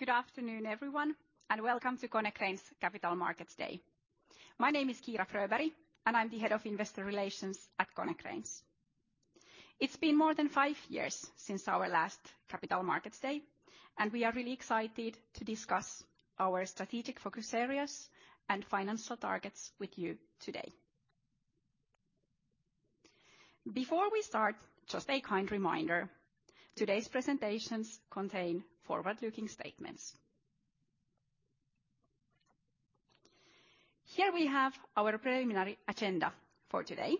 Good afternoon, everyone, welcome to Konecranes Capital Markets Day. My name is Kiira Fröberg, and I'm the Head of Investor Relations at Konecranes. It's been more than five years since our last Capital Markets Day, and we are really excited to discuss our strategic focus areas and financial targets with you today. Before we start, just a kind reminder, today's presentations contain forward-looking statements. Here we have our preliminary agenda for today.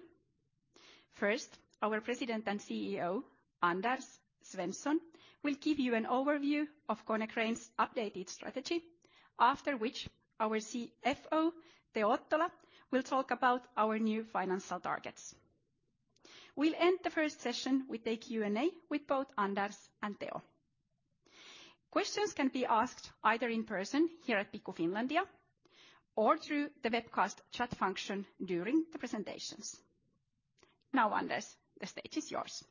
First, our President and CEO, Anders Svensson, will give you an overview of Konecranes' updated strategy, after which our CFO, Teo Ottola, will talk about our new financial targets. We'll end the first session with a Q&A with both Anders and Teo. Questions can be asked either in person here at Pikku-Finlandia or through the webcast chat function during the presentations. Anders, the stage is yours.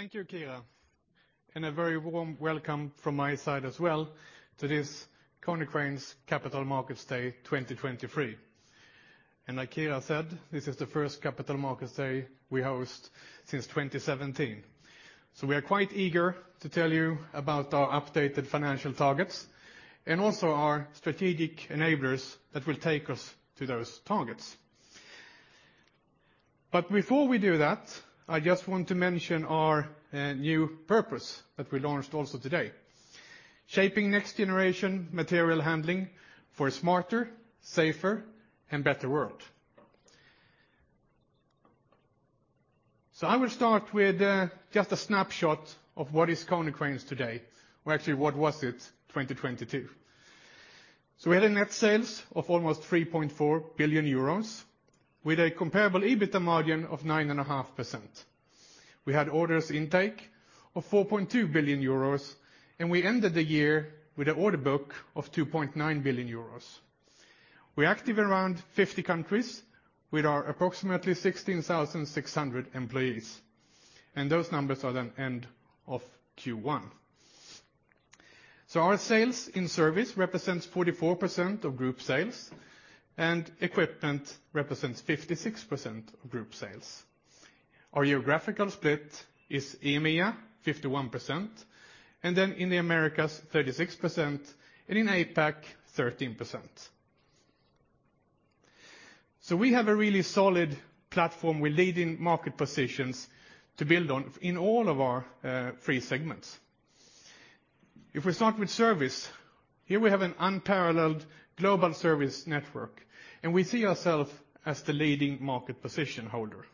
Thank you, Kiira. A very warm welcome from my side as well to this Konecranes Capital Markets Day 2023. Like Kiira said, this is the first Capital Markets Day we host since 2017. We are quite eager to tell you about our updated financial targets and also our strategic enablers that will take us to those targets. Before we do that, I just want to mention our new purpose that we launched also today, shaping next generation material handling for a smarter, safer, and better world. I will start with just a snapshot of what is Konecranes today, or actually what was it 2022. We had a net sales of almost 3.4 billion euros with a comparable EBITA margin of 9.5%. We had orders intake of 4.2 billion euros, and we ended the year with an order book of 2.9 billion euros. We're active around 50 countries with our approximately 16,600 employees. Those numbers are the end of Q1. Our sales in service represents 44% of group sales, and equipment represents 56% of group sales. Our geographical split is EMEA, 51%, and then in the Americas, 36%, and in APAC, 13%. We have a really solid platform with leading market positions to build on in all of our three segments. If we start with service, here we have an unparalleled global service network, and we see ourself as the leading market position holder.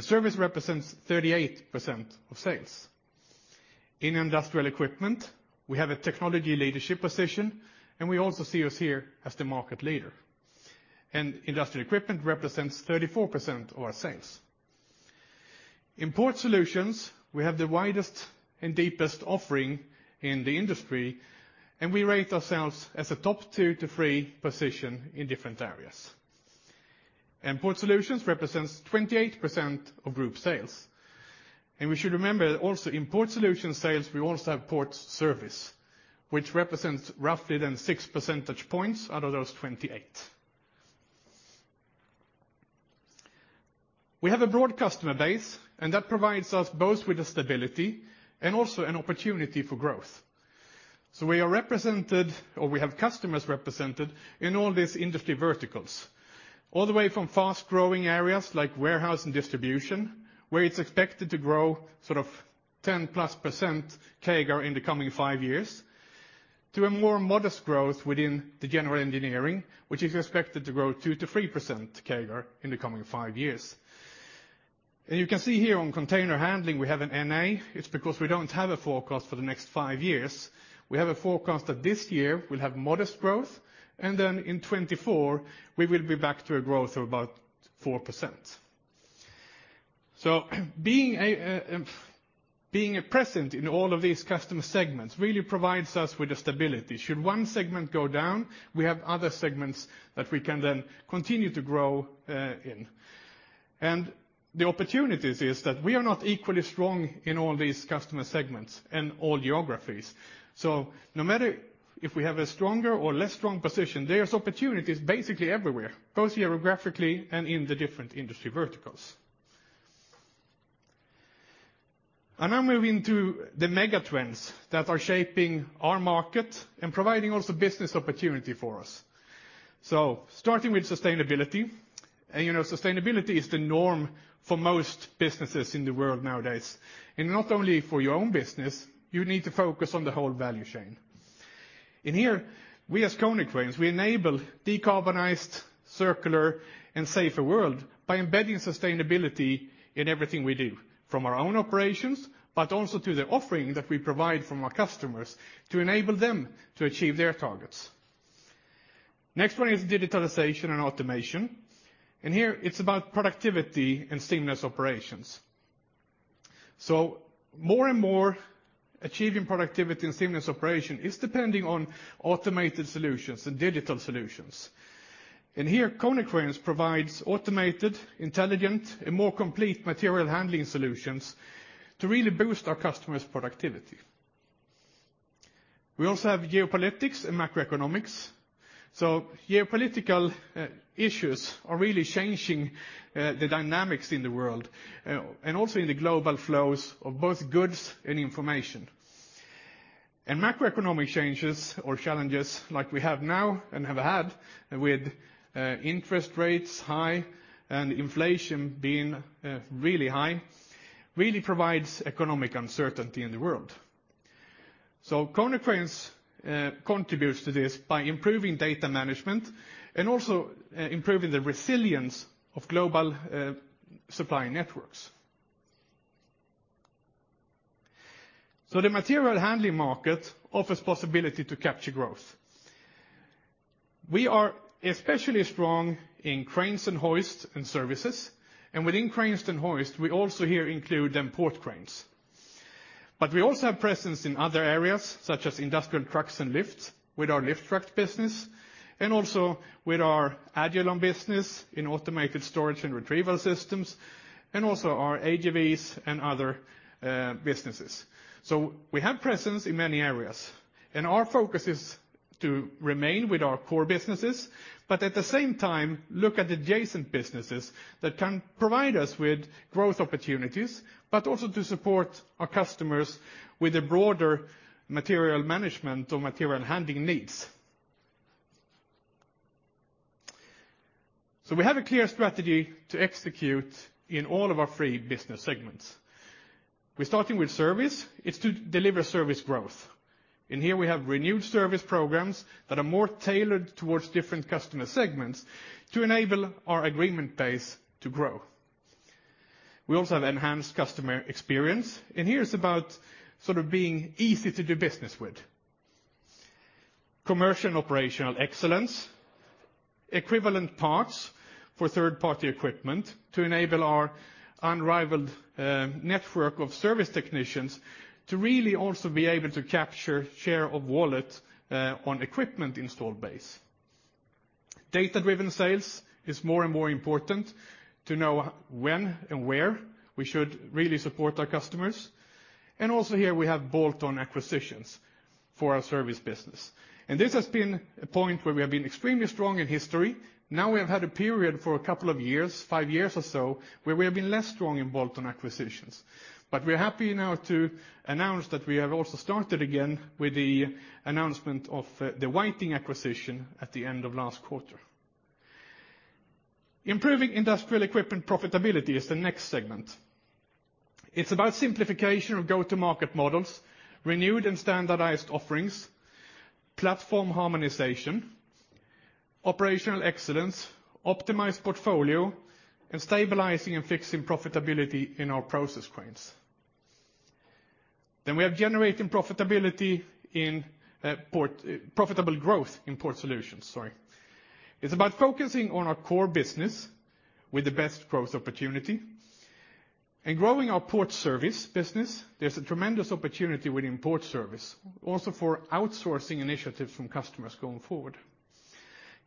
Service represents 38% of sales. In Industrial Equipment, we have a technology leadership position, and we also see us here as the market leader. Industrial Equipment represents 34% of our sales. In Port Solutions, we have the widest and deepest offering in the industry, and we rate ourselves as a top two to three position in different areas. Port Solutions represents 28% of group sales. We should remember also in port solution sales, we also have Port Services, which represents roughly then 6 percentage points out of those 28%. We have a broad customer base, and that provides us both with the stability and also an opportunity for growth. We are represented, or we have customers represented in all these industry verticals, all the way from fast-growing areas like warehouse and distribution, where it's expected to grow sort of 10%+ CAGR in the coming five years to a more modest growth within the general engineering, which is expected to grow 2%-3% CAGR in the coming five years. You can see here on container handling, we have an N/A. It's because we don't have a forecast for the next five years. We have a forecast that this year we'll have modest growth, then in 2024, we will be back to a growth of about 4%. Being present in all of these customer segments really provides us with the stability. Should one segment go down, we have other segments that we can then continue to grow in. The opportunities is that we are not equally strong in all these customer segments and all geographies. No matter if we have a stronger or less strong position, there's opportunities basically everywhere, both geographically and in the different industry verticals. Now moving to the mega trends that are shaping our market and providing also business opportunity for us. Starting with sustainability, you know, sustainability is the norm for most businesses in the world nowadays. Not only for your own business, you need to focus on the whole value chain. Here we as Konecranes, we enable decarbonized, circular, and safer world by embedding sustainability in everything we do from our own operations, but also to the offering that we provide from our customers to enable them to achieve their targets. Next one is digitalization and automation. Here it's about productivity and seamless operations. More and more achieving productivity and seamless operation is depending on automated solutions and digital solutions. Here Konecranes provides automated, intelligent, and more complete material handling solutions to really boost our customers' productivity. We also have geopolitics and macroeconomics. Geopolitical issues are really changing the dynamics in the world and also in the global flows of both goods and information. Macroeconomic changes or challenges like we have now and have had with interest rates high and inflation being really high, really provides economic uncertainty in the world. Konecranes contributes to this by improving data management and also improving the resilience of global supply networks. The material handling market offers possibility to capture growth. We are especially strong in cranes and hoists and services, and within cranes and hoists, we also here include them port cranes. We also have presence in other areas, such as industrial trucks and lifts with our lift truck business, and also with our Agilon business in automated storage and retrieval systems, and also our AGVs and other businesses. We have presence in many areas, and our focus is to remain with our core businesses, but at the same time, look at adjacent businesses that can provide us with growth opportunities, but also to support our customers with a broader material management or material handling needs. We have a clear strategy to execute in all of our three business segments. We're starting with Service. It's to deliver service growth. Here we have renewed service programs that are more tailored towards different customer segments to enable our agreement base to grow. We also have enhanced customer experience, and here it's about sort of being easy to do business with. Commercial and operational excellence, equivalent parts for third-party equipment to enable our unrivaled network of service technicians to really also be able to capture share of wallet on equipment installed base. Data-driven sales is more and more important to know when and where we should really support our customers. Also here we have bolt-on acquisitions for our service business. This has been a point where we have been extremely strong in history. We have had a period for a couple of years, five years or so, where we have been less strong in bolt-on acquisitions. We're happy now to announce that we have also started again with the announcement of the Whiting acquisition at the end of last quarter. Improving Industrial Equipment profitability is the next segment. It's about simplification of go-to-market models, renewed and standardized offerings, platform harmonization, operational excellence, optimized portfolio, and stabilizing and fixing profitability in our process cranes. We are generating profitable growth in Port Solutions, sorry. It's about focusing on our core business with the best growth opportunity and growing our port service business. There's a tremendous opportunity within port service, also for outsourcing initiatives from customers going forward.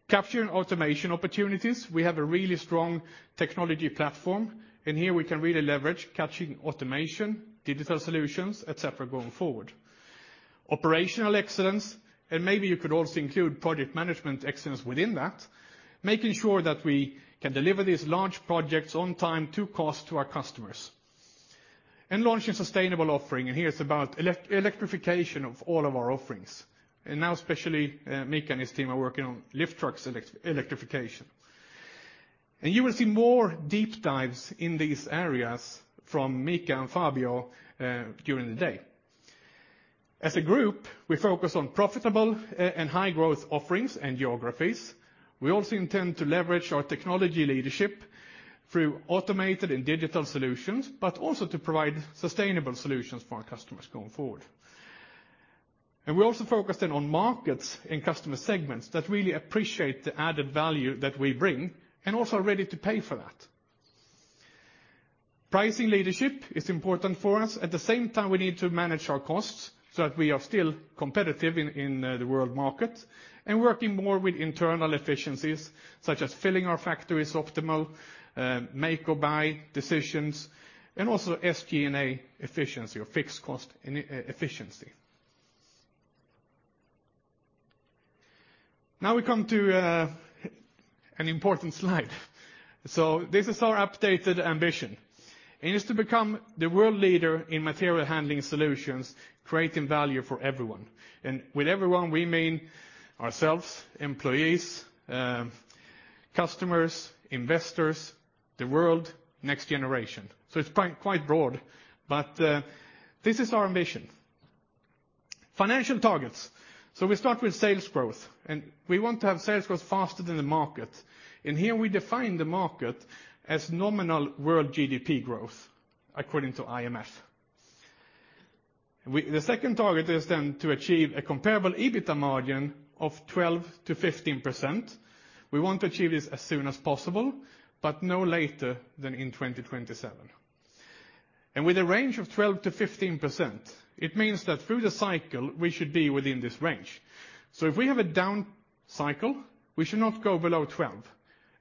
Capture and automation opportunities, we have a really strong technology platform. Here we can really leverage catching automation, digital solutions, et cetera, going forward. Operational excellence, and maybe you could also include project management excellence within that, making sure that we can deliver these large projects on time to cost to our customers. Launching sustainable offering, and here it's about electrification of all of our offerings. Now especially, Mika and his team are working on lift trucks electrification. You will see more deep dives in these areas from Mika and Fabio during the day. As a group, we focus on profitable and high growth offerings and geographies. We also intend to leverage our technology leadership through automated and digital solutions, but also to provide sustainable solutions for our customers going forward. We're also focusing on markets and customer segments that really appreciate the added value that we bring and also are ready to pay for that. Pricing leadership is important for us. At the same time, we need to manage our costs so that we are still competitive in the world market and working more with internal efficiencies, such as filling our factories optimal make or buy decisions, and also SG&A efficiency or fixed cost efficiency. We come to an important slide. This is our updated ambition. It is to become the world leader in material handling solutions, creating value for everyone. With everyone, we mean ourselves, employees, customers, investors, the world, next generation. It's quite broad, but this is our ambition. Financial targets. We start with sales growth, and we want to have sales growth faster than the market. Here we define the market as nominal world GDP growth according to IMF. The second target is then to achieve a comparable EBITDA margin of 12%-15%. We want to achieve this as soon as possible, but no later than in 2027. With a range of 12%-15%, it means that through the cycle, we should be within this range. If we have a down cycle, we should not go below 12%.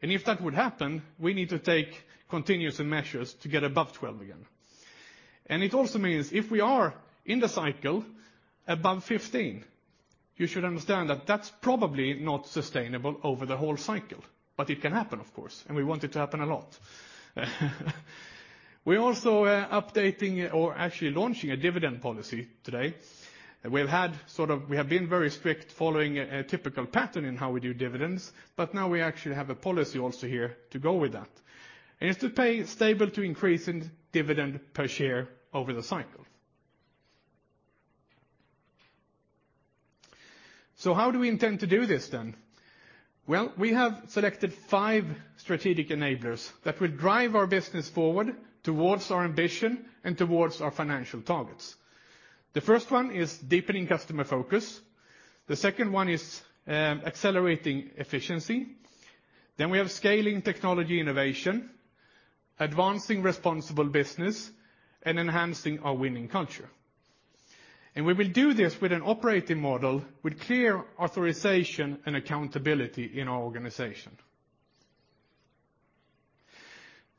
If that would happen, we need to take continuous measures to get above 12% again. It also means if we are in the cycle above 15%, you should understand that that's probably not sustainable over the whole cycle. It can happen, of course, and we want it to happen a lot. We're also updating or actually launching a dividend policy today. We have been very strict following a typical pattern in how we do dividends, but now we actually have a policy also here to go with that. It's to pay stable to increase in dividend per share over the cycle. How do we intend to do this then? We have selected five strategic enablers that will drive our business forward towards our ambition and towards our financial targets. The first one is deepening customer focus. The second one is accelerating efficiency. We have scaling technology innovation, advancing responsible business, and enhancing our winning culture. We will do this with an operating model with clear authorization and accountability in our organization.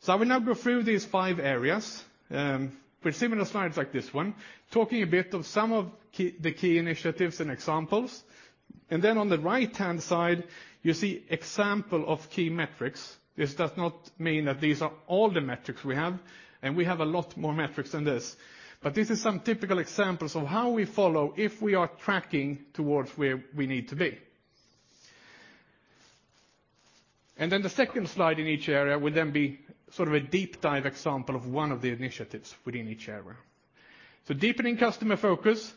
I will now go through these five areas with similar slides like this one, talking a bit of some of the key initiatives and examples. On the right-hand side, you see example of key metrics. This does not mean that these are all the metrics we have, and we have a lot more metrics than this. This is some typical examples of how we follow if we are tracking towards where we need to be. The second slide in each area will then be sort of a deep dive example of one of the initiatives within each area. Deepening customer focus.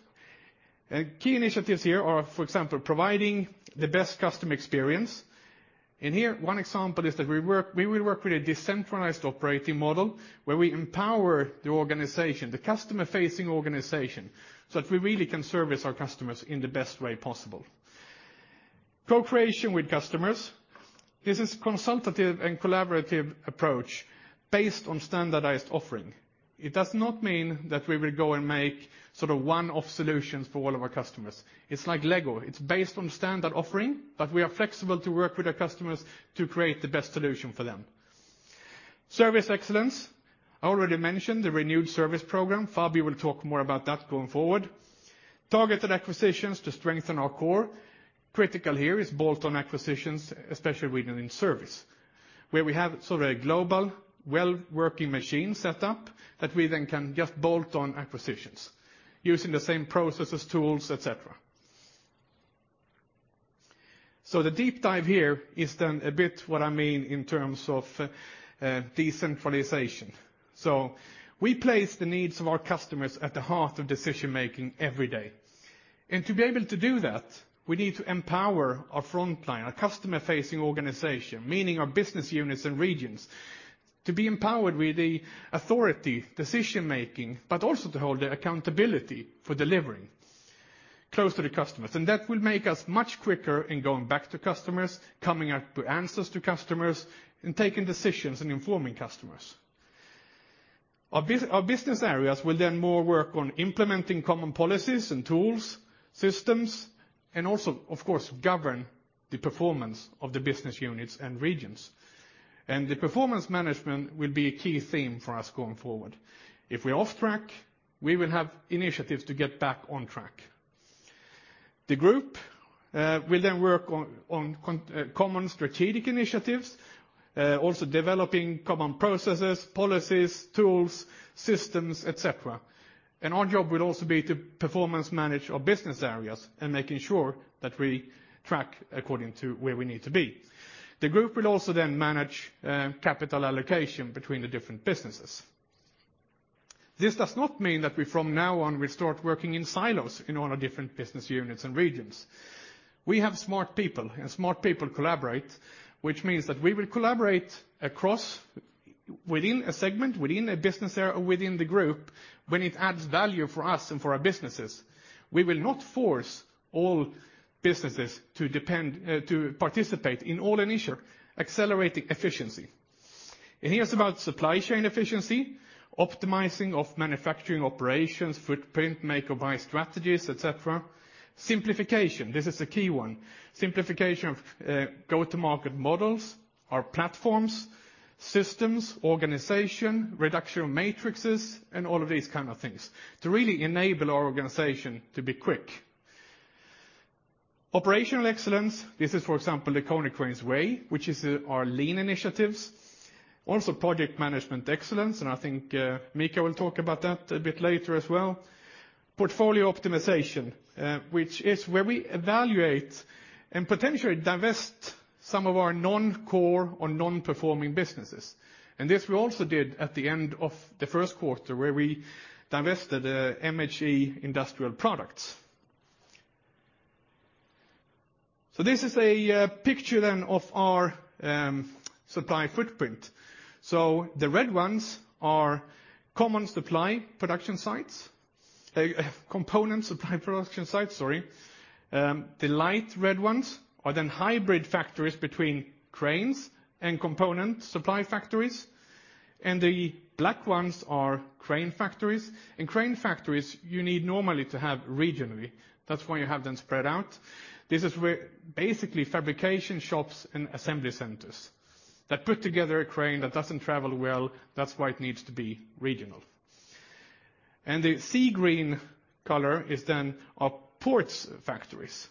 Key initiatives here are, for example, providing the best customer experience. In here, one example is that we will work with a decentralized operating model where we empower the organization, the customer-facing organization, so that we really can service our customers in the best way possible. Co-creation with customers. This is consultative and collaborative approach based on standardized offering. It does not mean that we will go and make sort of one-off solutions for all of our customers. It's like LEGO. It's based on standard offering, but we are flexible to work with our customers to create the best solution for them. Service excellence. I already mentioned the renewed service program. Fabio will talk more about that going forward. Targeted acquisitions to strengthen our core. Critical here is bolt-on acquisitions, especially within service, where we have sort of a global, well-working machine set up that we then can just bolt-on acquisitions using the same processes, tools, et cetera. The deep dive here is then a bit what I mean in terms of decentralization. We place the needs of our customers at the heart of decision-making every day. To be able to do that, we need to empower our frontline, our customer-facing organization, meaning our business units and regions, to be empowered with the authority, decision-making, but also to hold the accountability for delivering close to the customers. That will make us much quicker in going back to customers, coming up with answers to customers, and taking decisions and informing customers. Our business areas will then more work on implementing common policies and tools, systems, and also, of course, govern the performance of the business units and regions. The performance management will be a key theme for us going forward. If we're off track, we will have initiatives to get back on track. The group will then work on common strategic initiatives, also developing common processes, policies, tools, systems, et cetera. Our job will also be to performance manage our business areas and making sure that we track according to where we need to be. The group will also then manage capital allocation between the different businesses. This does not mean that we from now on will start working in silos in all our different business units and regions. We have smart people, and smart people collaborate, which means that we will collaborate across within a segment, within a business area, within the group when it adds value for us and for our businesses. We will not force all businesses to depend to participate in all initiatives- Accelerating efficiency. Here's about supply chain efficiency, optimizing of manufacturing operations, footprint, make or buy strategies, et cetera. Simplification. This is a key one. Simplification of go-to-market models, our platforms, systems, organization, reduction of matrices, and all of these kind of things to really enable our organization to be quick. Operational excellence. This is, for example, the Konecranes Way, which is our lean initiatives. Also project management excellence, and I think Mika will talk about that a bit later as well. Portfolio optimization, which is where we evaluate and potentially divest some of our non-core or non-performing businesses. This we also did at the end of the first quarter where we divested MHE-Demag Industrial Products. This is a picture then of our supply footprint. The red ones are common supply production sites. Component supply production sites, sorry. The light red ones are then hybrid factories between cranes and component supply factories, and the black ones are crane factories. Crane factories, you need normally to have regionally. That's why you have them spread out. This is where basically fabrication shops and assembly centers that put together a crane that doesn't travel well, that's why it needs to be regional. The sea green color is then our ports factories.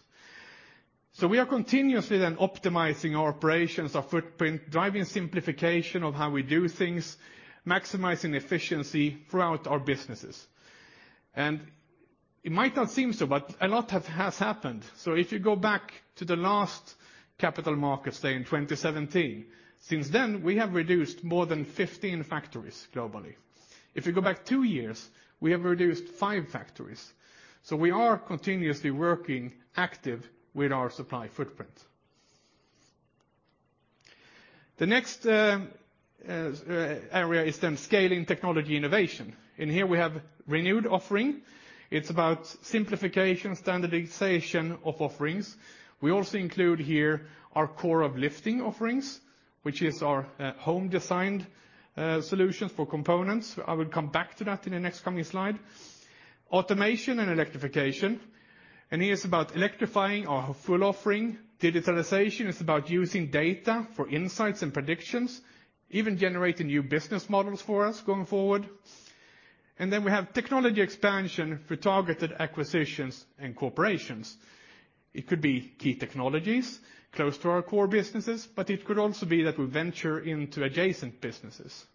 We are continuously then optimizing our operations, our footprint, driving simplification of how we do things, maximizing efficiency throughout our businesses. It might not seem so, but a lot has happened. If you go back to the last capital markets day in 2017, since then, we have reduced more than 15 factories globally. If you go back two years, we have reduced five factories. We are continuously working active with our supply footprint. The next area is then scaling technology innovation. In here, we have renewed offering. It's about simplification, standardization of offerings. We also include here our Core of Lifting offerings, which is our home designed solutions for components. I will come back to that in the next coming slide. Automation and electrification. Here it's about electrifying our full offering. Digitalization is about using data for insights and predictions, even generating new business models for us going forward. Then we have technology expansion for targeted acquisitions and corporations. It could be key technologies close to our core businesses, but it could also be that we venture into adjacent businesses.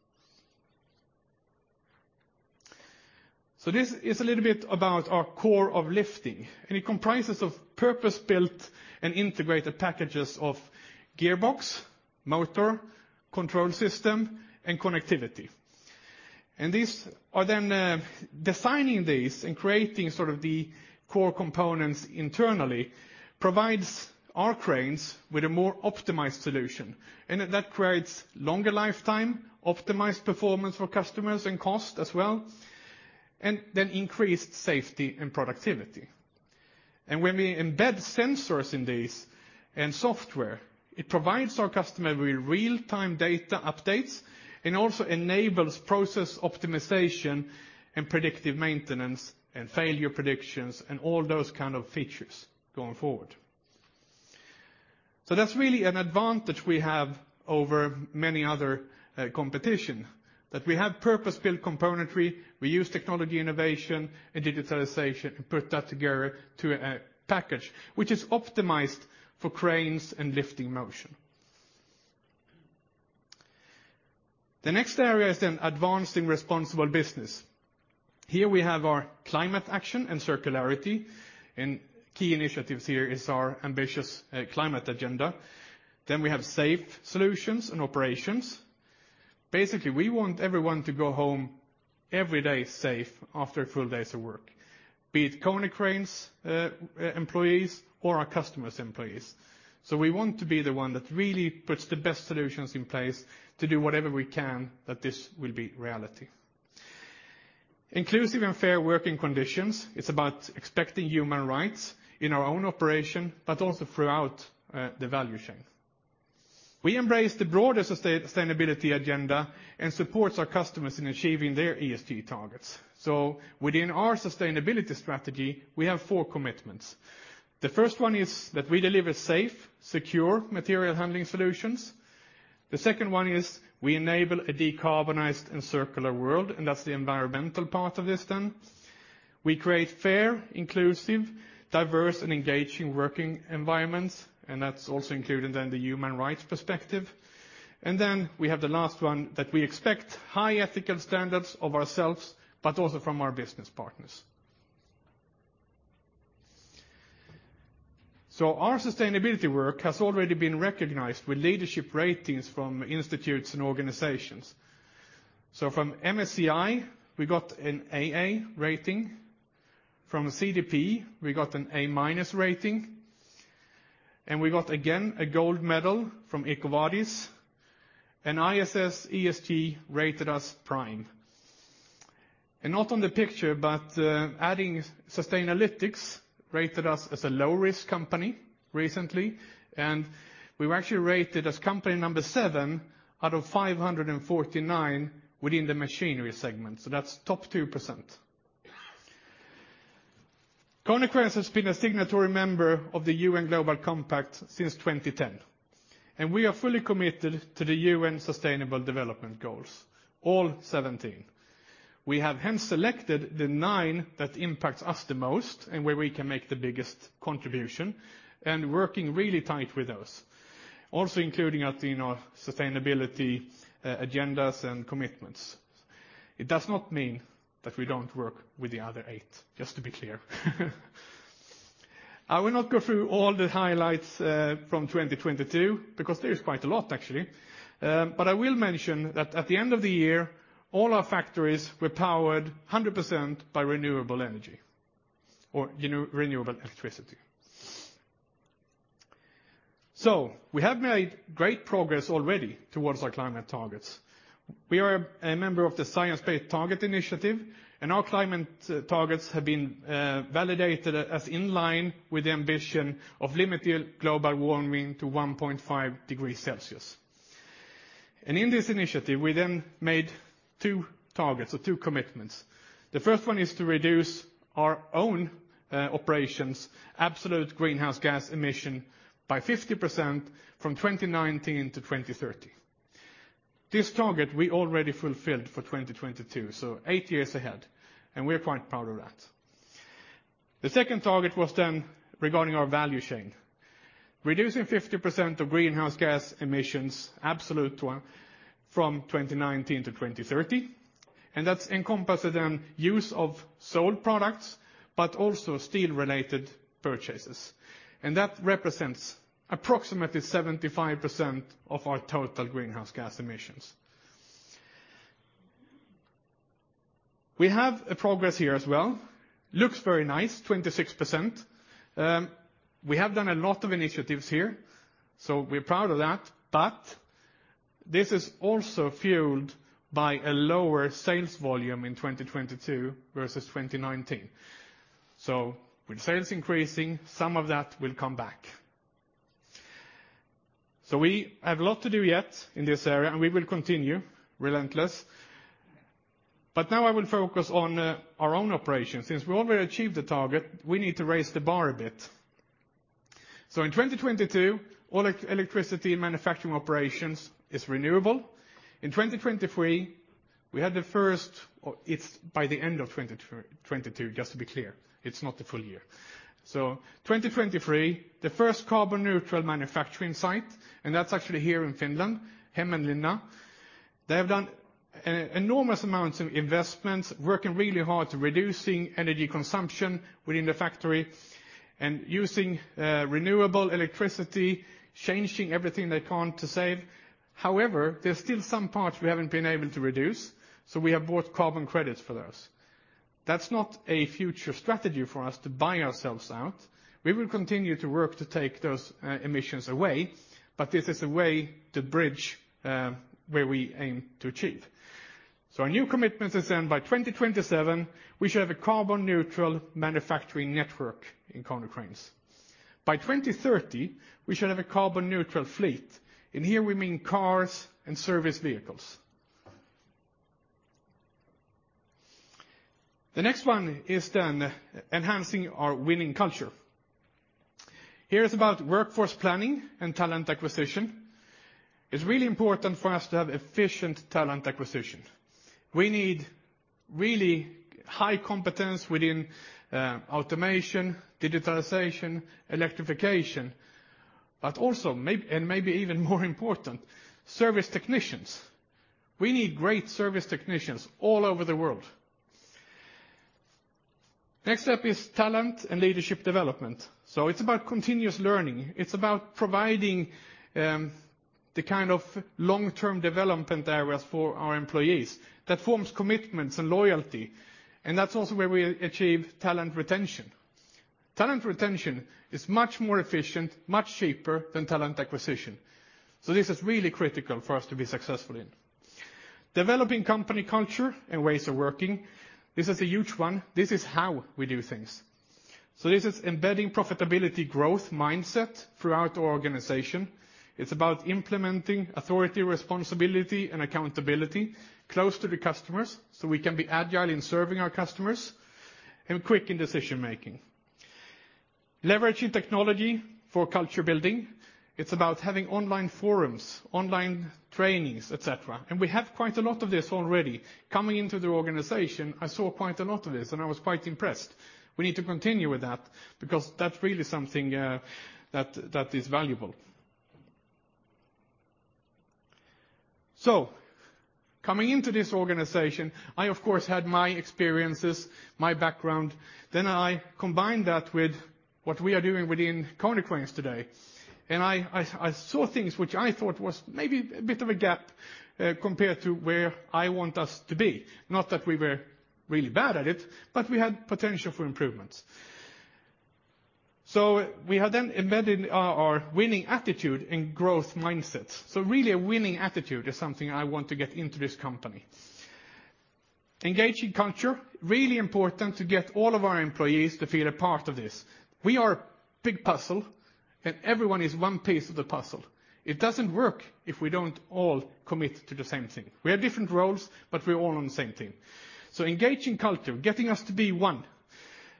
This is a little bit about our Core of Lifting, and it comprises of purpose-built and integrated packages of gearbox, motor, control system, and connectivity. These are then, defining these and creating sort of the core components internally provides our cranes with a more optimized solution, and that creates longer lifetime, optimized performance for customers and cost as well, and then increased safety and productivity. When we embed sensors in these and software, it provides our customer with real-time data updates and also enables process optimization and predictive maintenance and failure predictions and all those kind of features going forward. That's really an advantage we have over many other, competition, that we have purpose-built componentry. We use technology innovation and digitalization and put that together to a package which is optimized for cranes and lifting motion. The next area is advancing responsible business. Here we have our climate action and circularity and key initiatives here is our ambitious, climate agenda. We have safe solutions and operations. Basically, we want everyone to go home every day safe after a full day's of work, be it Konecranes employees or our customers' employees. We want to be the one that really puts the best solutions in place to do whatever we can that this will be reality. Inclusive and fair working conditions, it's about expecting human rights in our own operation, but also throughout the value chain. We embrace the broader sustainability agenda and supports our customers in achieving their ESG targets. Within our sustainability strategy, we have four commitments. The first one is that we deliver safe, secure material handling solutions. The second one is we enable a decarbonized and circular world, and that's the environmental part of this then. We create fair, inclusive, diverse, and engaging working environments, and that's also included in the human rights perspective. We have the last one that we expect high ethical standards of ourselves, but also from our business partners. Our sustainability work has already been recognized with leadership ratings from institutes and organizations. From MSCI, we got an AA rating. From CDP, we got an A- rating, and we got again a gold medal from EcoVadis, and ISS ESG rated us prime. Not on the picture, but adding Sustainalytics rated us as a low-risk company recently, and we were actually rated as company number seven out of 549 within the machinery segment. That's top 2%. Konecranes has been a signatory member of the UN Global Compact since 2010, and we are fully committed to the UN Sustainable Development Goals, all 17. We have hand-selected the nine that impacts us the most and where we can make the biggest contribution and working really tight with those, also including, you know, sustainability agendas and commitments. It does not mean that we don't work with the other eight, just to be clear. I will not go through all the highlights from 2022 because there is quite a lot actually. But I will mention that at the end of the year, all our factories were powered 100% by renewable energy or renewable electricity. We have made great progress already towards our climate targets. We are a member of the Science Based Targets initiative, and our climate targets have been validated as in line with the ambition of limiting global warming to 1.5 degrees Celsius. In this initiative, we made two targets or two commitments. The first one is to reduce our own operations' absolute greenhouse gas emission by 50% from 2019 to 2030. This target we already fulfilled for 2022, so eight years ahead, and we're quite proud of that. The second target was regarding our value chain. Reducing 50% of greenhouse gas emissions, absolute one, from 2019 to 2030, that's encompassing use of sold products, but also steel-related purchases. That represents approximately 75% of our total greenhouse gas emissions. We have a progress here as well. Looks very nice, 26%. We have done a lot of initiatives here, we're proud of that. This is also fueled by a lower sales volume in 2022 versus 2019. With sales increasing, some of that will come back. We have a lot to do yet in this area, and we will continue relentless. Now I will focus on our own operations. Since we already achieved the target, we need to raise the bar a bit. In 2022, all electricity in manufacturing operations is renewable. In 2023, or it's by the end of 2022, just to be clear. It's not the full year. 2023, the first carbon neutral manufacturing site, and that's actually here in Finland, Hämeenlinna. They have done enormous amounts of investments, working really hard to reducing energy consumption within the factory and using renewable electricity, changing everything they can to save. However, there's still some parts we haven't been able to reduce, so we have bought carbon credits for those. That's not a future strategy for us to buy ourselves out. We will continue to work to take those emissions away, but this is a way to bridge where we aim to achieve. Our new commitment is by 2027, we should have a carbon neutral manufacturing network in Konecranes. By 2030, we should have a carbon neutral fleet, and here we mean cars and service vehicles. The next one is enhancing our winning culture. Here is about workforce planning and talent acquisition. It's really important for us to have efficient talent acquisition. We need really high competence within automation, digitalization, electrification, but also maybe even more important, service technicians. We need great service technicians all over the world. Next step is talent and leadership development. It's about continuous learning. It's about providing the kind of long-term development areas for our employees that forms commitments and loyalty, and that's also where we achieve talent retention. Talent retention is much more efficient, much cheaper than talent acquisition. This is really critical for us to be successful in. Developing company culture and ways of working, this is a huge one. This is how we do things. This is embedding profitability growth mindset throughout our organization. It's about implementing authority, responsibility, and accountability close to the customers, so we can be agile in serving our customers and quick in decision-making. Leveraging technology for culture building, it's about having online forums, online trainings, et cetera, and we have quite a lot of this already. Coming into the organization, I saw quite a lot of this, and I was quite impressed. We need to continue with that because that's really something that is valuable. Coming into this organization, I of course had my experiences, my background. I combined that with what we are doing within Konecranes today. I saw things which I thought was maybe a bit of a gap compared to where I want us to be. Not that we were really bad at it, but we had potential for improvements. We have then embedded our winning attitude and growth mindsets. Really a winning attitude is something I want to get into this company. Engaging culture, really important to get all of our employees to feel a part of this. We are a big puzzle, and everyone is one piece of the puzzle. It doesn't work if we don't all commit to the same thing. We have different roles, but we're all on the same team. Engaging culture, getting us to be one.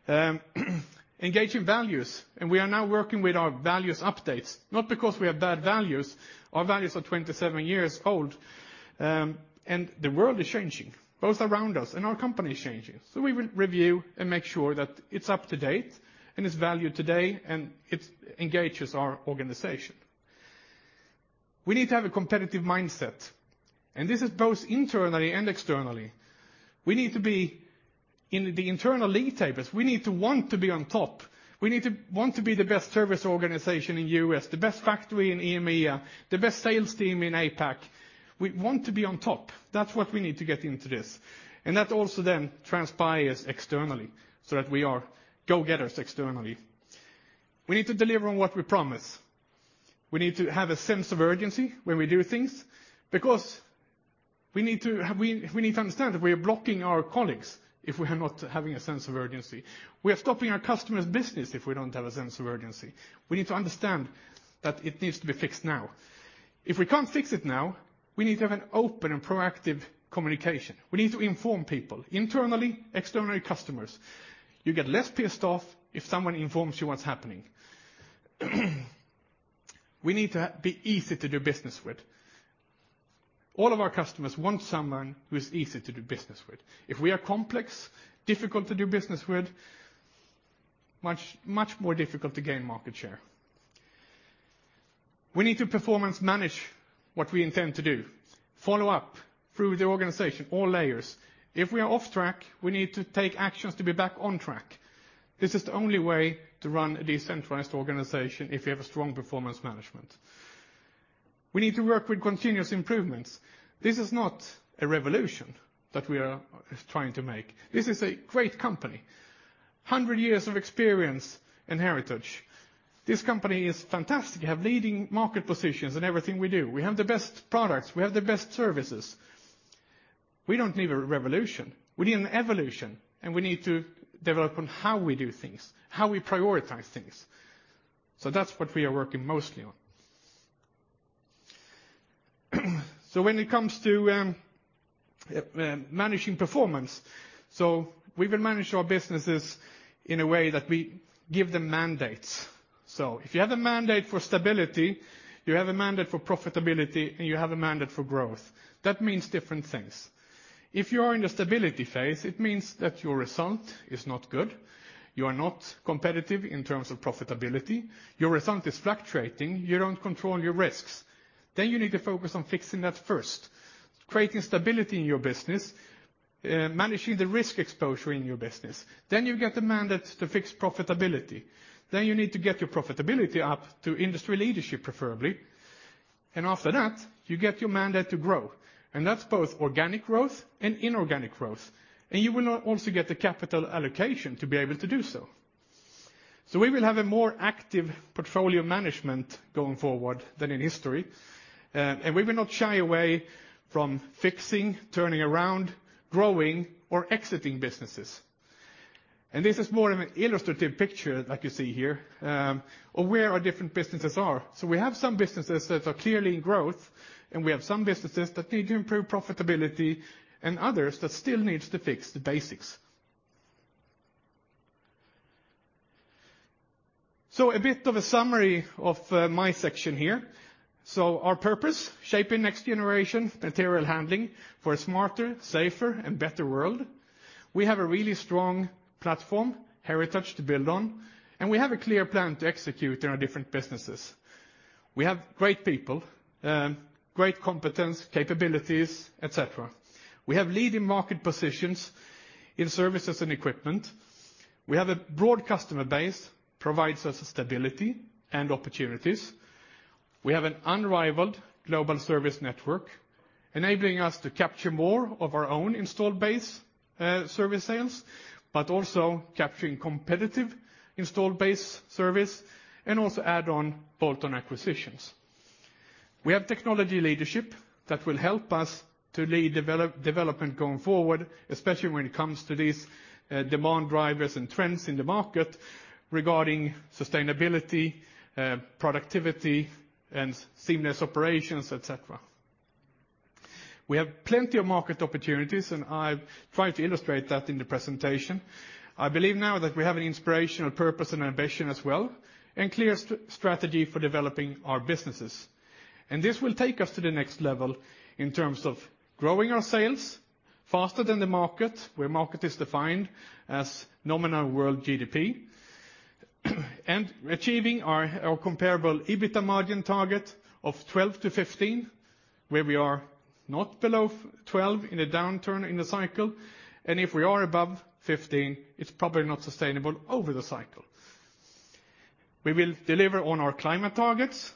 Engaging values, we are now working with our values updates, not because we have bad values. Our values are 27 years old, the world is changing, both around us and our company is changing. We will review and make sure that it's up to date and it's valued today and it engages our organization. We need to have a competitive mindset, this is both internally and externally. We need to be in the internal league tables. We need to want to be on top. We need to want to be the best service organization in U.S., the best factory in EMEA, the best sales team in APAC. We want to be on top. That's what we need to get into this. That also then transpires externally so that we are go-getters externally. We need to deliver on what we promise. We need to have a sense of urgency when we do things because we need to understand that we are blocking our colleagues if we are not having a sense of urgency. We are stopping our customers' business if we don't have a sense of urgency. We need to understand that it needs to be fixed now. If we can't fix it now, we need to have an open and proactive communication. We need to inform people internally, externally, customers. You get less pissed off if someone informs you what's happening. We need to be easy to do business with. All of our customers want someone who is easy to do business with. If we are complex, difficult to do business with, much, much more difficult to gain market share. We need to performance manage what we intend to do, follow up through the organization, all layers. If we are off track, we need to take actions to be back on track. This is the only way to run a decentralized organization if you have a strong performance management. We need to work with continuous improvements. This is not a revolution that we are trying to make. This is a great company, 100 years of experience and heritage. This company is fantastic. We have leading market positions in everything we do. We have the best products, we have the best services. We don't need a revolution. We need an evolution, and we need to develop on how we do things, how we prioritize things. That's what we are working mostly on. When it comes to managing performance, we will manage our businesses in a way that we give them mandates. If you have a mandate for stability, you have a mandate for profitability, and you have a mandate for growth, that means different things. If you are in the stability phase, it means that your result is not good. You are not competitive in terms of profitability. Your result is fluctuating. You don't control your risks. You need to focus on fixing that first, creating stability in your business, managing the risk exposure in your business. You get the mandate to fix profitability. You need to get your profitability up to industry leadership, preferably. After that, you get your mandate to grow. That's both organic growth and inorganic growth. You will not also get the capital allocation to be able to do so. We will have a more active portfolio management going forward than in history. We will not shy away from fixing, turning around, growing, or exiting businesses. This is more of an illustrative picture, like you see here, of where our different businesses are. We have some businesses that are clearly in growth, and we have some businesses that need to improve profitability and others that still needs to fix the basics. A bit of a summary of my section here. Our purpose, shaping next generation material handling for a smarter, safer, and better world. We have a really strong platform heritage to build on, and we have a clear plan to execute in our different businesses. We have great people, great competence, capabilities, et cetera. We have leading market positions in services and equipment. We have a broad customer base, provides us stability and opportunities. We have an unrivaled global service network enabling us to capture more of our own installed base, service sales, but also capturing competitive installed base service and also add-on bolt-on acquisitions. We have technology leadership that will help us to lead development going forward, especially when it comes to these demand drivers and trends in the market regarding sustainability, productivity, and seamless operations, et cetera. We have plenty of market opportunities, and I've tried to illustrate that in the presentation. I believe now that we have an inspirational purpose and ambition as well, and clear strategy for developing our businesses. This will take us to the next level in terms of growing our sales faster than the market, where market is defined as nominal world GDP, achieving our comparable EBITDA margin target of 12%-15%, where we are not below 12% in a downturn in the cycle. If we are above 15%, it's probably not sustainable over the cycle. We will deliver on our climate targets,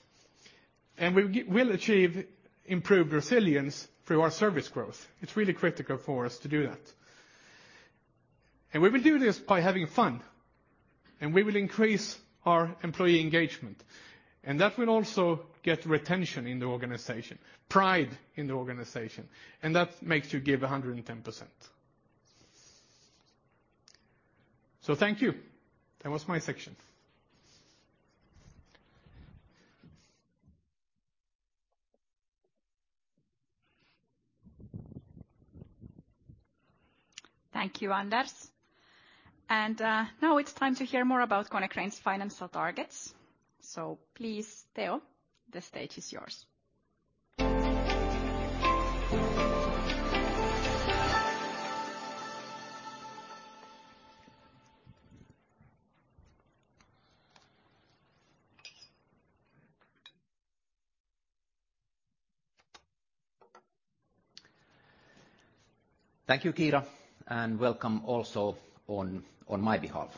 we'll achieve improved resilience through our service growth. It's really critical for us to do that. We will do this by having fun, we will increase our employee engagement, that will also get retention in the organization, pride in the organization, that makes you give 110%. Thank you. That was my section. Thank you, Anders. Now it's time to hear more about Konecranes' financial targets. Please, Teo, the stage is yours. Thank you, Kiira, welcome also on my behalf.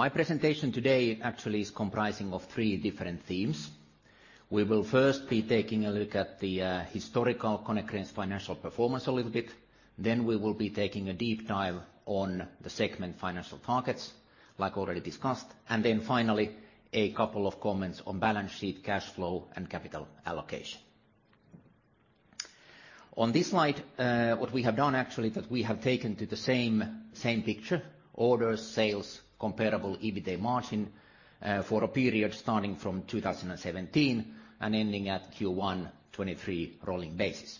My presentation today actually is comprising of three different themes. We will first be taking a look at the historical Konecranes financial performance a little bit, we will be taking a deep dive on the segment financial targets, like already discussed. Finally, a couple of comments on balance sheet, cash flow, and capital allocation. On this slide, what we have done actually that we have taken to the same picture, orders, sales, comparable EBITA margin, for a period starting from 2017 and ending at Q1 2023 rolling basis.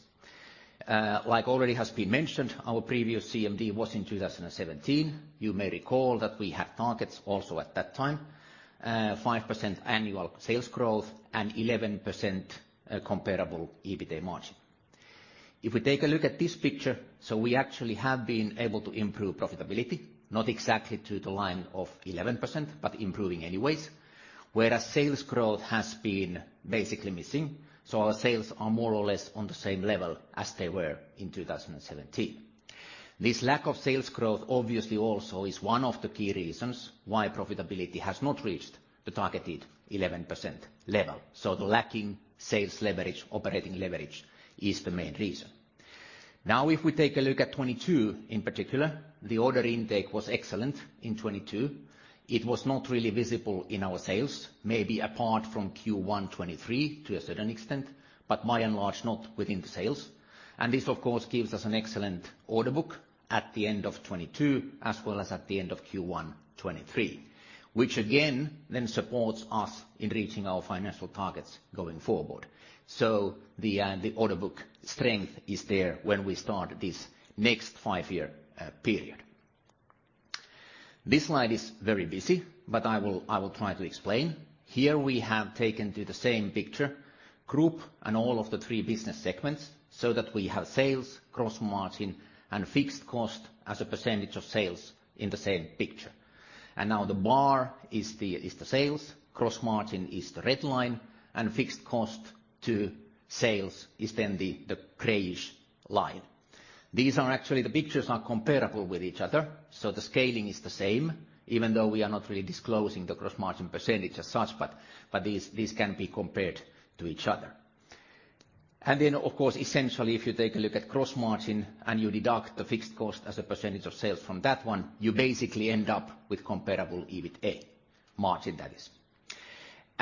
Like already has been mentioned, our previous CMD was in 2017. You may recall that we had targets also at that time, 5% annual sales growth and 11% comparable EBITA margin. If we take a look at this picture, we actually have been able to improve profitability, not exactly to the line of 11%, but improving anyways. Sales growth has been basically missing, our sales are more or less on the same level as they were in 2017. This lack of sales growth obviously also is one of the key reasons why profitability has not reached the targeted 11% level. The lacking sales leverage, operating leverage is the main reason. Now if we take a look at 2022 in particular, the order intake was excellent in 2022. It was not really visible in our sales, maybe apart from Q1 2023 to a certain extent, but by and large not within the sales. This of course gives us an excellent order book at the end of 2022 as well as at the end of Q1 2023. Which again then supports us in reaching our financial targets going forward. The order book strength is there when we start this next five-year period. This slide is very busy, but I will try to explain. Here we have taken to the same picture, group and all of the three business segments, so that we have sales, gross margin, and fixed cost as a percentage of sales in the same picture. Now the bar is the sales, gross margin is the red line, and fixed cost to sales is then the grayish line. These are actually, the pictures are comparable with each other, so the scaling is the same, even though we are not really disclosing the cross-margin percentage as such, but these can be compared to each other. Of course, essentially, if you take a look at cross-margin and you deduct the fixed cost as a percentage of sales from that one, you basically end up with comparable EBITA margin that is.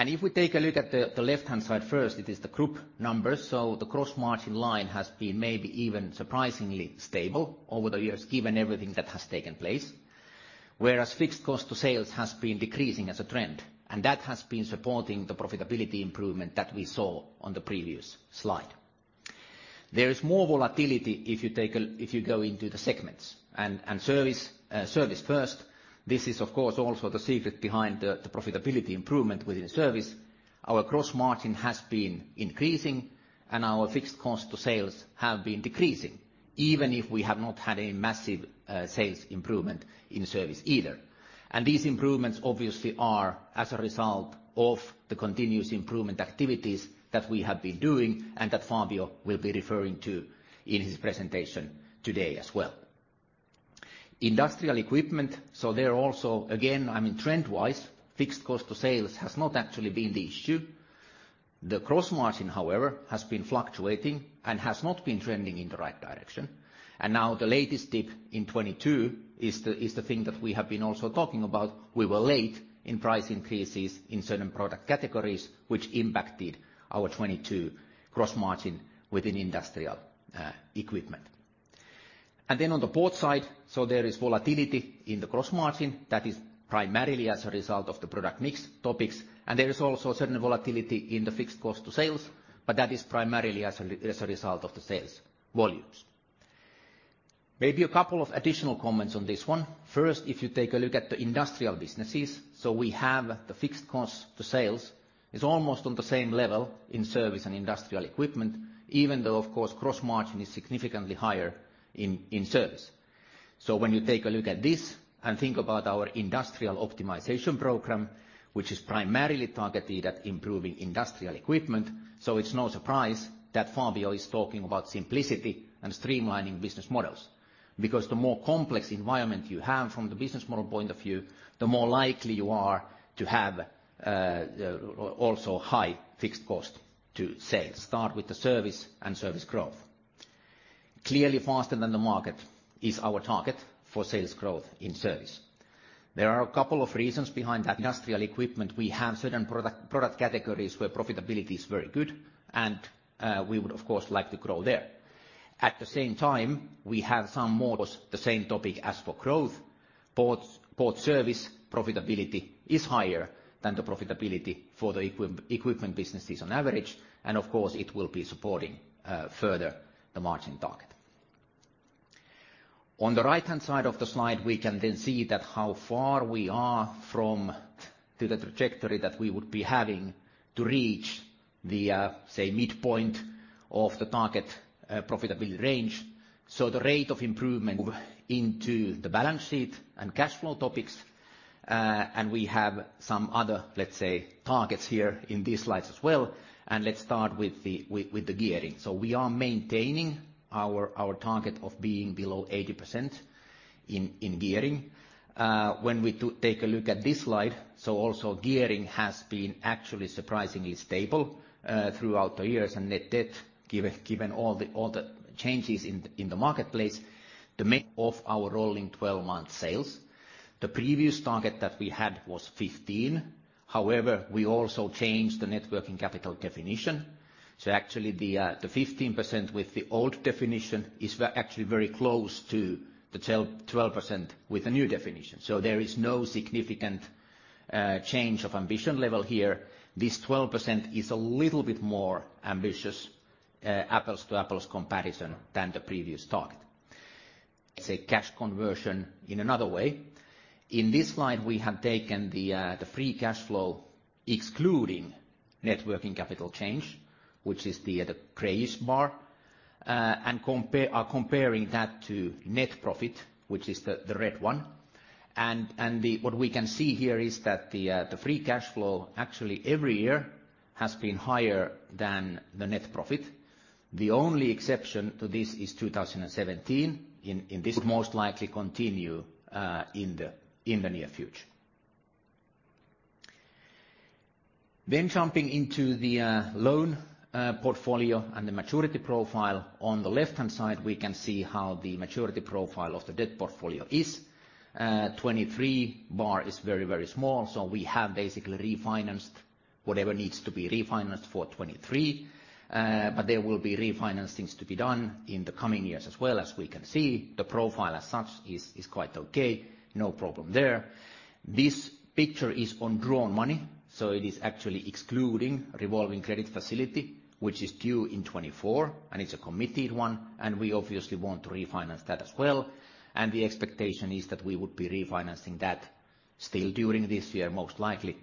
If we take a look at the left-hand side first, it is the group numbers. The cross-margin line has been maybe even surprisingly stable over the years, given everything that has taken place. Whereas fixed cost to sales has been decreasing as a trend, and that has been supporting the profitability improvement that we saw on the previous slide. There is more volatility if you go into the segments. Service first, this is of course also the secret behind the profitability improvement within Service. Our cross-margin has been increasing and our fixed cost to sales have been decreasing, even if we have not had any massive sales improvement in Service either. These improvements obviously are as a result of the continuous improvement activities that we have been doing and that Fabio will be referring to in his presentation today as well. Industrial Equipment, there also, again, I mean trend-wise, fixed cost to sales has not actually been the issue. The cross-margin, however, has been fluctuating and has not been trending in the right direction. Now the latest dip in 2022 is the thing that we have been also talking about. We were late in price increases in certain product categories, which impacted our 2022 cross-margin within Industrial Equipment. On the board side, there is volatility in the cross-margin that is primarily as a result of the product mix topics. There is also certain volatility in the fixed cost to sales, but that is primarily as a result of the sales volumes. Maybe two additional comments on this one. First, if you take a look at the industrial businesses, we have the fixed cost to sales is almost on the same level in Service and Industrial Equipment, even though of course cross-margin is significantly higher in Service. When you take a look at this and think about our industrial optimization program, which is primarily targeted at improving Industrial Equipment, so it's no surprise that Fabio is talking about simplicity and streamlining business models. The more complex environment you have from the business model point of view, the more likely you are to have also high fixed cost to sales. Start with the service and service growth. Clearly faster than the market is our target for sales growth in Service. There are a couple of reasons behind that Industrial Equipment. We have certain product categories where profitability is very good and we would of course like to grow there. At the same time, we have was the same topic as for growth. Both Service profitability is higher than the profitability for the Equipment businesses on average. Of course it will be supporting further the margin target. On the right-hand side of the slide, we can see that how far we are from to the trajectory that we would be having to reach the say midpoint of the target profitability range. The rate of improvement into the balance sheet and cash flow topics, and we have some other, let's say, targets here in these slides as well. Let's start with the gearing. We are maintaining our target of being below 80% in gearing. When we take a look at this slide, also gearing has been actually surprisingly stable throughout the years and net debt given all the, all the changes in the marketplace. The of our rolling 12-month sales. The previous target that we had was 15%. However, we also changed the net working capital definition. Actually the 15% with the old definition is actually very close to the 12% with the new definition. There is no significant change of ambition level here. This 12% is a little bit more ambitious, apples to apples comparison than the previous target. Say cash conversion in another way. In this slide, we have taken the free cash flow excluding net working capital change, which is the grayish bar and comparing that to net profit, which is the red one. What we can see here is that the free cash flow, actually every year has been higher than the net profit. The only exception to this is 2017 in this. Would most likely continue in the near future. Jumping into the loan portfolio and the maturity profile. On the left-hand side, we can see how the maturity profile of the debt portfolio is. 2023 bar is very, very small, so we have basically refinanced whatever needs to be refinanced for 2023. But there will be refinancings to be done in the coming years as well. We can see, the profile as such is quite okay. No problem there. This picture is on drawn money, it is actually excluding revolving credit facility, which is due in 2024, it's a committed one, we obviously want to refinance that as well. The expectation is that we would be refinancing that still during this year, most likely,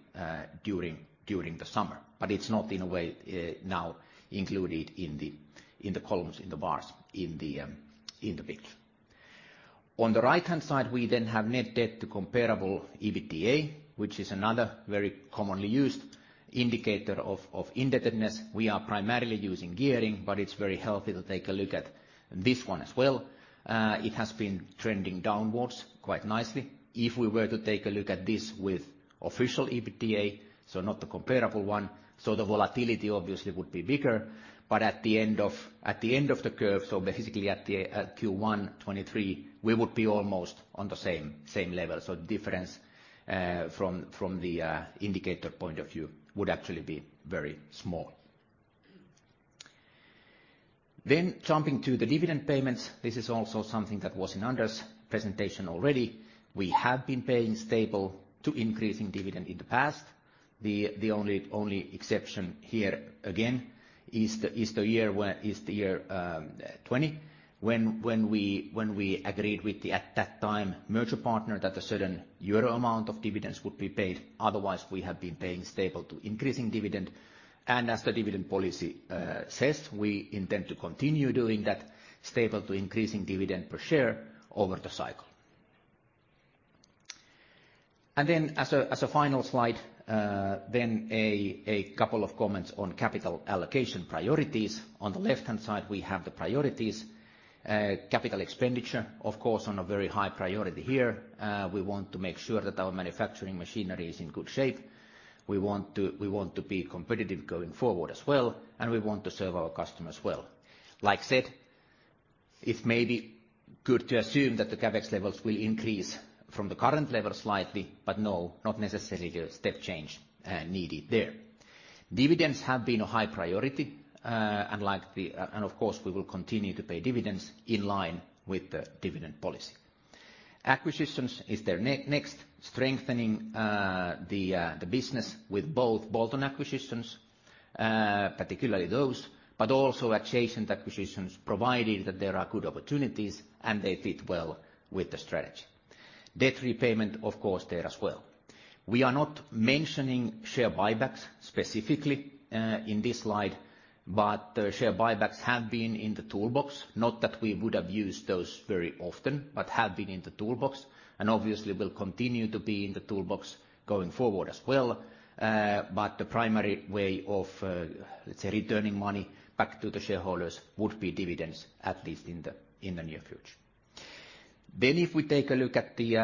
during the summer. It's not in a way, now included in the, in the columns, in the bars, in the picture. On the right-hand side, we have net debt to comparable EBITDA, which is another very commonly used indicator of indebtedness. We are primarily using gearing, it's very healthy to take a look at this one as well. It has been trending downwards quite nicely. We were to take a look at this with official EBITDA, not the comparable one, the volatility obviously would be bigger. At the end of the curve, basically at the Q1 2023, we would be almost on the same level. Difference from the indicator point of view would actually be very small. Jumping to the dividend payments. This is also something that was in Anders' presentation already. We have been paying stable to increasing dividend in the past. The only exception here again is the year 2020, when we agreed with the, at that time, merger partner that a certain euro amount of dividends would be paid. Otherwise, we have been paying stable to increasing dividend. As the dividend policy says, we intend to continue doing that stable to increasing dividend per share over the cycle. As a final slide, then a couple of comments on capital allocation priorities. On the left-hand side, we have the priorities. Capital expenditure, of course, on a very high priority here. We want to make sure that our manufacturing machinery is in good shape. We want to be competitive going forward as well, and we want to serve our customers well. Like said, it may be good to assume that the CapEx levels will increase from the current level slightly, but no, not necessarily a step change needed there. Dividends have been a high priority, and like the, and of course we will continue to pay dividends in line with the dividend policy. Acquisitions is the next, strengthening the business with both bolt-on acquisitions, particularly those, but also adjacent acquisitions, provided that there are good opportunities and they fit well with the strategy. Debt repayment, of course, there as well. We are not mentioning share buybacks specifically in this slide, but share buybacks have been in the toolbox. Not that we would have used those very often, but have been in the toolbox, and obviously will continue to be in the toolbox going forward as well. But the primary way of, let's say, returning money back to the shareholders would be dividends, at least in the near future. If we take a look at the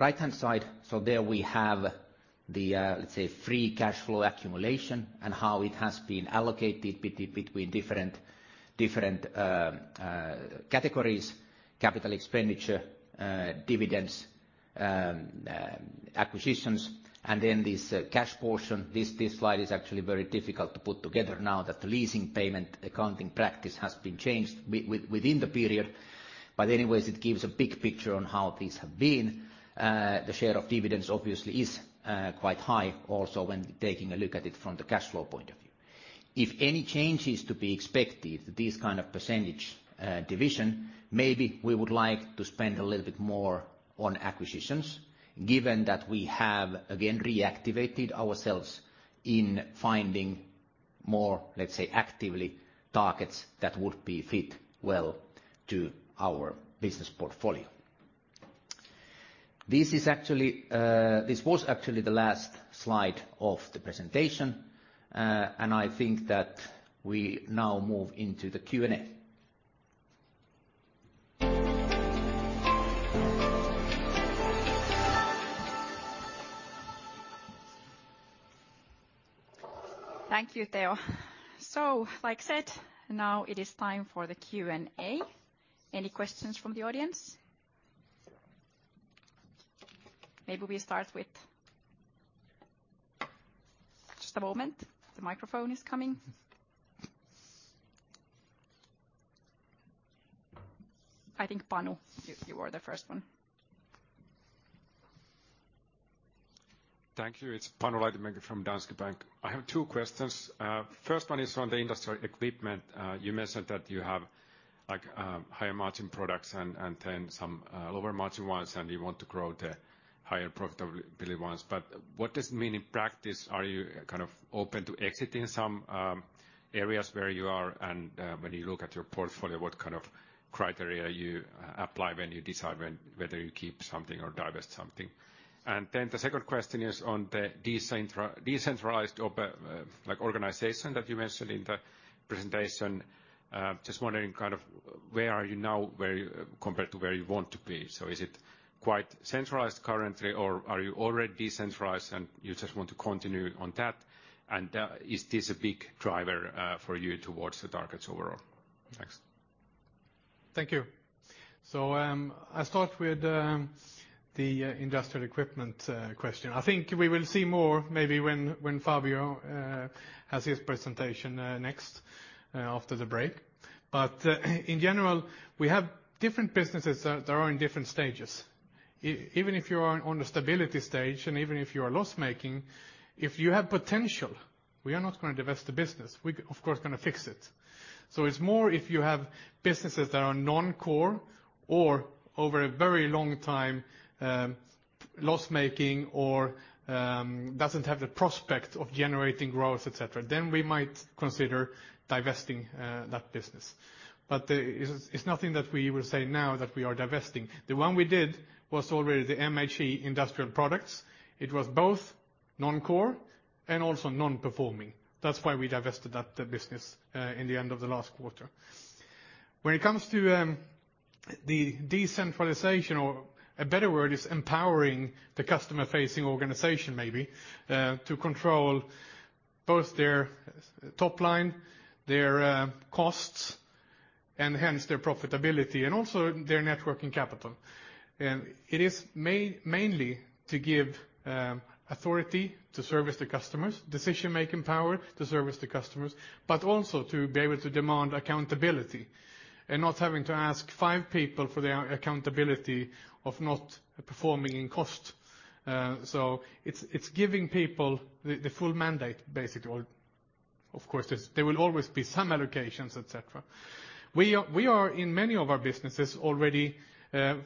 right-hand side, there we have the let's say, free cash flow accumulation and how it has been allocated between different categories, capital expenditure, dividends, acquisitions, and then this cash portion. This slide is actually very difficult to put together now that the leasing payment accounting practice has been changed within the period. Anyways, it gives a big picture on how things have been. The share of dividends obviously is quite high also when taking a look at it from the cash flow point of view. If any change is to be expected, this kind of % division, maybe we would like to spend a little bit more on acquisitions, given that we have again reactivated ourselves in finding more, let's say, actively targets that would be fit well to our business portfolio. This is actually, this was actually the last slide of the presentation. I think that we now move into the Q&A. Thank you, Teo. Like I said, now it is time for the Q&A. Any questions from the audience? Maybe we start with— Just a moment. The microphone is coming. I think Panu, you were the first one. Thank you. It's Panu Laitinmäki from Danske Bank. I have two questions. First one is on the Industrial Equipment. You mentioned that you have, like, higher-margin products and then some, lower-margin ones, and you want to grow the higher profitability ones. What does it mean in practice? Are you kind of open to exiting some areas where you are and, when you look at your portfolio, what kind of criteria you apply when you decide whether you keep something or divest something? The second question is on the decentralized op, like organization that you mentioned in the presentation. Just wondering kind of where are you now, compared to where you want to be? Is it quite centralized currently, or are you already decentralized and you just want to continue on that? Is this a big driver for you towards the targets overall? Thanks. Thank you. I'll start with the Industrial Equipment question. I think we will see more maybe when Fabio has his presentation next after the break. In general, we have different businesses that are in different stages. Even if you are on the stability stage, and even if you are loss-making, if you have potential, we are not going to divest the business. We of course gonna fix it. It's more if you have businesses that are non-core or over a very long time loss-making or doesn't have the prospect of generating growth, et cetera, then we might consider divesting that business. It's nothing that we will say now that we are divesting. The one we did was already the MHE-Demag Industrial Products. It was both non-core and also non-performing. That's why we divested that business in the end of the last quarter. When it comes to the decentralization or a better word is empowering the customer-facing organization maybe, to control both their top line, their costs, and hence their profitability and also their net working capital. It is mainly to give authority to service the customers, decision-making power to service the customers, but also to be able to demand accountability and not having to ask five people for their accountability of not performing in cost. It's giving people the full mandate basically. Of course, there's, there will always be some allocations, et cetera. We are in many of our businesses already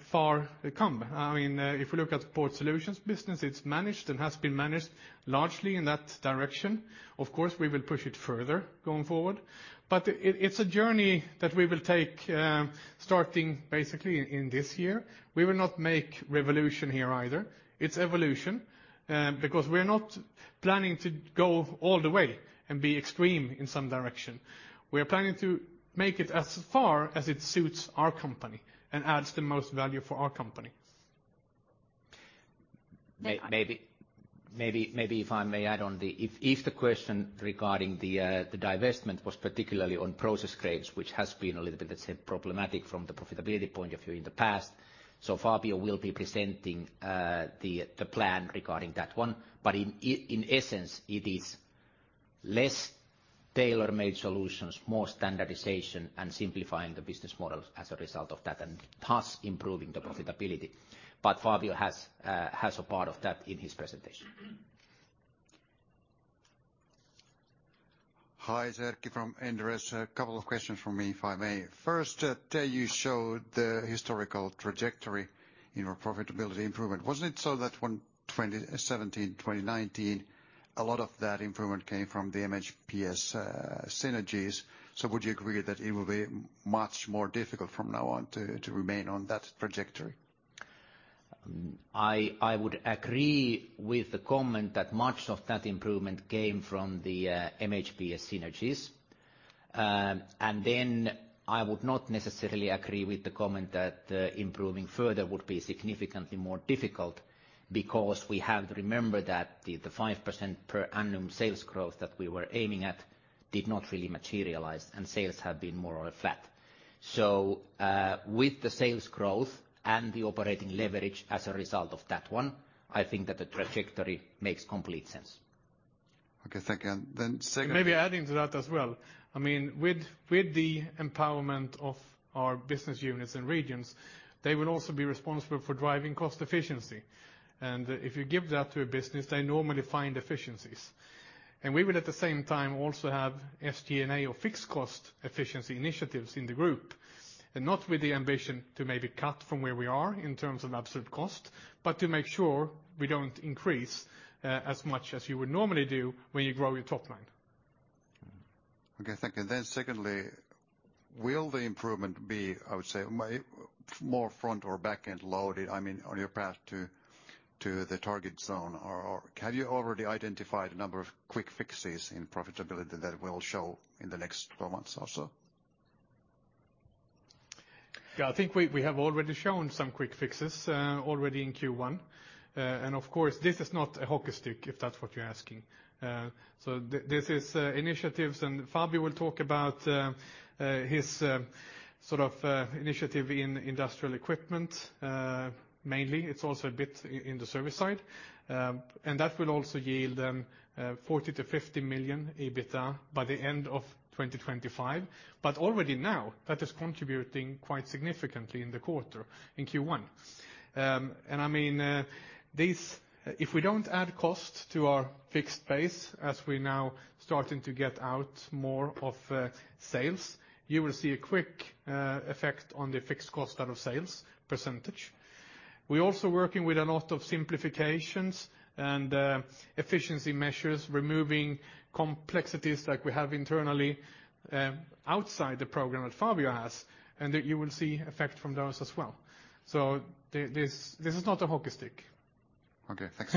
far come. I mean, if we look at Port Solutions business, it's managed and has been managed largely in that direction. Of course, we will push it further going forward. It's a journey that we will take, starting basically in this year. We will not make revolution here either. It's evolution, because we're not planning to go all the way and be extreme in some direction. We are planning to make it as far as it suits our company and adds the most value for our company. Maybe if I may add on the if the question regarding the divestment was particularly on process cranes, which has been a little bit, let's say, problematic from the profitability point of view in the past. Fabio will be presenting the plan regarding that one. In essence, it is less tailor-made solutions, more standardization, and simplifying the business models as a result of that, and thus improving the profitability. Fabio has a part of that in his presentation. Hi. It's Erkki from Inderes. A couple of questions from me, if I may. First, Teo, you showed the historical trajectory in your profitability improvement. Wasn't it so that when 2017, 2019, a lot of that improvement came from the MHPS synergies? Would you agree that it will be much more difficult from now on to remain on that trajectory? I would agree with the comment that much of that improvement came from the MHPS synergies. I would not necessarily agree with the comment that improving further would be significantly more difficult because we have to remember that the 5% per annum sales growth that we were aiming at did not really materialize and sales have been more or less flat. With the sales growth and the operating leverage as a result of that one, I think that the trajectory makes complete sense. Okay, thank you. Maybe adding to that as well, I mean, with the empowerment of our business units and regions, they will also be responsible for driving cost efficiency. If you give that to a business, they normally find efficiencies. We will at the same time also have SG&A or fixed cost efficiency initiatives in the group, not with the ambition to maybe cut from where we are in terms of absolute cost, but to make sure we don't increase as much as you would normally do when you grow your top line. Okay, thank you. Secondly, will the improvement be, I would say, more front or back-end loaded, I mean, on your path to the target zone? Or have you already identified a number of quick fixes in profitability that will show in the next 12 months or so? Yeah, I think we have already shown some quick fixes already in Q1. Of course, this is not a hockey stick, if that's what you're asking. This is initiatives, and Fabio will talk about his sort of initiative in Industrial Equipment mainly. It's also a bit in the service side. That will also yield 40 million-50 million EBITDA by the end of 2025. Already now that is contributing quite significantly in the quarter, in Q1. I mean, if we don't add cost to our fixed base as we're now starting to get out more of sales, you will see a quick effect on the fixed cost out of sales percentage. We're also working with a lot of simplifications and efficiency measures, removing complexities like we have internally, outside the program that Fabio has, and you will see effect from those as well. This is not a hockey stick. Okay. Thanks.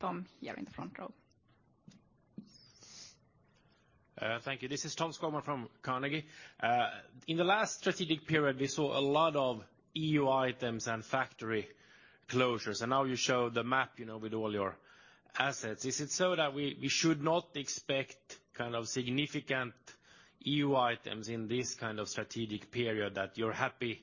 Tom here in the front row. Thank you. This is Tom Skogman from Carnegie. In the last strategic period, we saw a lot of EU items and factory closures. Now you show the map, you know, with all your assets. Is it so that we should not expect kind of significant EU items in this kind of strategic period, that you're happy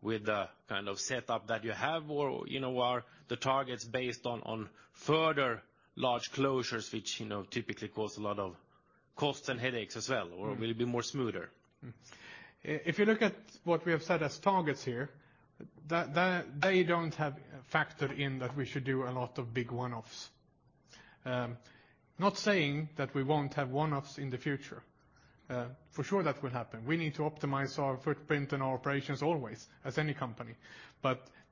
with the kind of setup that you have? You know, are the targets based on further large closures which, you know, typically cause a lot of costs and headaches as well? Will it be more smoother? If you look at what we have set as targets here, they don't have factored in that we should do a lot of big one-offs. Not saying that we won't have one-offs in the future. For sure that will happen. We need to optimize our footprint and our operations always, as any company.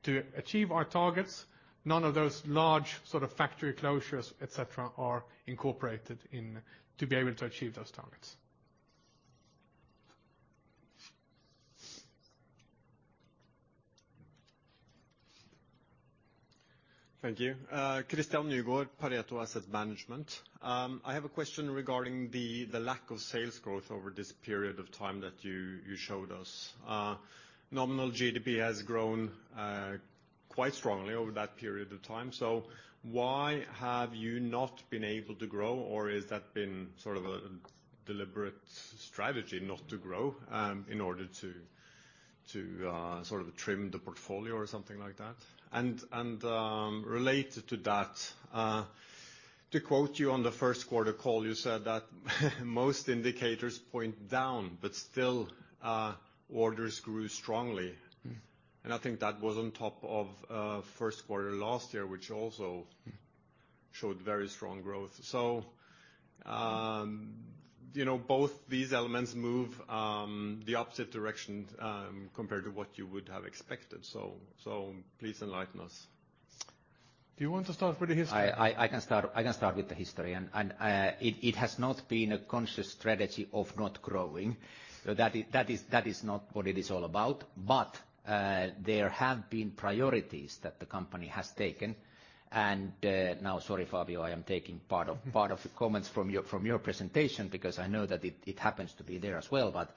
To achieve our targets, none of those large sort of factory closures, et cetera, are incorporated in to be able to achieve those targets. Thank you. Christian Nygaard, Pareto Asset Management. I have a question regarding the lack of sales growth over this period of time that you showed us. nominal GDP has grown quite strongly over that period of time, so why have you not been able to grow? Or has that been sort of a deliberate strategy not to grow in order to sort of trim the portfolio or something like that? Related to that, to quote you on the first quarter call, you said that most indicators point down, but still, orders grew strongly. I think that was on top of, first quarter last year which also showed very strong growth. You know, both these elements move, the opposite direction, compared to what you would have expected. Please enlighten us. Do you want to start with the history? I can start with the history. It has not been a conscious strategy of not growing. That is not what it is all about. There have been priorities that the company has taken. Now, sorry, Fabio, I am taking part of the comments from your presentation, because I know that it happens to be there as well.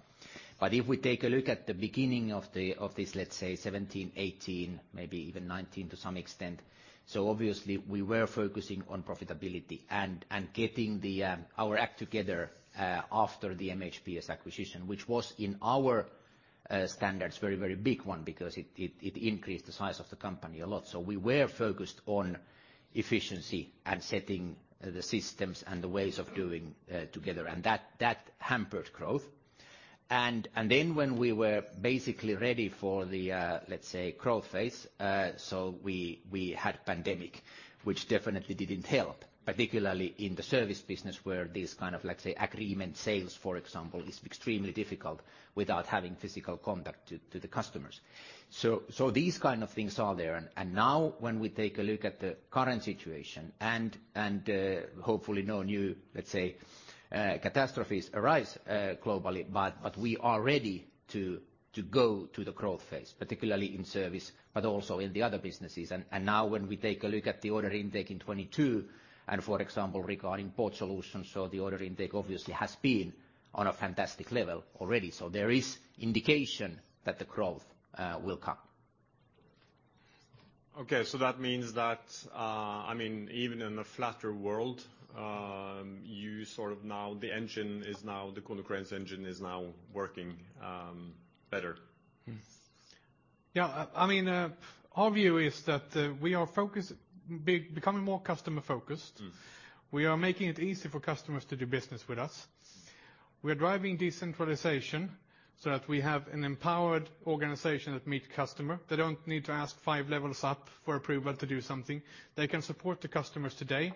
If we take a look at the beginning of this, let's say 2017, 2018, maybe even 2019 to some extent, so obviously we were focusing on profitability and getting the our act together after the MHPS acquisition, which was, in our standards, a very big one because it increased the size of the company a lot. We were focused on efficiency and setting the systems and the ways of doing together, and that hampered growth. Then when we were basically ready for the let's say growth phase, we had pandemic, which definitely didn't help, particularly in the service business where these kind of, let's say, agreement sales, for example, is extremely difficult without having physical contact to the customers. These kind of things are there. Now when we take a look at the current situation and hopefully no new, let's say, catastrophes arise globally, but we are ready to go to the growth phase, particularly in service, but also in the other businesses. Now when we take a look at the order intake in 2022, and for example, regarding Port Solutions or the order intake, obviously has been on a fantastic level already. There is indication that the growth will come. Okay, that means that, I mean, even in a flatter world, the Konecranes engine is now working, better. Yeah. I mean, our view is that we are becoming more customer focused. We are making it easy for customers to do business with us. We are driving decentralization so that we have an empowered organization that meet customer. They don't need to ask five levels up for approval to do something. They can support the customers today,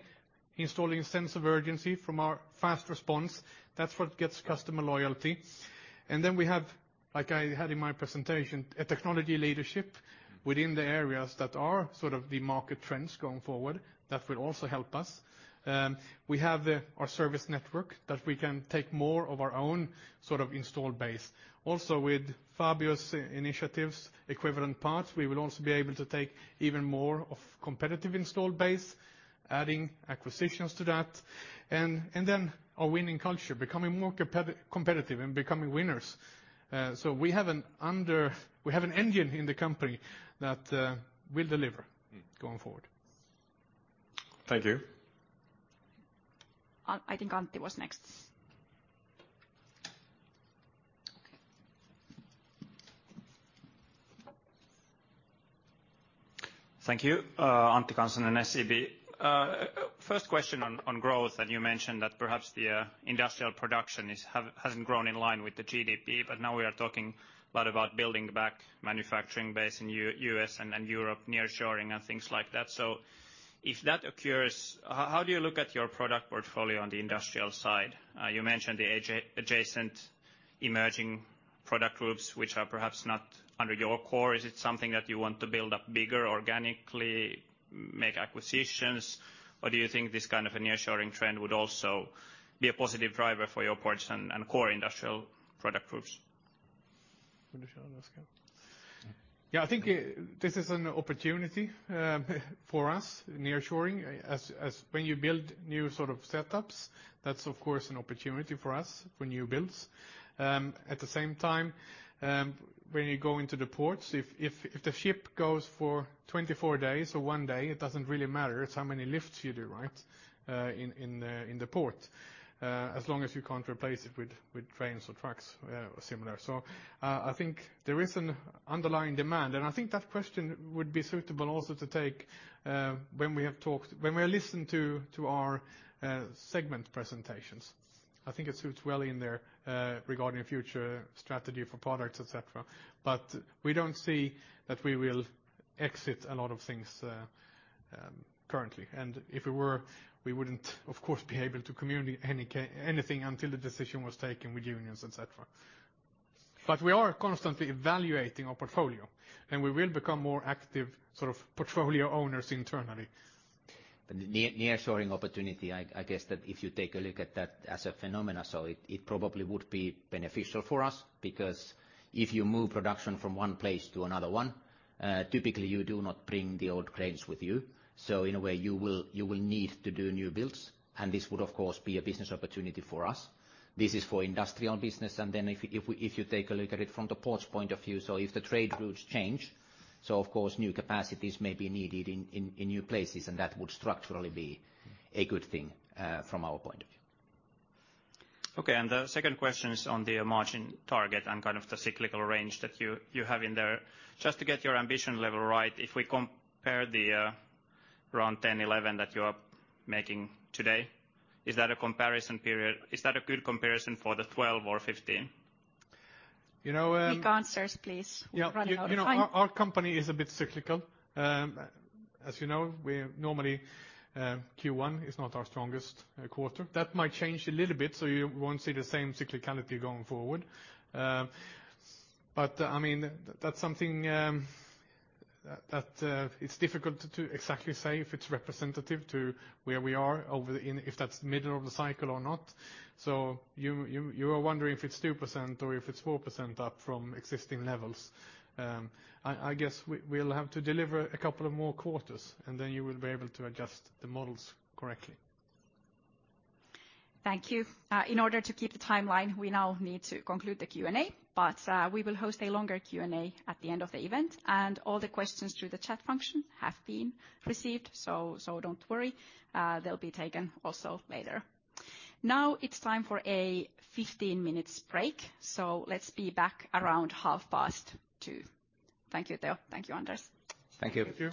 installing a sense of urgency from our fast response. That's what gets customer loyalty. Then we have, like I had in my presentation, a technology leadership within the areas that are sort of the market trends going forward. That will also help us. We have the, our service network that we can take more of our own sort of install base. Also with Fabio's initiatives, equivalent parts, we will also be able to take even more of competitive install base, adding acquisitions to that. Then our winning culture, becoming more competitive and becoming winners. We have an engine in the company that will deliver going forward. Thank you. I think Antti was next. Thank you. Antti Kansanen in SEB. First question on growth that you mentioned that perhaps the industrial production hasn't grown in line with the GDP. Now we are talking a lot about building back manufacturing base in U.S. and Europe, nearshoring and things like that. If that occurs, how do you look at your product portfolio on the industrial side? You mentioned the adjacent emerging product groups, which are perhaps not under your core. Is it something that you want to build up bigger organically, make acquisitions? Do you think this kind of a nearshoring trend would also be a positive driver for your ports and core industrial product groups? I think this is an opportunity for us, nearshoring, as when you build new sort of setups, that's of course an opportunity for us for new builds. At the same time, when you go into the ports, if the ship goes for 24 days or one day, it doesn't really matter. It's how many lifts you do, right, in the port, as long as you can't replace it with trains or trucks or similar. I think there is an underlying demand, and I think that question would be suitable also to take when we are listened to our segment presentations. I think it suits well in there regarding a future strategy for products, et cetera. We don't see that we will exit a lot of things currently. If we were, we wouldn't, of course, be able to communicate anything until the decision was taken with unions, et cetera. We are constantly evaluating our portfolio, and we will become more active sort of portfolio owners internally. Nearshoring opportunity, I guess that if you take a look at that as a phenomena, it probably would be beneficial for us because if you move production from one place to another one, typically you do not bring the old cranes with you. In a way, you will need to do new builds, and this would of course be a business opportunity for us. This is for industrial business. If you take a look at it from the port's point of view, if the trade routes change, of course, new capacities may be needed in new places, and that would structurally be a good thing from our point of view. Okay. The second question is on the margin target and kind of the cyclical range that you have in there. Just to get your ambition level right, if we compare the around 10%-11% that you are making today, is that a comparison period? Is that a good comparison for the 12% or 15%? You know— Quick answers, please. We're running out of time. Yeah. You know, our company is a bit cyclical. As you know, we normally, Q1 is not our strongest quarter. That might change a little bit, so you won't see the same cyclicality going forward. I mean, that's something that it's difficult to exactly say if it's representative to where we are if that's middle of the cycle or not. You are wondering if it's 2% or if it's 4% up from existing levels. I guess we'll have to deliver a couple of more quarters, and then you will be able to adjust the models correctly. Thank you. In order to keep the timeline, we now need to conclude the Q&A, but we will host a longer Q&A at the end of the event. All the questions through the chat function have been received, so don't worry. They'll be taken also later. Now it's time for a 15 minutes break, so let's be back around 2:30 P.M. Thank you, Teo. Thank you, Anders. Thank you. Thank you.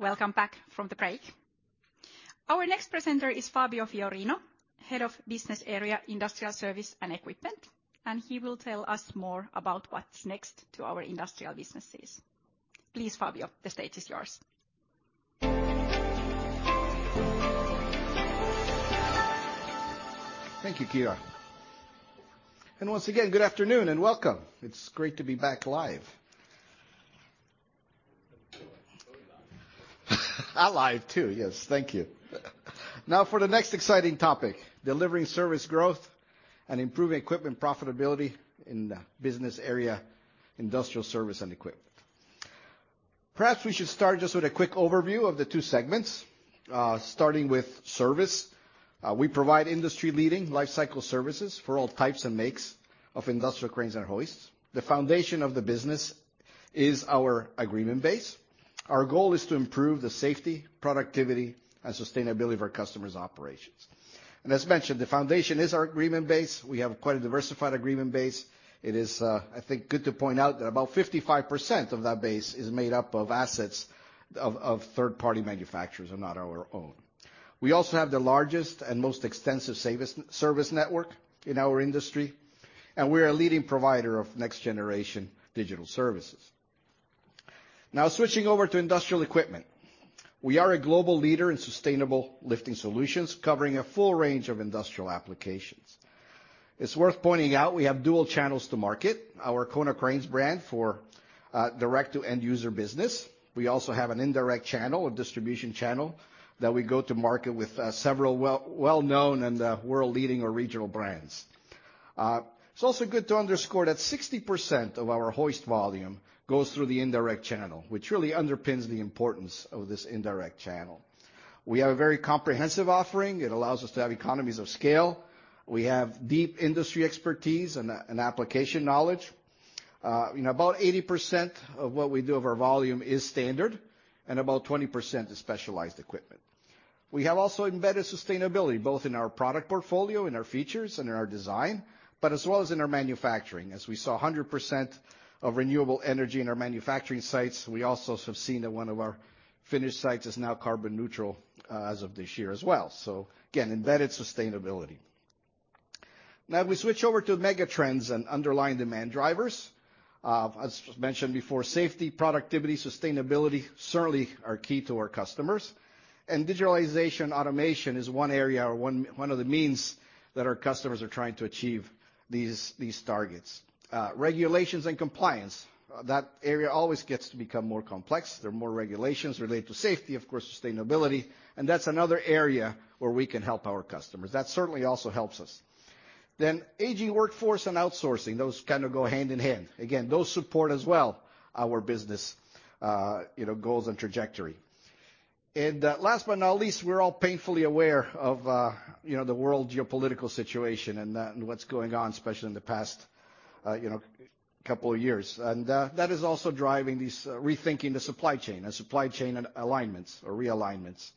Welcome back from the break. Our next presenter is Fabio Fiorino, Head of Business Area Industrial Service and Equipment, and he will tell us more about what's next to our industrial businesses. Please, Fabio, the stage is yours. Thank you, Kiira. Once again, good afternoon and welcome. I'm live too. Yes, thank you. For the next exciting topic, delivering service growth and improving equipment profitability in the Business Area Industrial Service and Equipment. Perhaps we should start just with a quick overview of the two segments. Starting with Service. We provide industry-leading lifecycle services for all types and makes of industrial cranes and hoists. The foundation of the business is our agreement base. Our goal is to improve the safety, productivity, and sustainability of our customers' operations. As mentioned, the foundation is our agreement base. We have quite a diversified agreement base. It is, I think, good to point out that about 55% of that base is made up of assets of third-party manufacturers and not our own. We also have the largest and most extensive service network in our industry, and we're a leading provider of next generation digital services. Switching over to Industrial Equipment. We are a global leader in sustainable lifting solutions, covering a full range of industrial applications. It's worth pointing out we have dual channels to market, our Konecranes brand for direct to end user business. We also have an indirect channel, a distribution channel, that we go to market with several well-known and world-leading or regional brands. It's also good to underscore that 60% of our hoist volume goes through the indirect channel, which really underpins the importance of this indirect channel. We have a very comprehensive offering. It allows us to have economies of scale. We have deep industry expertise and application knowledge. About 80% of what we do of our volume is standard, and about 20% is specialized equipment. We have also embedded sustainability, both in our product portfolio, in our features and in our design, but as well as in our manufacturing. As we saw, 100% of renewable energy in our manufacturing sites. We also have seen that one of our Finnish sites is now carbon neutral as of this year as well. Again, embedded sustainability. Now we switch over to mega trends and underlying demand drivers. As mentioned before, safety, productivity, sustainability certainly are key to our customers. Digitalization, automation is one area or one of the means that our customers are trying to achieve these targets. Regulations and compliance. That area always gets to become more complex. There are more regulations related to safety, of course, sustainability, and that's another area where we can help our customers. That certainly also helps us. Aging workforce and outsourcing, those kind of go hand in hand. Again, those support as well our business, you know, goals and trajectory. Last but not least, we're all painfully aware of, you know, the world geopolitical situation and what's going on, especially in the past, you know, couple of years. That is also driving these rethinking the supply chain and supply chain alignments or realignments.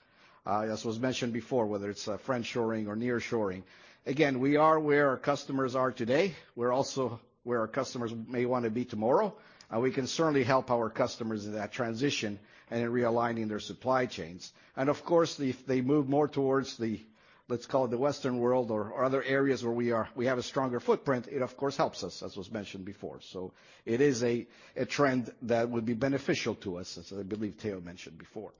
As was mentioned before, whether it's friend shoring or near shoring. Again, we are where our customers are today. We're also where our customers may wanna be tomorrow. We can certainly help our customers in that transition and in realigning their supply chains. Of course, if they move more towards the, let's call it the Western world or other areas where we have a stronger footprint, it of course helps us, as was mentioned before. It is a trend that would be beneficial to us, as I believe Teo mentioned before.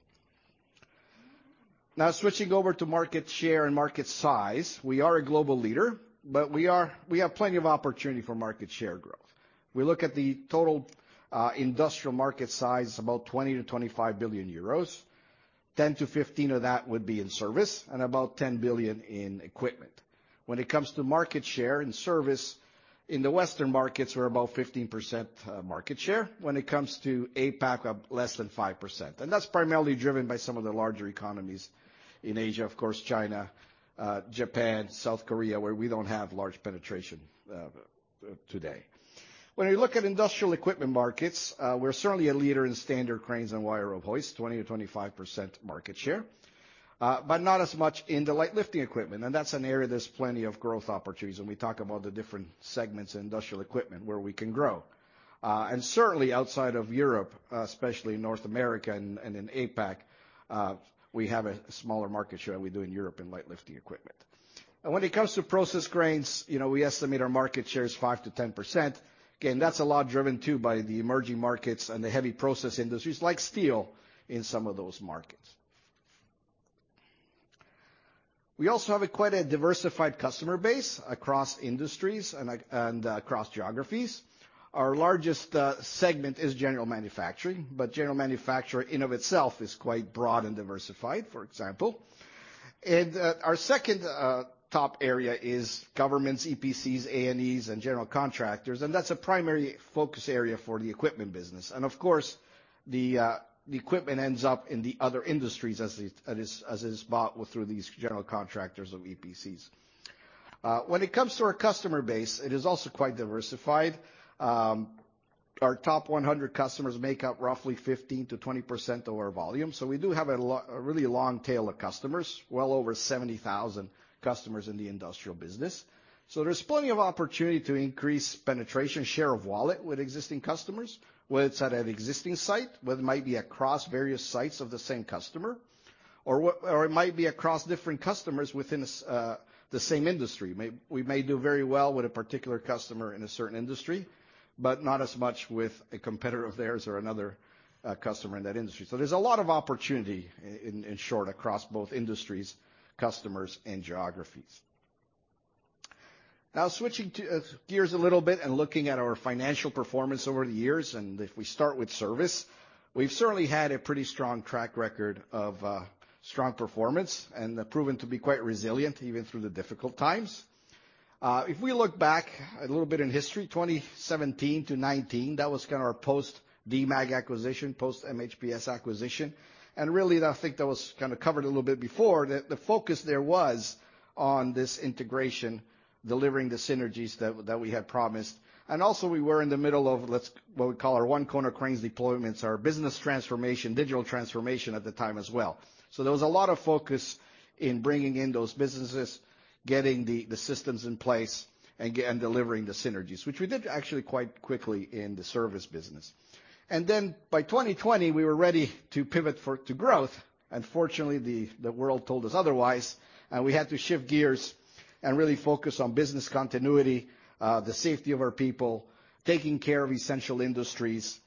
Switching over to market share and market size. We are a global leader, but we have plenty of opportunity for market share growth. We look at the total industrial market size, about 20 billion-25 billion euros. 10 billion-15 billion of that would be in service and about 10 billion in equipment. When it comes to market share and service, in the Western markets, we're about 15% market share. When it comes to APAC, less than 5%. That's primarily driven by some of the larger economies in Asia, of course, China, Japan, South Korea, where we don't have large penetration today. When we look at Industrial Equipment markets, we're certainly a leader in standard cranes and wire rope hoists, 20%-25% market share, but not as much in the light lifting equipment. That's an area there's plenty of growth opportunities, and we talk about the different segments in Industrial Equipment where we can grow. Certainly outside of Europe, especially in North America and in APAC, we have a smaller market share than we do in Europe in light lifting equipment. When it comes to process cranes, you know, we estimate our market share is 5%-10%. Again, that's a lot driven too by the emerging markets and the heavy process industries like steel in some of those markets. We also have a quite a diversified customer base across industries and across geographies. Our largest segment is general manufacturing, but general manufacturing in of itself is quite broad and diversified, for example. Our second top area is governments, EPCs, A&Es, and general contractors, and that's a primary focus area for the equipment business. Of course, the equipment ends up in the other industries as it is bought through these general contractors of EPCs. When it comes to our customer base, it is also quite diversified. Our top 100 customers make up roughly 15%-20% of our volume, so we do have a really long tail of customers, well over 70,000 customers in the industrial business. There's plenty of opportunity to increase penetration, share of wallet with existing customers, whether it's at an existing site, whether it might be across various sites of the same customer, or it might be across different customers within the same industry. We may do very well with a particular customer in a certain industry, but not as much with a competitor of theirs or another customer in that industry. There's a lot of opportunity in short, across both industries, customers, and geographies. Now switching to gears a little bit, looking at our financial performance over the years, if we start with service, we've certainly had a pretty strong track record of strong performance and have proven to be quite resilient even through the difficult times. If we look back a little bit in history, 2017-2019, that was kind of our post-Demag acquisition, post-MHPS acquisition. Really, I think that was kind of covered a little bit before, the focus there was on this integration, delivering the synergies that we had promised. Also we were in the middle of what we call our One Konecranes deployments, our business transformation, digital transformation at the time as well. There was a lot of focus in bringing in those businesses, getting the systems in place, again, delivering the synergies, which we did actually quite quickly in the service business. Then by 2020, we were ready to pivot to growth. Unfortunately, the world told us otherwise, and we had to shift gears and really focus on business continuity, the safety of our people, taking care of essential industries,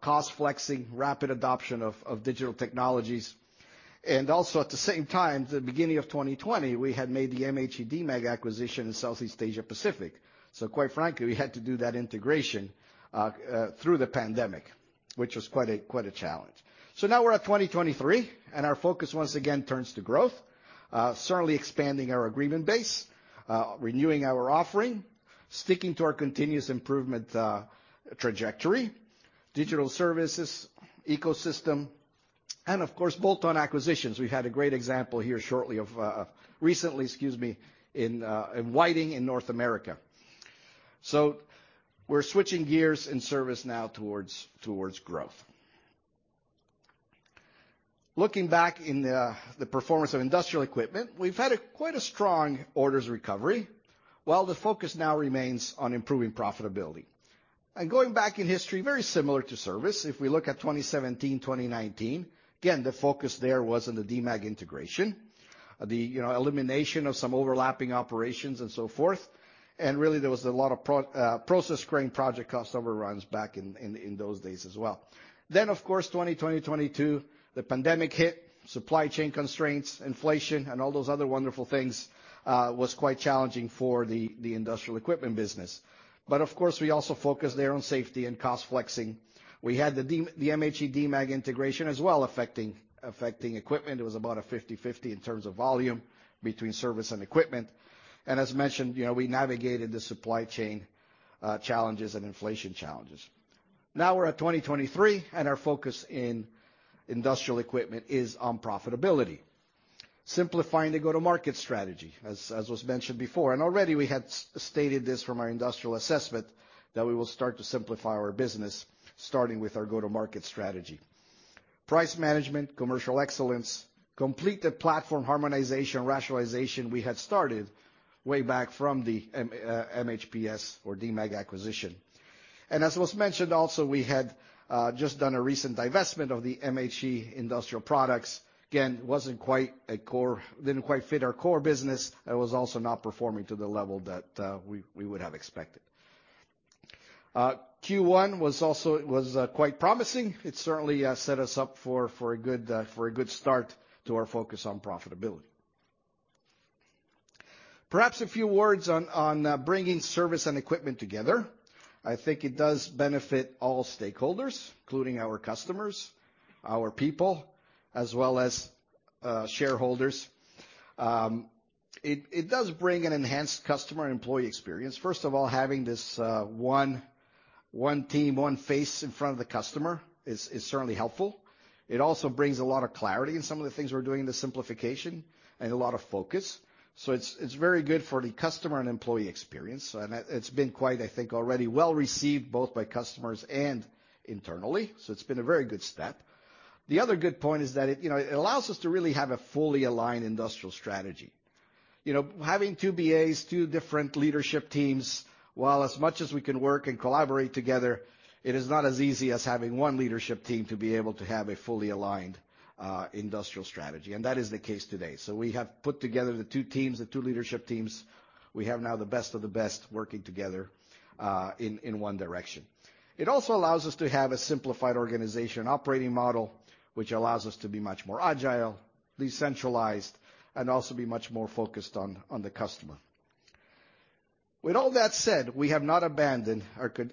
cost flexing, rapid adoption of digital technologies. Also at the same time, the beginning of 2020, we had made the MHE-Demag acquisition in Southeast Asia-Pacific. Quite frankly, we had to do that integration through the pandemic, which was quite a, quite a challenge. Now we're at 2023, and our focus once again turns to growth. Certainly expanding our agreement base, renewing our offering, sticking to our continuous improvement trajectory, digital services, ecosystem, and of course, bolt-on acquisitions. We had a great example here shortly of recently, excuse me, in Whiting in North America. We're switching gears in service now towards growth. Looking back in the performance of Industrial Equipment, we've had a quite a strong orders recovery, while the focus now remains on improving profitability. Going back in history, very similar to service. If we look at 2017, 2019, again, the focus there was on the Demag integration, the, you know, elimination of some overlapping operations and so forth. Really, there was a lot of process crane project cost overruns back in those days as well. Of course, 2020-2022, the pandemic hit, supply chain constraints, inflation, and all those other wonderful things, was quite challenging for the Industrial Equipment business. Of course, we also focused there on safety and cost flexing. We had the MHE-Demag integration as well, affecting equipment. It was about a 50/50 in terms of volume between Service and Equipment. As mentioned, you know, we navigated the supply chain challenges and inflation challenges. Now we're at 2023, and our focus in Industrial Equipment is on profitability. Simplifying the go-to-market strategy, as was mentioned before. Already we had stated this from our industrial assessment that we will start to simplify our business, starting with our go-to-market strategy. Price management, commercial excellence, completed platform harmonization, rationalization we had started way back from the MHPS or Demag acquisition. As was mentioned also, we had just done a recent divestment of the MHE-Demag Industrial Products. Didn't quite fit our core business. It was also not performing to the level that we would have expected. Q1 was quite promising. It certainly set us up for a good start to our focus on profitability. Perhaps a few words on bringing service and equipment together. I think it does benefit all stakeholders, including our customers, our people, as well as shareholders. It does bring an enhanced customer employee experience. First of all, having this one team, one face in front of the customer is certainly helpful. It also brings a lot of clarity in some of the things we're doing, the simplification and a lot of focus. It's very good for the customer and employee experience. It's been quite, I think, already well-received both by customers and internally, so it's been a very good step. The other good point is that it, you know, it allows us to really have a fully aligned industrial strategy. You know, having two BAs, two different leadership teams, while as much as we can work and collaborate together, it is not as easy as having one leadership team to be able to have a fully aligned industrial strategy. And that is the case today. We have put together the two teams, the two leadership teams. We have now the best of the best working together in one direction. It also allows us to have a simplified organization operating model, which allows us to be much more agile, decentralized, and also be much more focused on the customer. With all that said, we have not abandoned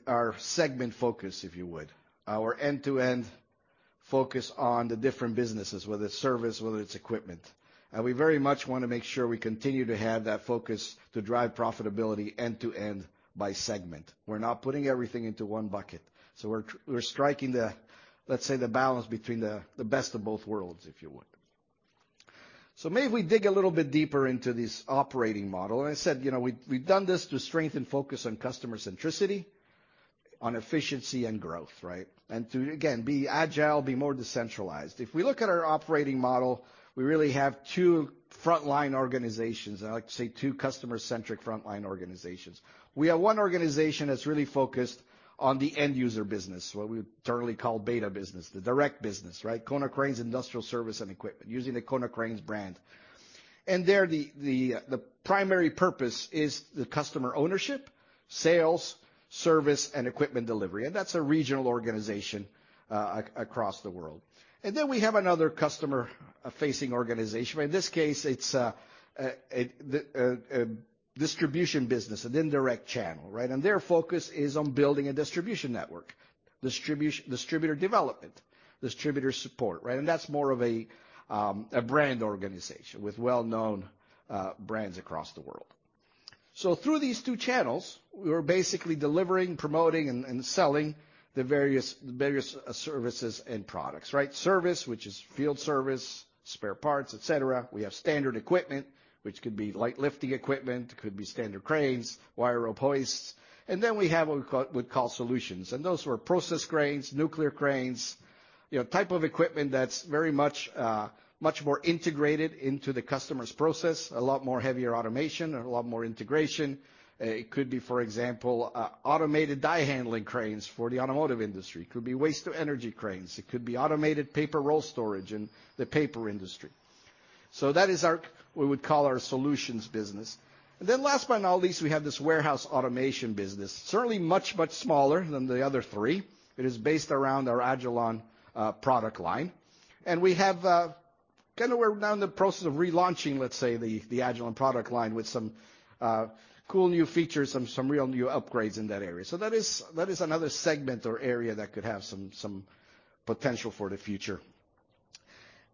our segment focus, if you would. Our end-to-end focus on the different businesses, whether it's service, whether it's equipment. We very much wanna make sure we continue to have that focus to drive profitability end to end by segment. We're not putting everything into one bucket. We're striking the, let's say, the balance between the best of both worlds, if you would. Maybe if we dig a little bit deeper into this operating model, and I said, you know, we've done this to strengthen focus on customer centricity, on efficiency and growth, right? To, again, be agile, be more decentralized. If we look at our operating model, we really have two frontline organizations. I like to say two customer-centric frontline organizations. We have one organization that's really focused on the end user business, what we generally call beta business, the direct business, right? Konecranes Industrial Service and Equipment, using the Konecranes brand. There, the primary purpose is the customer ownership, sales, service, and equipment delivery. That's a regional organization across the world. Then we have another customer-facing organization. In this case, it's a distribution business, an indirect channel, right? Their focus is on building a distribution network. Distributor development, distributor support, right? That's more of a brand organization with well-known brands across the world. Through these two channels, we're basically delivering, promoting, and selling the various services and products, right? Service, which is field service, spare parts, et cetera. We have standard equipment, which could be light lifting equipment, it could be standard cranes, wire rope hoists. Then we have what we call solutions, and those are process cranes, nuclear cranes. You know, type of equipment that's very much much more integrated into the customer's process, a lot more heavier automation and a lot more integration. It could be, for example, a automated die handling cranes for the automotive industry. It could be waste to energy cranes. It could be automated paper roll storage in the paper industry. That is our what we would call our solutions business. Last but not least, we have this warehouse automation business. Certainly much, much smaller than the other three. It is based around our Agilon product line. We're now in the process of relaunching the Agilon product line with cool new features, some real new upgrades in that area. That is another segment or area that could have some potential for the future.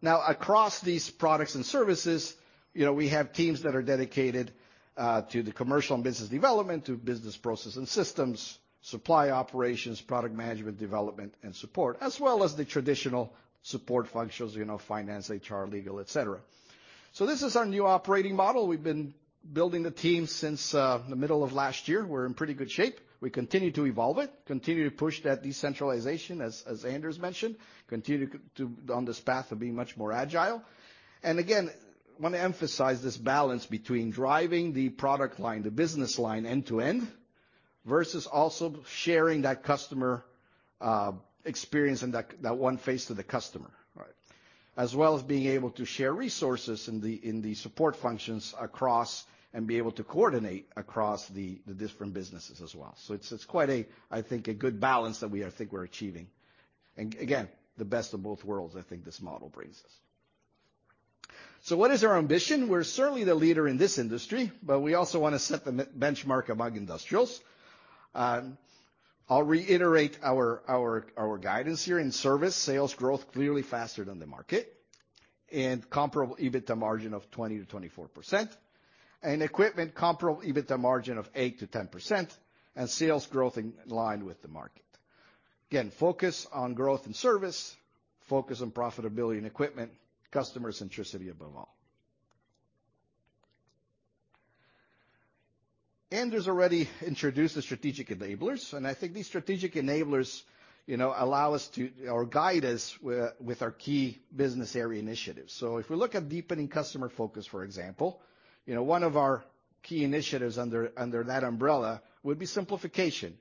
Across these products and services, you know, we have teams that are dedicated to the commercial and business development, to business process and systems, supply operations, product management, development, and support, as well as the traditional support functions, you know, finance, HR, legal, et cetera. This is our new operating model. We've been building the team since the middle of last year. We're in pretty good shape. We continue to evolve it, continue to push that decentralization as Anders mentioned, continue to on this path of being much more agile. Again, wanna emphasize this balance between driving the product line, the business line end to end, versus also sharing that customer experience and that one face to the customer, right? As well as being able to share resources in the support functions across, and be able to coordinate across the different businesses as well. It's quite a, I think, a good balance that we, I think we're achieving. Again, the best of both worlds, I think this model brings us. What is our ambition? We're certainly the leader in this industry, but we also wanna set the benchmark among industrials. I'll reiterate our guidance here. In service, sales growth clearly faster than the market, and comparable EBITDA margin of 20%-24%. In Equipment, comparable EBITDA margin of 8%-10%, sales growth in line with the market. Focus on growth and service, focus on profitability and equipment, customer centricity above all. Anders already introduced the strategic enablers, I think these strategic enablers, you know, allow us to or guide us with our key business area initiatives. If we look at deepening customer focus, for example, you know, one of our key initiatives under that umbrella would be simplification.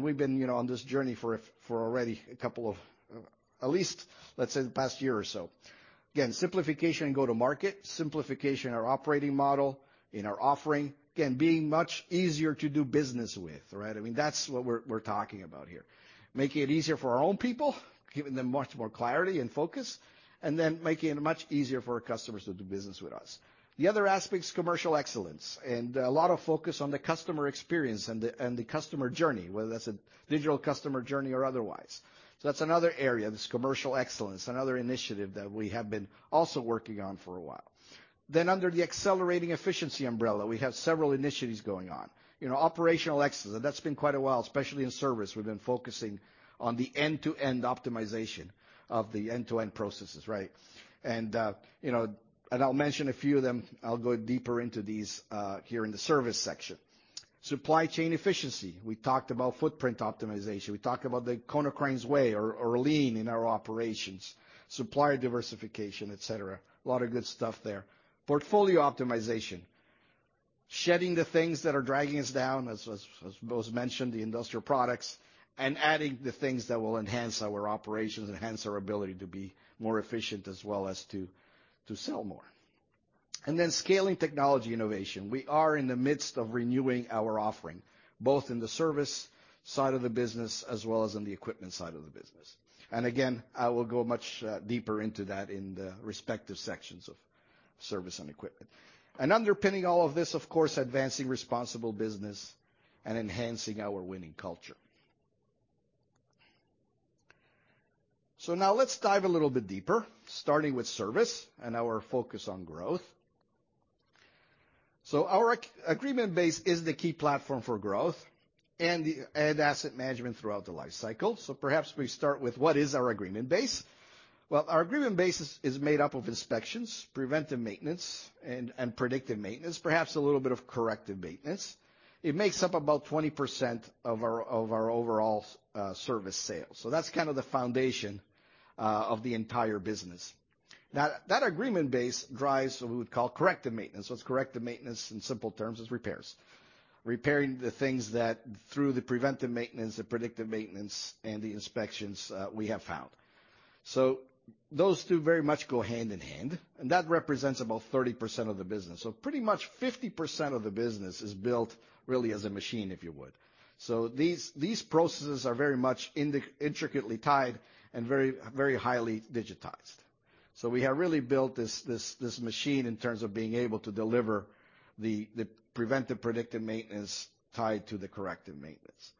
We've been, you know, on this journey for already at least, let's say, the past year or so. Simplification go to market, simplification our operating model in our offering. Being much easier to do business with, right? I mean, that's what we're talking about here. Making it easier for our own people, giving them much more clarity and focus, and then making it much easier for our customers to do business with us. The other aspect's commercial excellence, and a lot of focus on the customer experience and the customer journey, whether that's a digital customer journey or otherwise. That's another area, this commercial excellence, another initiative that we have been also working on for a while. Under the accelerating efficiency umbrella, we have several initiatives going on. You know, operational excellence, and that's been quite a while, especially in service. We've been focusing on the end-to-end optimization of the end-to-end processes, right? You know, I'll mention a few of them. I'll go deeper into these here in the service section. Supply chain efficiency. We talked about footprint optimization. We talked about the Konecranes Way or lean in our operations, supplier diversification, et cetera. A lot of good stuff there. Portfolio optimization. Shedding the things that are dragging us down, as both mentioned, the Industrial Products, adding the things that will enhance our operations, enhance our ability to be more efficient as well as to sell more. Scaling technology innovation. We are in the midst of renewing our offering, both in the service side of the business as well as in the equipment side of the business. Again, I will go much deeper into that in the respective sections of service and equipment. Underpinning all of this, of course, advancing responsible business and enhancing our winning culture. Now let's dive a little bit deeper, starting with service and our focus on growth. Our agreement base is the key platform for growth and asset management throughout the lifecycle. Perhaps we start with what is our agreement base. Well, our agreement base is made up of inspections, preventive maintenance, and predictive maintenance, perhaps a little bit of corrective maintenance. It makes up about 20% of our overall service sales. That's kind of the foundation of the entire business. Now, that agreement base drives what we would call corrective maintenance. What's corrective maintenance in simple terms is repairs, repairing the things that through the preventive maintenance, the predictive maintenance, and the inspections, we have found. Those two very much go hand in hand, and that represents about 30% of the business. Pretty much 50% of the business is built really as a machine, if you would. These processes are very much intricately tied and very highly digitized. We have really built this machine in terms of being able to deliver the preventive predictive maintenance tied to the corrective maintenance.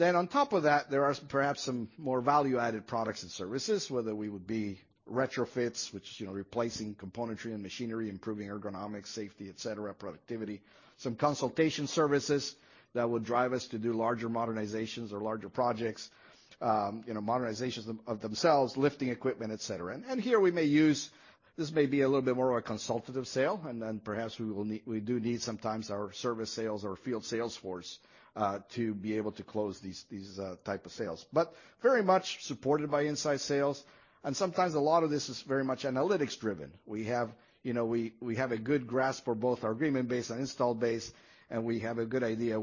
On top of that, there are perhaps some more value-added products and services, whether we would be retrofits, which, you know, replacing componentry and machinery, improving ergonomics, safety, et cetera, productivity. Some consultation services that would drive us to do larger modernizations or larger projects, you know, modernizations of themselves, lifting equipment, et cetera. Here this may be a little bit more of a consultative sale, and then perhaps we do need sometimes our service sales or field sales force to be able to close these type of sales. Very much supported by inside sales. Sometimes a lot of this is very much analytics driven. We have, you know, we have a good grasp for both our agreement base and install base, and we have a good idea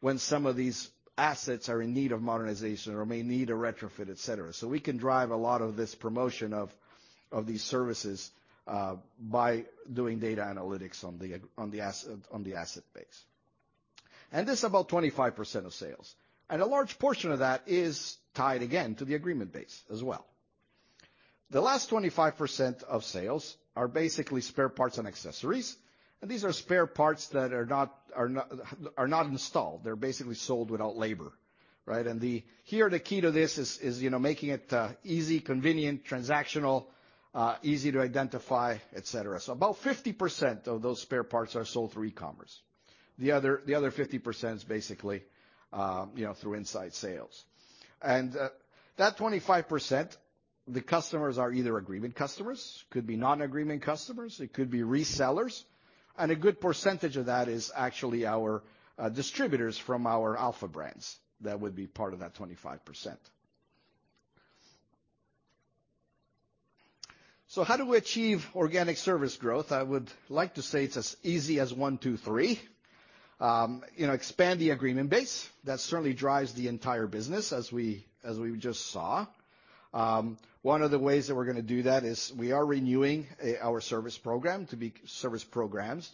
when some of these assets are in need of modernization or may need a retrofit, et cetera. We can drive a lot of this promotion of these services by doing data analytics on the asset base. This is about 25% of sales. A large portion of that is tied again to the agreement base as well. The last 25% of sales are basically spare parts and accessories, and these are spare parts that are not installed. They're basically sold without labor, right? Here, the key to this is, you know, making it easy, convenient, transactional, easy to identify, et cetera. About 50% of those spare parts are sold through e-commerce. The other 50% is basically, you know, through inside sales. That 25%, the customers are either agreement customers, could be non-agreement customers, it could be resellers, and a good percentage of that is actually our distributors from our alpha brands that would be part of that 25%. How do we achieve organic service growth? I would like to say it's as easy as one, two, three. You know, expand the agreement base. That certainly drives the entire business as we just saw. One of the ways that we're gonna do that is we are renewing our service programs to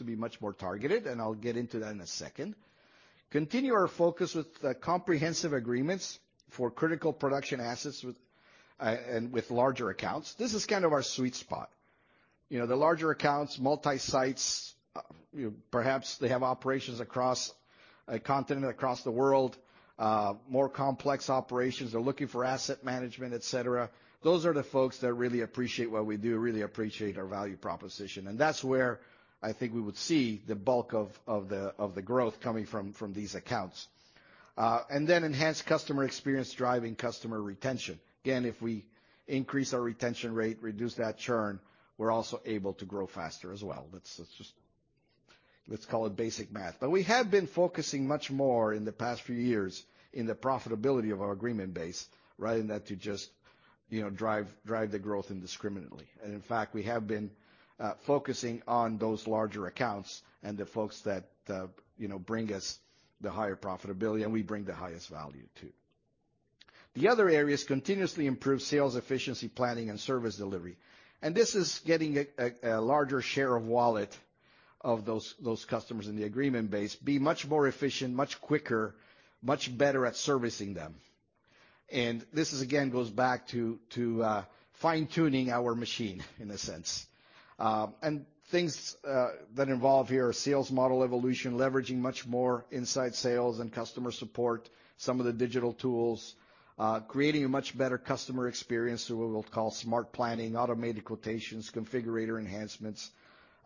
be much more targeted, and I'll get into that in a second. Continue our focus with the comprehensive agreements for critical production assets with, and with larger accounts. This is kind of our sweet spot. You know, the larger accounts, multi-sites, you know, perhaps they have operations across a continent, across the world, more complex operations. They're looking for asset management, et cetera. Those are the folks that really appreciate what we do, really appreciate our value proposition. That's where I think we would see the bulk of the growth coming from these accounts. Then enhanced customer experience driving customer retention. If we increase our retention rate, reduce that churn, we're also able to grow faster as well. That's. Let's call it basic math. We have been focusing much more in the past few years in the profitability of our agreement base rather than to just, you know, drive the growth indiscriminately. In fact, we have been focusing on those larger accounts and the folks that, you know, bring us the higher profitability, and we bring the highest value too. The other area is continuously improve sales efficiency planning and service delivery. This is getting a larger share of wallet of those customers in the agreement base, be much more efficient, much quicker, much better at servicing them. This is again, goes back to fine-tuning our machine in a sense. Things that involve here are sales model evolution, leveraging much more inside sales and customer support, some of the digital tools, creating a much better customer experience through what we'll call smart planning, automated quotations, configurator enhancements.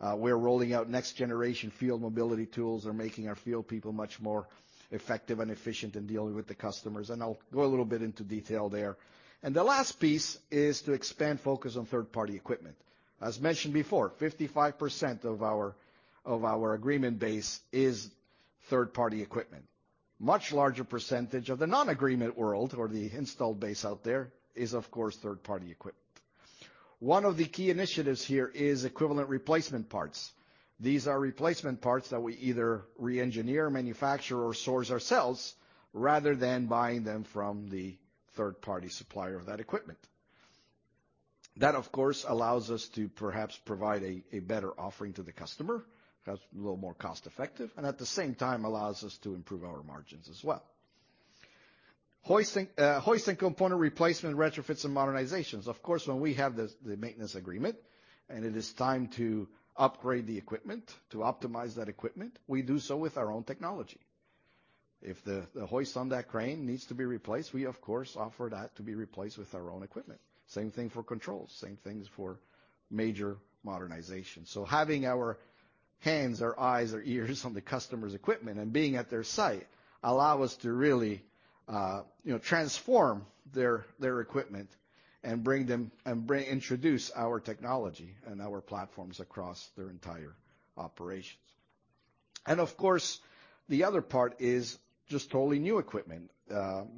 We're rolling out next generation field mobility tools are making our field people much more effective and efficient in dealing with the customers. I'll go a little bit into detail there. The last piece is to expand focus on third-party equipment. As mentioned before, 55% of our, of our agreement base is third-party equipment. Much larger percentage of the non-agreement world or the installed base out there is, of course, third-party equipped. One of the key initiatives here is equivalent replacement parts. These are replacement parts that we either re-engineer, manufacture, or source ourselves rather than buying them from the third-party supplier of that equipment. That, of course, allows us to perhaps provide a better offering to the customer, perhaps a little more cost effective, and at the same time allows us to improve our margins as well. Hoisting, hoist and component replacement, retrofits, and modernizations. Of course, when we have the maintenance agreement, and it is time to upgrade the equipment to optimize that equipment, we do so with our own technology. If the hoist on that crane needs to be replaced, we of course, offer that to be replaced with our own equipment. Same thing for controls, same things for major modernization. So having our hands, our eyes, our ears on the customer's equipment and being at their site allow us to really, you know, transform their equipment and introduce our technology and our platforms across their entire operations. Of course, the other part is just totally new equipment,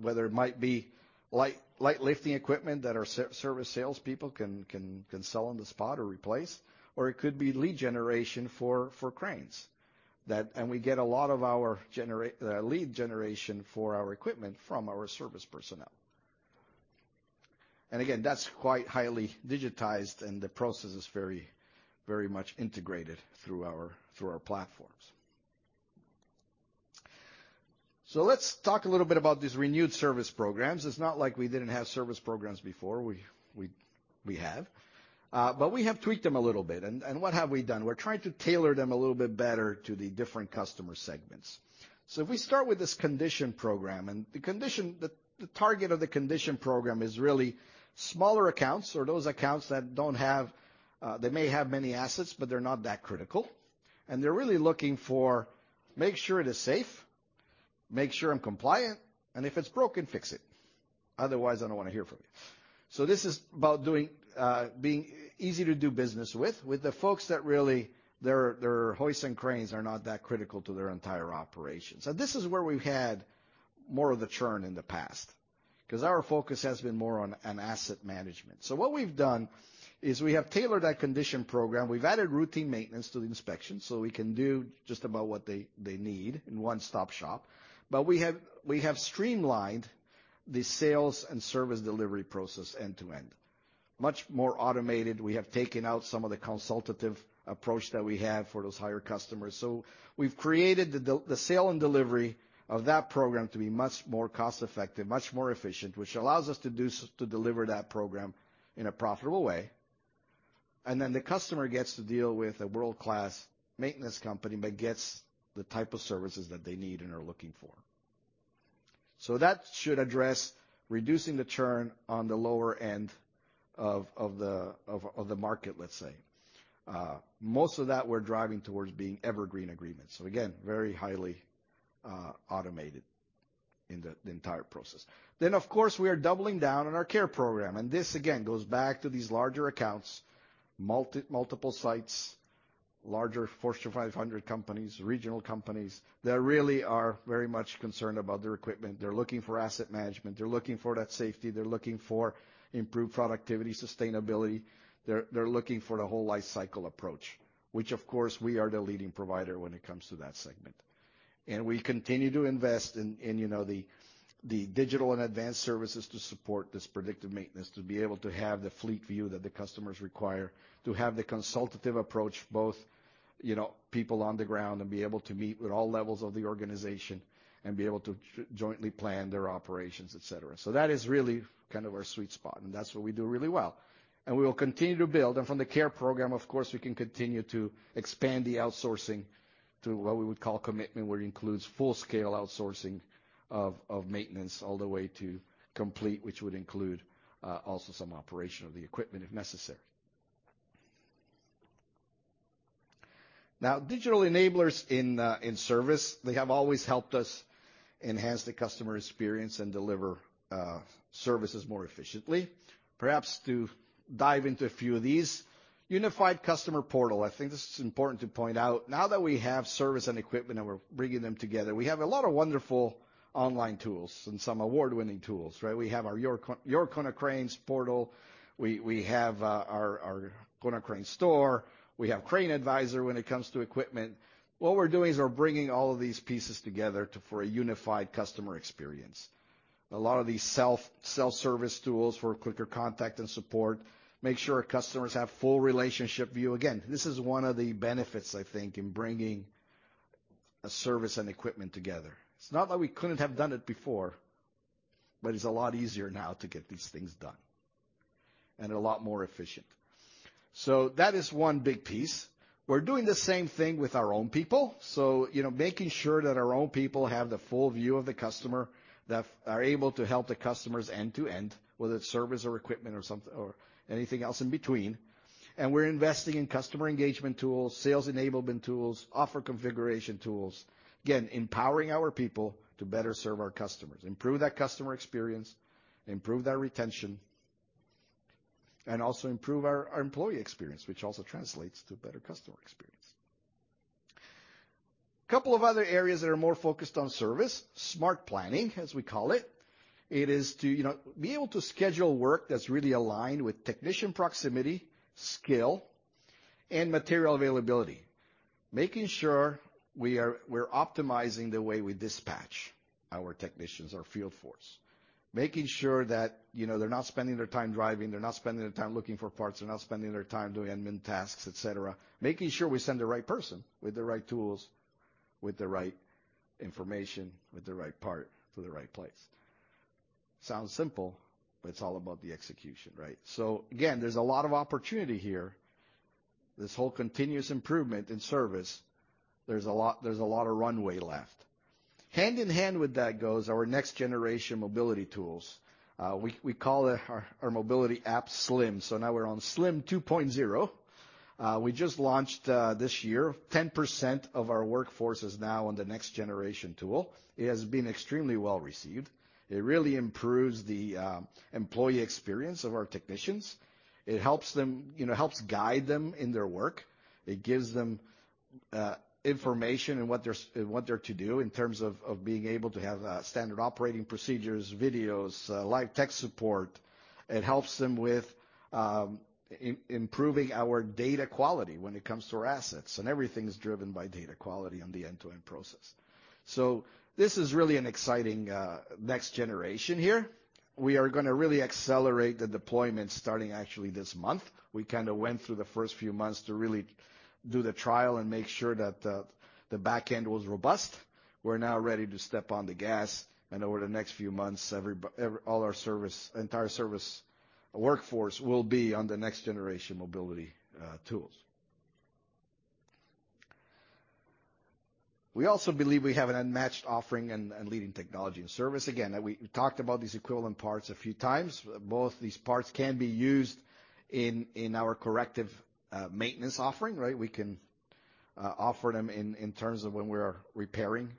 whether it might be light lifting equipment that our service salespeople can sell on the spot or replace, or it could be lead generation for cranes. We get a lot of our lead generation for our equipment from our service personnel. Again, that's quite highly digitized and the process is very much integrated through our platforms. Let's talk a little bit about these renewed service programs. It's not like we didn't have service programs before. We have. We have tweaked them a little bit. What have we done? We're trying to tailor them a little bit better to the different customer segments. If we start with this condition program, the target of the condition program is really smaller accounts or those accounts that don't have, they may have many assets, but they're not that critical. They're really looking for, make sure it is safe, make sure I'm compliant, and if it's broken, fix it. Otherwise, I don't wanna hear from you. This is about doing easy to do business with the folks that really their hoist and cranes are not that critical to their entire operations. This is where we've had more of the churn in the past 'cause our focus has been more on an asset management. What we've done is we have tailored that condition program. We've added routine maintenance to the inspection, so we can do just about what they need in one-stop shop. We have streamlined the sales and service delivery process end-to-end. Much more automated. We have taken out some of the consultative approach that we have for those higher customers. We've created the sale and delivery of that program to be much more cost-effective, much more efficient, which allows us to deliver that program in a profitable way. The customer gets to deal with a world-class maintenance company, but gets the type of services that they need and are looking for. That should address reducing the churn on the lower end of the market, let's say. Most of that we're driving towards being evergreen agreements. Again, very highly automated in the entire process. Of course, we are doubling down on our care program, and this again goes back to these larger accounts, multiple sites, larger Fortune 500 companies, regional companies that really are very much concerned about their equipment. They're looking for asset management. They're looking for that safety. They're looking for improved productivity, sustainability. They're looking for the whole lifecycle approach, which of course we are the leading provider when it comes to that segment. We continue to invest in, you know, the digital and advanced services to support this predictive maintenance, to be able to have the fleet view that the customers require. To have the consultative approach, both, you know, people on the ground and be able to meet with all levels of the organization and be able to jointly plan their operations, et cetera. That is really kind of our sweet spot, and that's what we do really well. We will continue to build. From the care program, of course, we can continue to expand the outsourcing to what we would call commitment, where it includes full-scale outsourcing of maintenance all the way to complete, which would include also some operation of the equipment if necessary. Digital enablers in service, they have always helped us enhance the customer experience and deliver services more efficiently. Perhaps to dive into a few of these. Unified customer portal. I think this is important to point out. Now that we have service and equipment, and we're bringing them together, we have a lot of wonderful online tools and some award-winning tools, right? We have our yourKONECRANES Portal. We have our Konecranes STORE. We have Crane Advisor when it comes to equipment. What we're doing is we're bringing all of these pieces together for a unified customer experience. A lot of these self-service tools for quicker contact and support, make sure our customers have full relationship view. Again, this is one of the benefits, I think, in bringing a service and equipment together. It's not that we couldn't have done it before, but it's a lot easier now to get these things done and a lot more efficient. That is one big piece. We're doing the same thing with our own people. You know, making sure that our own people have the full view of the customer, that are able to help the customers end-to-end, whether it's service or equipment or anything else in between. We're investing in customer engagement tools, sales enablement tools, offer configuration tools. Again, empowering our people to better serve our customers, improve that customer experience, improve that retention. Also improve our employee experience, which also translates to better customer experience. Couple of other areas that are more focused on service, smart planning, as we call it. It is to, you know, be able to schedule work that's really aligned with technician proximity, skill, and material availability. We're optimizing the way we dispatch our technicians, our field force. Making sure that, you know, they're not spending their time driving, they're not spending their time looking for parts, they're not spending their time doing admin tasks, et cetera. Making sure we send the right person with the right tools, with the right information, with the right part to the right place. Sounds simple, but it's all about the execution, right? Again, there's a lot of opportunity here. This whole continuous improvement in service, there's a lot of runway left. Hand in hand with that goes our next generation mobility tools. We call it our mobility app SLIM. Now we're on SLIM 2.0. We just launched this year. 10% of our workforce is now on the next generation tool. It has been extremely well-received. It really improves the employee experience of our technicians. It helps them, you know, guide them in their work. It gives them information in what they're to do in terms of being able to have standard operating procedures, videos, live tech support. It helps them with improving our data quality when it comes to our assets, and everything's driven by data quality on the end-to-end process. This is really an exciting next generation here. We are gonna really accelerate the deployment starting actually this month. We kinda went through the first few months to really do the trial and make sure that the back end was robust. We're now ready to step on the gas, and over the next few months all our service, entire service workforce will be on the next generation mobility tools. We also believe we have an unmatched offering and leading technology and service. Again, that we talked about these equivalent parts a few times. Both these parts can be used in our corrective maintenance offering, right? We can offer them in terms of when we're repairing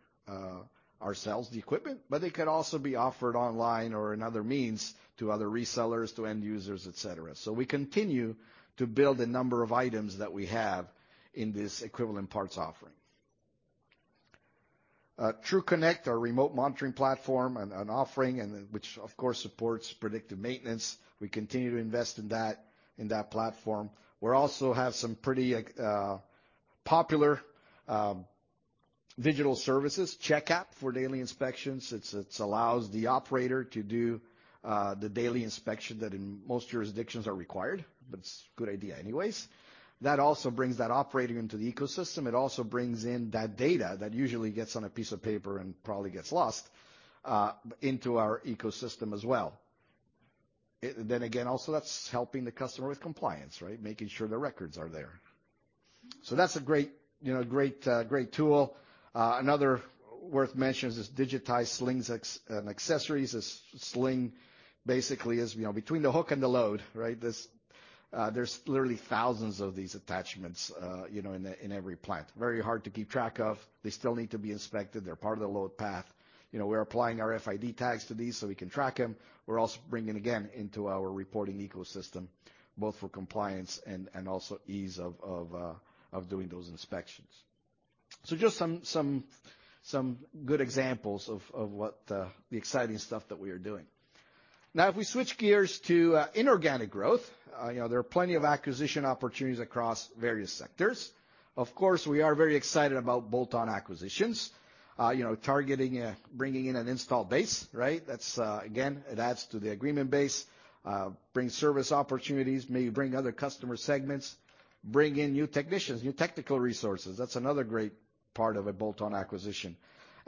ourselves the equipment. They could also be offered online or in other means to other resellers, to end users, et cetera. We continue to build a number of items that we have in this equivalent parts offering. TRUCONNECT, our remote monitoring platform and offering, and which of course supports predictive maintenance. We continue to invest in that platform. We also have some pretty popular digital services. CheckApp for daily inspections. It allows the operator to do the daily inspection that in most jurisdictions are required, but it's a good idea anyways. That also brings that operator into the ecosystem. It also brings in that data that usually gets on a piece of paper and probably gets lost into our ecosystem as well. Then again, also that's helping the customer with compliance, right? Making sure the records are there. That's a great, you know, great tool. Another worth mention is this digitized Slings and Accessories. A sling basically is, you know, between the hook and the load, right? This, there's literally thousands of these attachments, you know, in every plant. Very hard to keep track of. They still need to be inspected. They're part of the load path. You know, we're applying our RFID tags to these so we can track them. We're also bringing, again, into our reporting ecosystem, both for compliance and also ease of doing those inspections. Just some good examples of what the exciting stuff that we are doing. If we switch gears to inorganic growth, you know, there are plenty of acquisition opportunities across various sectors. Of course, we are very excited about bolt-on acquisitions. You know, targeting bringing in an install base, right? That's again, it adds to the agreement base, brings service opportunities, may bring other customer segments, bring in new technicians, new technical resources. That's another great part of a bolt-on acquisition.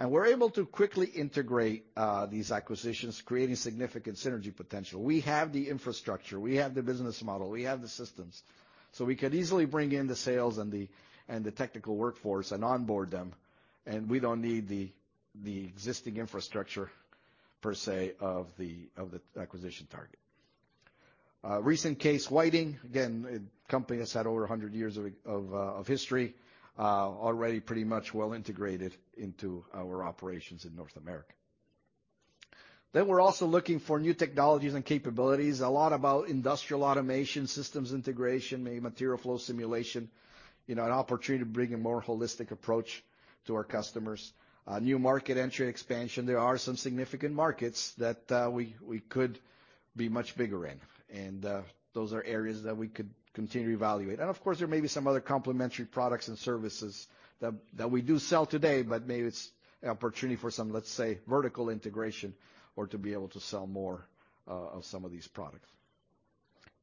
We're able to quickly integrate these acquisitions, creating significant synergy potential. We have the infrastructure, we have the business model, we have the systems. We could easily bring in the sales and the technical workforce and onboard them, and we don't need the existing infrastructure per se of the acquisition target. Recent case, Whiting, again, a company that's had over 100 years of history, already pretty much well integrated into our operations in North America. We're also looking for new technologies and capabilities. A lot about industrial automation, systems integration, maybe material flow simulation. You know, an opportunity to bring a more holistic approach to our customers. New market entry expansion. There are some significant markets that we could be much bigger in. Those are areas that we could continue to evaluate. Of course, there may be some other complementary products and services that we do sell today, but maybe it's an opportunity for some, let's say, vertical integration or to be able to sell more of some of these products.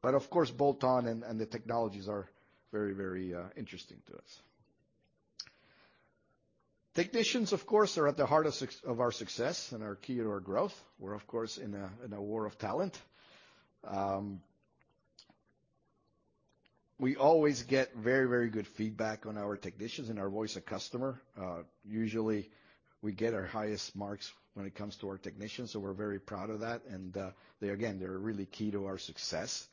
Of course, bolt-on and the technologies are very interesting to us. Technicians, of course, are at the heart of our success and are key to our growth. We're of course, in a war of talent. We always get very good feedback on our technicians and our voice of customer. Usually we get our highest marks when it comes to our technicians, so we're very proud of that. They again, they're really key to our success.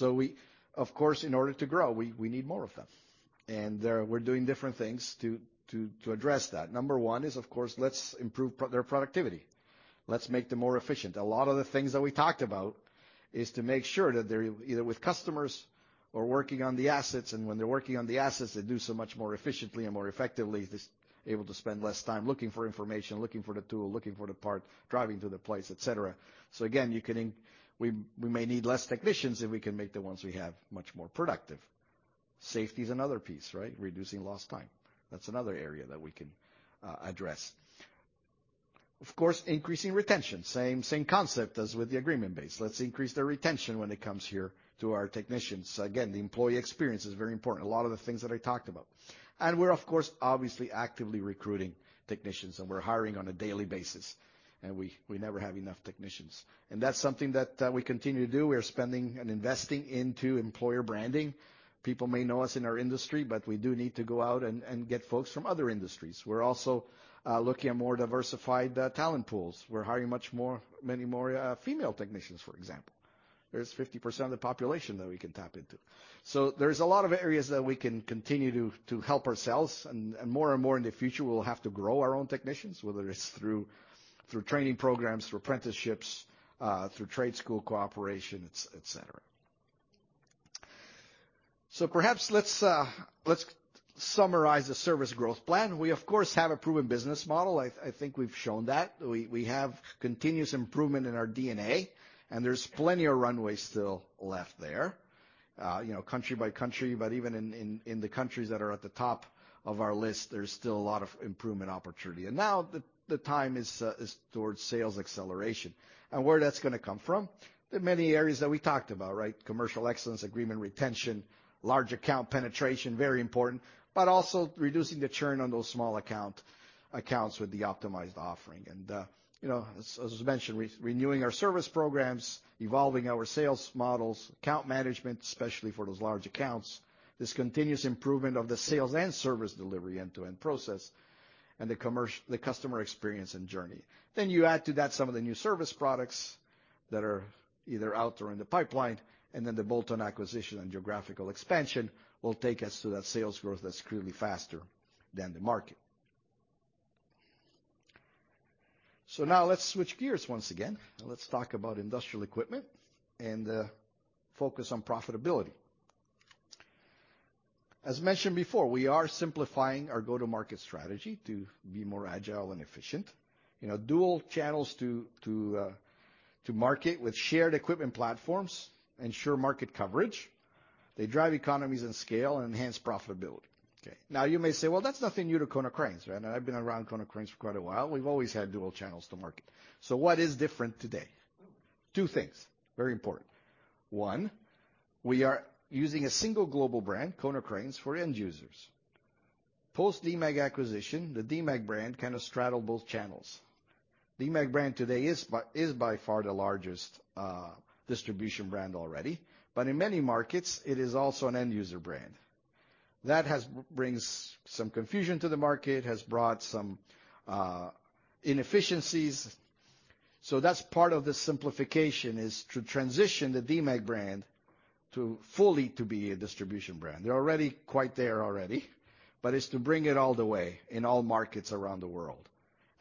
We, of course, in order to grow, we need more of them. We're doing different things to address that. Number one is, of course, let's improve their productivity. Let's make them more efficient. A lot of the things that we talked about is to make sure that they're either with customers or working on the assets, and when they're working on the assets, they do so much more efficiently and more effectively. Just able to spend less time looking for information, looking for the tool, looking for the part, driving to the place, et cetera. Again, you can we may need less technicians if we can make the ones we have much more productive. Safety is another piece, right? Reducing lost time, that's another area that we can address. Of course, increasing retention. Same concept as with the agreement base. Let's increase their retention when it comes here to our technicians. Again, the employee experience is very important, a lot of the things that I talked about. We're, of course, obviously actively recruiting technicians, and we're hiring on a daily basis, and we never have enough technicians. That's something that we continue to do. We are spending and investing into employer branding. People may know us in our industry, but we do need to go out and get folks from other industries. We're also looking at more diversified talent pools. We're hiring much more, many more female technicians, for example. There's 50% of the population that we can tap into. There's a lot of areas that we can continue to help ourselves and more and more in the future, we'll have to grow our own technicians, whether it's through training programs, through apprenticeships, through trade school cooperation, et cetera. Perhaps let's summarize the service growth plan. We of course, have a proven business model. I think we've shown that. We have continuous improvement in our DNA and there's plenty of runway still left there. you know, country by country, but even in, in the countries that are at the top of our list, there's still a lot of improvement opportunity. now the time is towards sales acceleration. Where that's gonna come from? The many areas that we talked about, right? Commercial excellence, agreement retention, large account penetration, very important, but also reducing the churn on those small accounts with the optimized offering. you know, as was mentioned, renewing our service programs, evolving our sales models, account management, especially for those large accounts. This continuous improvement of the sales and service delivery end-to-end process and the customer experience and journey. You add to that some of the new service products that are either out or in the pipeline, and the bolt-on acquisition and geographical expansion will take us to that sales growth that's clearly faster than the market. Now let's switch gears once again. Let's talk about Industrial Equipment and focus on profitability. As mentioned before, we are simplifying our go-to-market strategy to be more agile and efficient. You know, dual channels to market with shared equipment platforms ensure market coverage. They drive economies and scale and enhance profitability. Okay. Now you may say, "Well, that's nothing new to Konecranes," right? Now I've been around Konecranes for quite a while. We've always had dual channels to market. What is different today? Two things. Very important. One, we are using a single global brand, Konecranes, for end users. Post-Demag acquisition, the Demag brand kinda straddled both channels. Demag brand today is by far the largest, distribution brand already. In many markets it is also an end user brand. That brings some confusion to the market, has brought some inefficiencies. That's part of the simplification, is to transition the Demag brand to fully to be a distribution brand. They're already quite there already, but it's to bring it all the way in all markets around the world.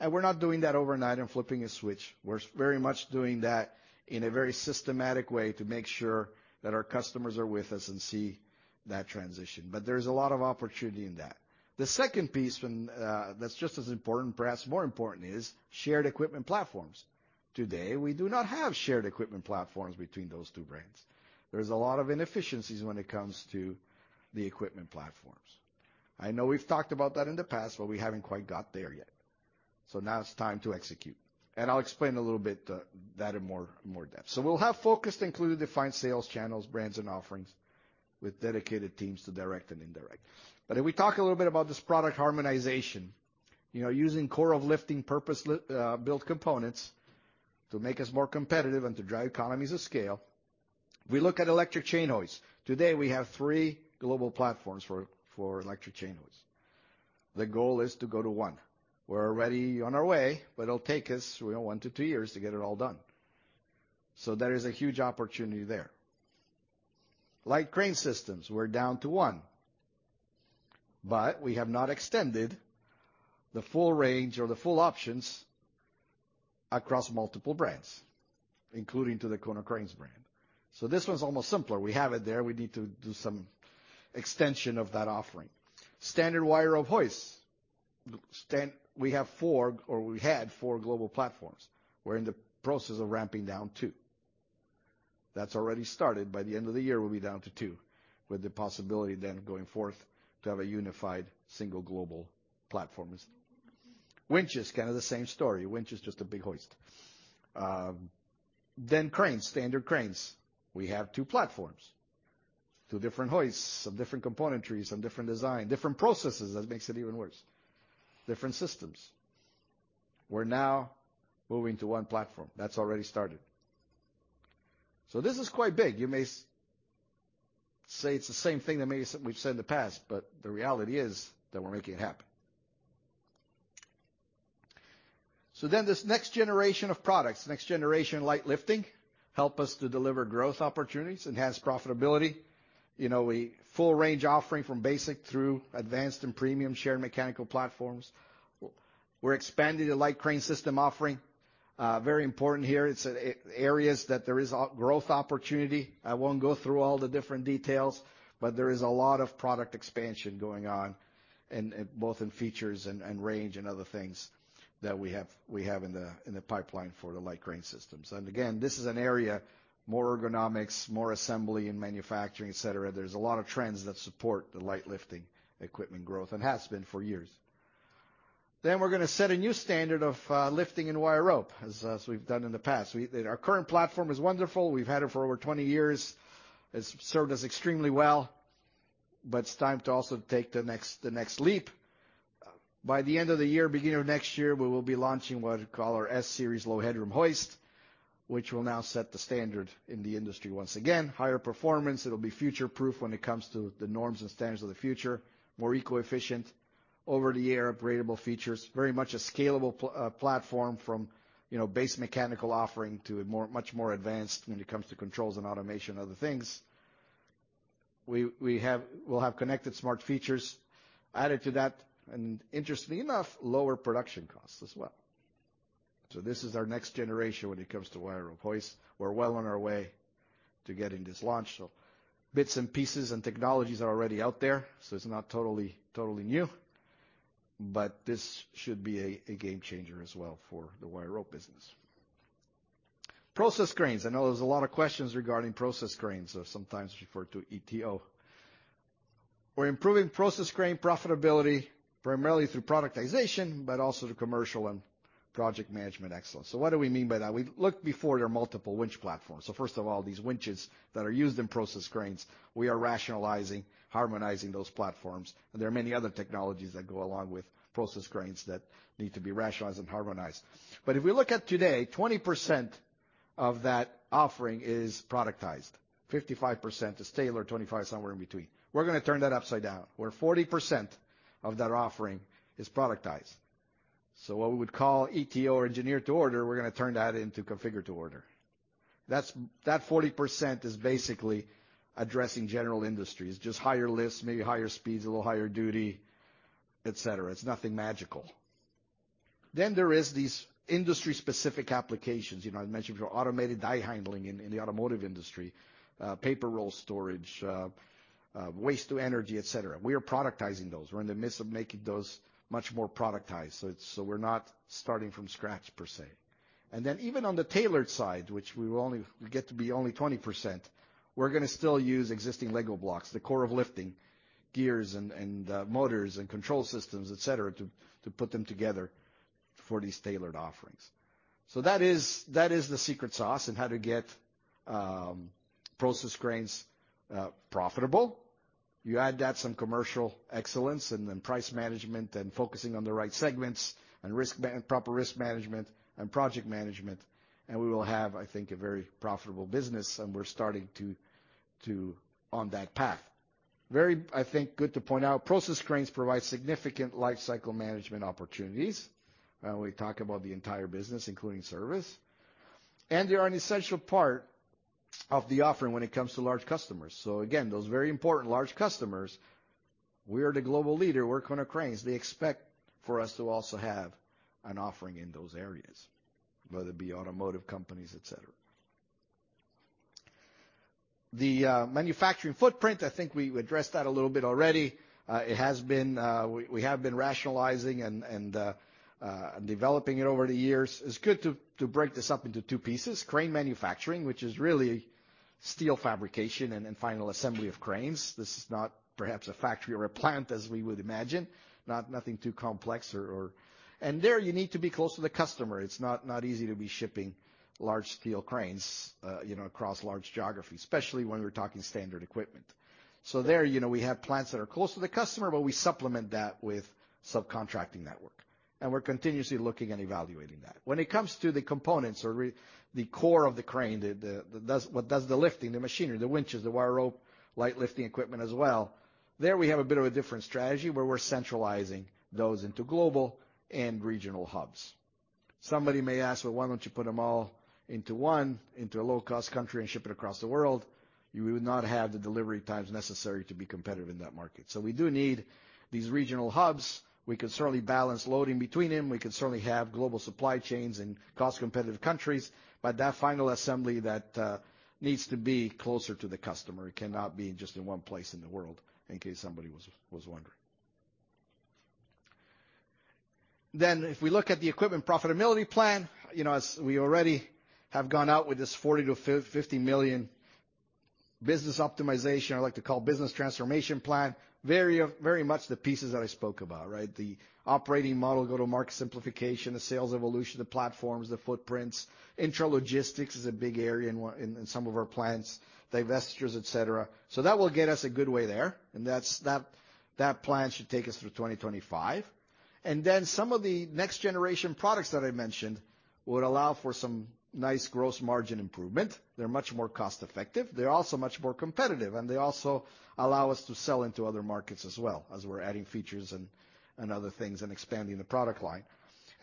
We're not doing that overnight and flipping a switch. We're very much doing that in a very systematic way to make sure that our customers are with us and see that transition. There's a lot of opportunity in that. The second piece when, that's just as important, perhaps more important, is shared equipment platforms. Today, we do not have shared equipment platforms between those two brands. There's a lot of inefficiencies when it comes to the equipment platforms. I know we've talked about that in the past, but we haven't quite got there yet. Now it's time to execute. I'll explain a little bit that in more depth. We'll have focused and clearly defined sales channels, brands and offerings with dedicated teams to direct and indirect. If we talk a little bit about this product harmonization, you know, using Core of Lifting purpose-built components to make us more competitive and to drive economies of scale, we look at electric chain hoists. Today we have three global platforms for electric chain hoists. The goal is to go to one. We're already on our way, it'll take us, you know, one to two years to get it all done. There is a huge opportunity there. Light crane systems, we're down to one, but we have not extended the full range or the full options across multiple brands, including to the Konecranes brand. This one's almost simpler. We have it there. We need to do some extension of that offering. Standard wire rope hoists. We have four, or we had four global platforms. We're in the process of ramping down two. That's already started. By the end of the year, we'll be down to two with the possibility then going forth to have a unified single global platform. Winch is kind of the same story. Winch is just a big hoist. Cranes, standard cranes. We have two platforms, two different hoists, some different componentry, some different design, different processes. That makes it even worse. Different systems. We're now moving to one platform. That's already started. This is quite big. You may say it's the same thing that we've said in the past, the reality is that we're making it happen. This next generation of products, next generation light lifting, help us to deliver growth opportunities, enhance profitability. You know, a full range offering from basic through advanced and premium shared mechanical platforms. We're expanding the light crane system offering. Very important here. It's areas that there is a growth opportunity. There is a lot of product expansion going on and, both in features and range and other things that we have in the pipeline for the light crane systems. Again, this is an area, more ergonomics, more assembly and manufacturing, et cetera. There's a lot of trends that support the light lifting equipment growth and has been for years. We're gonna set a new standard of lifting and wire rope, as we've done in the past. Our current platform is wonderful. We've had it for over 20 years. It's served us extremely well, but it's time to also take the next leap. By the end of the year, beginning of next year, we will be launching what we call our S-series low headroom hoist, which will now set the standard in the industry once again. Higher performance, it'll be future-proof when it comes to the norms and standards of the future. More eco-efficient. Over-the-air upgradable features. Very much a scalable platform from, you know, base mechanical offering to a more, much more advanced when it comes to controls and automation, other things. We'll have connected smart features added to that, and interestingly enough, lower production costs as well. This is our next generation when it comes to wire rope hoists. We're well on our way to getting this launched. Bits and pieces and technologies are already out there, so it's not totally new. This should be a game changer as well for the wire rope business. Process cranes. I know there's a lot of questions regarding process cranes, or sometimes referred to ETO. We're improving process crane profitability primarily through productization, but also through commercial and project management excellence. What do we mean by that? We look before their multiple winch platforms. First of all, these winches that are used in process cranes, we are rationalizing, harmonizing those platforms. There are many other technologies that go along with process cranes that need to be rationalized and harmonized. If we look at today, 20% of that offering is productized. 55% is tailored, 25% is somewhere in between. We're gonna turn that upside down, where 40% of that offering is productized. What we would call ETO or engineer to order, we're gonna turn that into configure to order. That's, that 40% is basically addressing general industries, just higher lifts, maybe higher speeds, a little higher duty, et cetera. It's nothing magical. There is these industry-specific applications. You know, I mentioned your automated die handling in the automotive industry, paper roll storage, waste to energy, et cetera. We are productizing those. We're in the midst of making those much more productized, so it's, so we're not starting from scratch per se. Even on the tailored side, which we will only get to be only 20%, we're gonna still use existing Lego blocks, the Core of Lifting gears and motors and control systems, et cetera, to put them together for these tailored offerings. That is, that is the secret sauce and how to get process cranes profitable. You add that, some commercial excellence and then price management and focusing on the right segments and proper risk management and project management, and we will have, I think, a very profitable business, and we're starting to on that path. Very, I think, good to point out. Process cranes provide significant lifecycle management opportunities when we talk about the entire business, including service. They are an essential part of the offering when it comes to large customers. Again, those very important large customers, we are the global leader, we're Konecranes. They expect for us to also have an offering in those areas, whether it be automotive companies, et cetera. The manufacturing footprint, I think we addressed that a little bit already. It has been, we have been rationalizing and developing it over the years. It's good to break this up into two pieces. Crane manufacturing, which is really steel fabrication and then final assembly of cranes. This is not perhaps a factory or a plant as we would imagine, nothing too complex or. There, you need to be close to the customer. It's not easy to be shipping large steel cranes, you know, across large geographies, especially when we're talking standard equipment. There, you know, we have plants that are close to the customer, but we supplement that with subcontracting network, and we're continuously looking and evaluating that. When it comes to the components or the core of the crane, that's what does the lifting, the machinery, the winches, the wire rope, light lifting equipment as well, there we have a bit of a different strategy where we're centralizing those into global and regional hubs. Somebody may ask, "Well, why don't you put them all into one, into a low-cost country and ship it across the world?" You would not have the delivery times necessary to be competitive in that market. We do need these regional hubs. We can certainly balance loading between them. We can certainly have global supply chains in cost-competitive countries. That final assembly, that needs to be closer to the customer, it cannot be just in one place in the world, in case somebody was wondering. If we look at the equipment profitability plan, you know, as we already have gone out with this 40 million-50 million business optimization, I like to call business transformation plan, very much the pieces that I spoke about, right? The operating model, go-to-market simplification, the sales evolution, the platforms, the footprints. Intralogistics is a big area in some of our plants. Divestitures, et cetera. That will get us a good way there. That's, that plan should take us through 2025. Then some of the next generation products that I mentioned would allow for some nice gross margin improvement. They're much more cost effective. They're also much more competitive, and they also allow us to sell into other markets as well as we're adding features and other things and expanding the product line.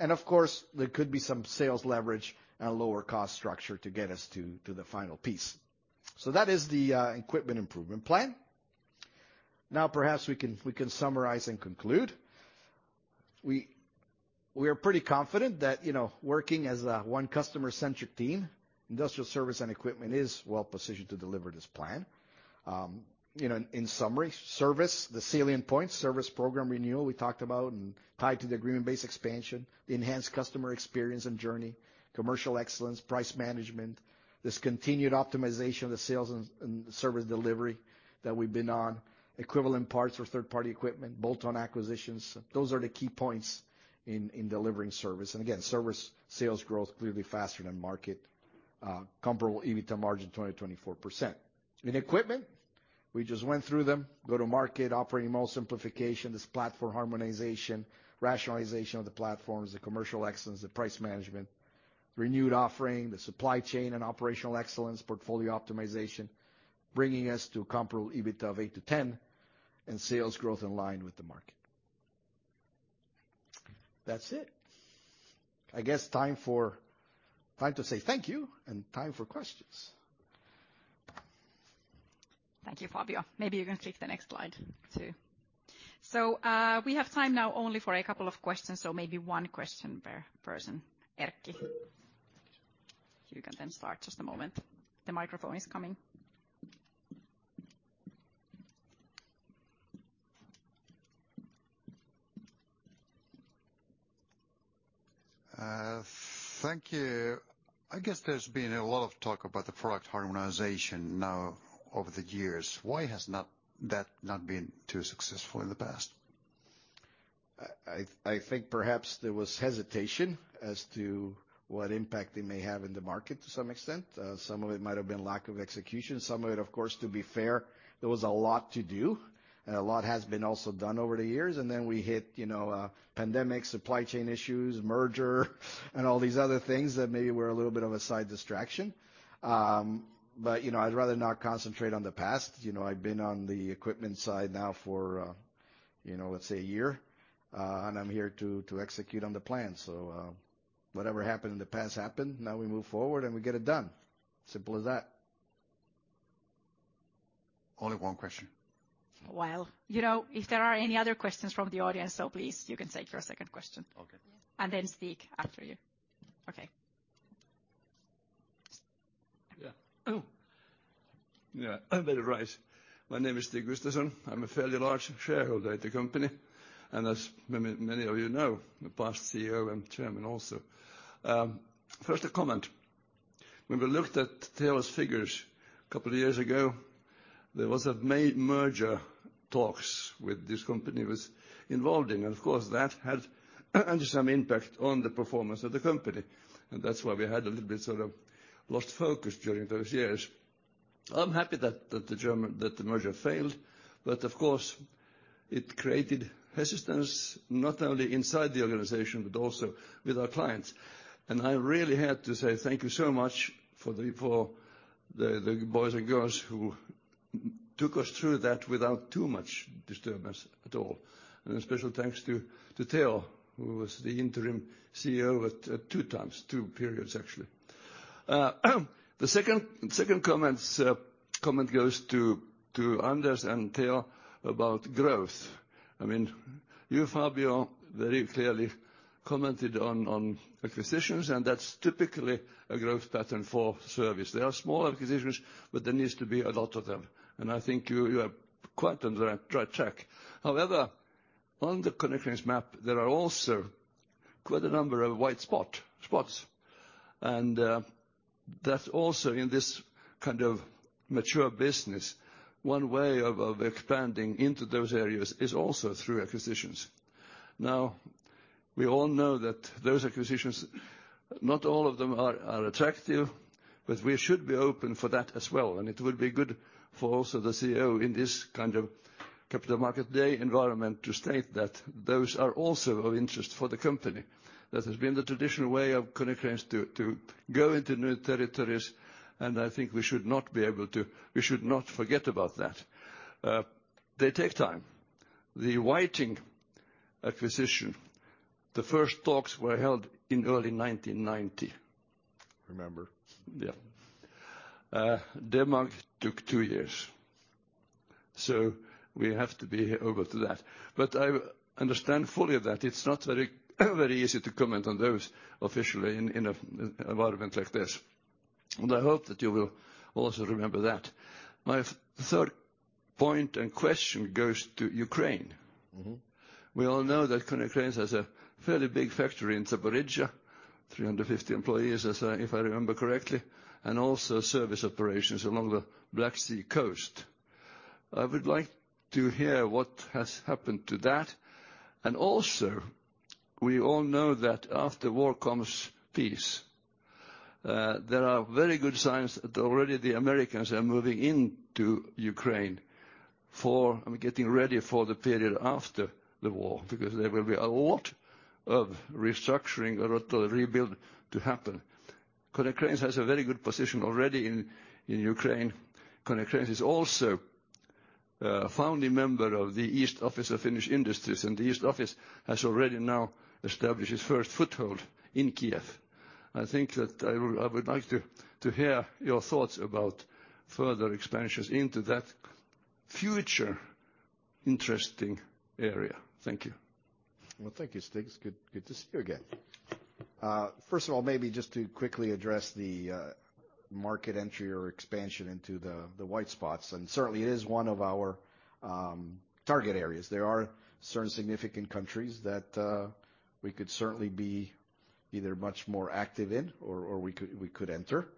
Of course, there could be some sales leverage and lower cost structure to get us to the final piece. That is the equipment improvement plan. Perhaps we can summarize and conclude. We are pretty confident that, you know, working as a one customer-centric team, Industrial Service and Equipment is well positioned to deliver this plan. You know, in summary, Service, the salient points, service program renewal we talked about and tied to the agreement-based expansion, the enhanced customer experience and journey, commercial excellence, price management, this continued optimization of the sales and service delivery that we've been on, equivalent parts for third-party equipment, bolt-on acquisitions. Those are the key points in delivering service. Again, service sales growth clearly faster than market, comparable EBITA margin 20%-24%. In equipment, we just went through them. Go-to-market, operating model simplification, this platform harmonization, rationalization of the platforms, the commercial excellence, the price management, renewed offering, the supply chain and operational excellence, portfolio optimization, bringing us to a comparable EBITA of 8%-10% and sales growth in line with the market. That's it. I guess time to say thank you, and time for questions. Thank you, Fabio. Maybe you can click the next slide, too. We have time now only for a couple of questions, so maybe one question per person. Erkki. You can then start. Just a moment. The microphone is coming. Thank you. I guess there's been a lot of talk about the product harmonization now over the years. Why has that not been too successful in the past? I think perhaps there was hesitation as to what impact it may have in the market to some extent. Some of it might have been lack of execution. Some of it, of course, to be fair, there was a lot to do, and a lot has been also done over the years. Then we hit, you know, pandemic, supply chain issues, merger and all these other things that maybe were a little bit of a side distraction. But, you know, I'd rather not concentrate on the past. You know, I've been on the equipment side now for, you know, let's say a year. And I'm here to execute on the plan. Whatever happened in the past happened. Now we move forward, and we get it done. Simple as that. Only one question? Well, you know, if there are any other questions from the audience, so please you can stay for a second question. Okay. Then, Stig, after you. Okay. Yeah. Oh. Yeah. I better rise. My name is Stig Gustavson. I'm a fairly large shareholder at the company, and as many of you know, the past CEO and Chairman also. First a comment. When we looked at Teo's figures a couple of years ago, there was a merger talks with this company was involving. Of course, that had under some impact on the performance of the company, and that's why we had a little bit sort of lost focus during those years. I'm happy that the merger failed, of course, it created resistance not only inside the organization, but also with our clients. I really had to say thank you so much for the boys and girls who took us through that without too much disturbance at all. A special thanks to Teo, who was the Interim CEO at two times, two periods, actually. The second comment goes to Anders and Teo about growth. I mean, you, Fabio, very clearly commented on acquisitions, and that's typically a growth pattern for service. There are small acquisitions, but there needs to be a lot of them. I think you are quite on the right track. However, on the Konecranes map, there are also quite a number of white spots. That's also in this kind of mature business, one way of expanding into those areas is also through acquisitions. Now, we all know that those acquisitions, not all of them are attractive, but we should be open for that as well. It would be good for also the CEO in this kind of Capital Market Day environment to state that those are also of interest for the company. That has been the traditional way of Konecranes to go into new territories, and I think we should not forget about that. They take time. The Whiting acquisition, the first talks were held in early 1990. I remember. Yeah. Demag took two years. We have to be open to that. I understand fully that it's not very, very easy to comment on those officially in a environment like this. I hope that you will also remember that. My third point and question goes to Ukraine. We all know that Konecranes has a fairly big factory in Zaporizhzhia, 350 employees, if I remember correctly, and also service operations along the Black Sea coast. I would like to hear what has happened to that. Also, we all know that after war comes peace. There are very good signs that already the Americans are moving into Ukraine for getting ready for the period after the war, because there will be a lot of restructuring or total rebuild to happen. Konecranes has a very good position already in Ukraine. Konecranes is also a founding member of the East Office of Finnish Industries. The East Office has already now established its first foothold in Kyiv. I think that I would like to hear your thoughts about further expansions into that future interesting area. Thank you. Well, thank you, Stig. It's good to see you again. First of all, maybe just to quickly address the market entry or expansion into the white spots, certainly it is one of our target areas. There are certain significant countries that we could certainly be either much more active in or we could enter.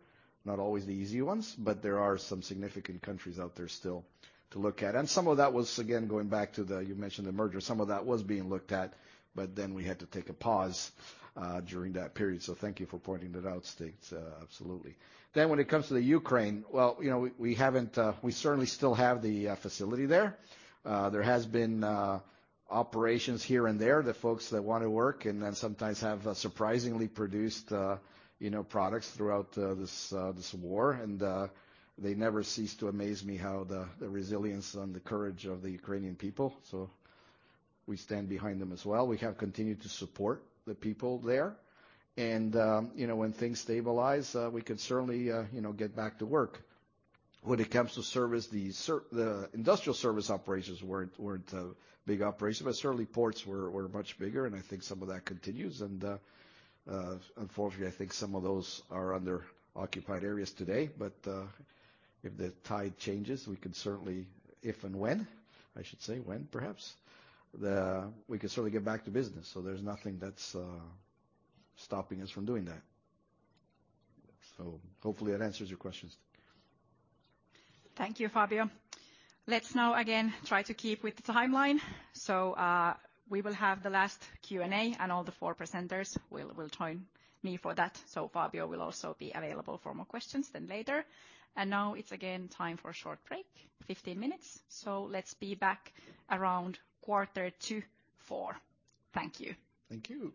Not always the easy ones, but there are some significant countries out there still to look at. Some of that was, again, going back to the, you mentioned the merger, some of that was being looked at, but then we had to take a pause during that period. Thank you for pointing that out, Stig. Absolutely. When it comes to the Ukraine, well, you know, we haven't, we certainly still have the facility there. There has been operations here and there, the folks that wanna work and then sometimes have surprisingly produced, you know, products throughout this war. They never cease to amaze me how the resilience and the courage of the Ukrainian people. We stand behind them as well. We have continued to support the people there. You know, when things stabilize, we can certainly, you know, get back to work. When it comes to service, the industrial service operations weren't a big operation, but certainly ports were much bigger, and I think some of that continues. Unfortunately, I think some of those are under occupied areas today. If the tide changes, we can certainly, if and when, I should say when perhaps, we can certainly get back to business. There's nothing that's stopping us from doing that. Hopefully that answers your questions. Thank you, Fabio. Let's now again try to keep with the timeline. We will have the last Q&A, and all the four presenters will join me for that. Fabio will also be available for more questions then later. Now it's again time for a short break, 15 minutes. Let's be back around quarter to four. Thank you. Thank you.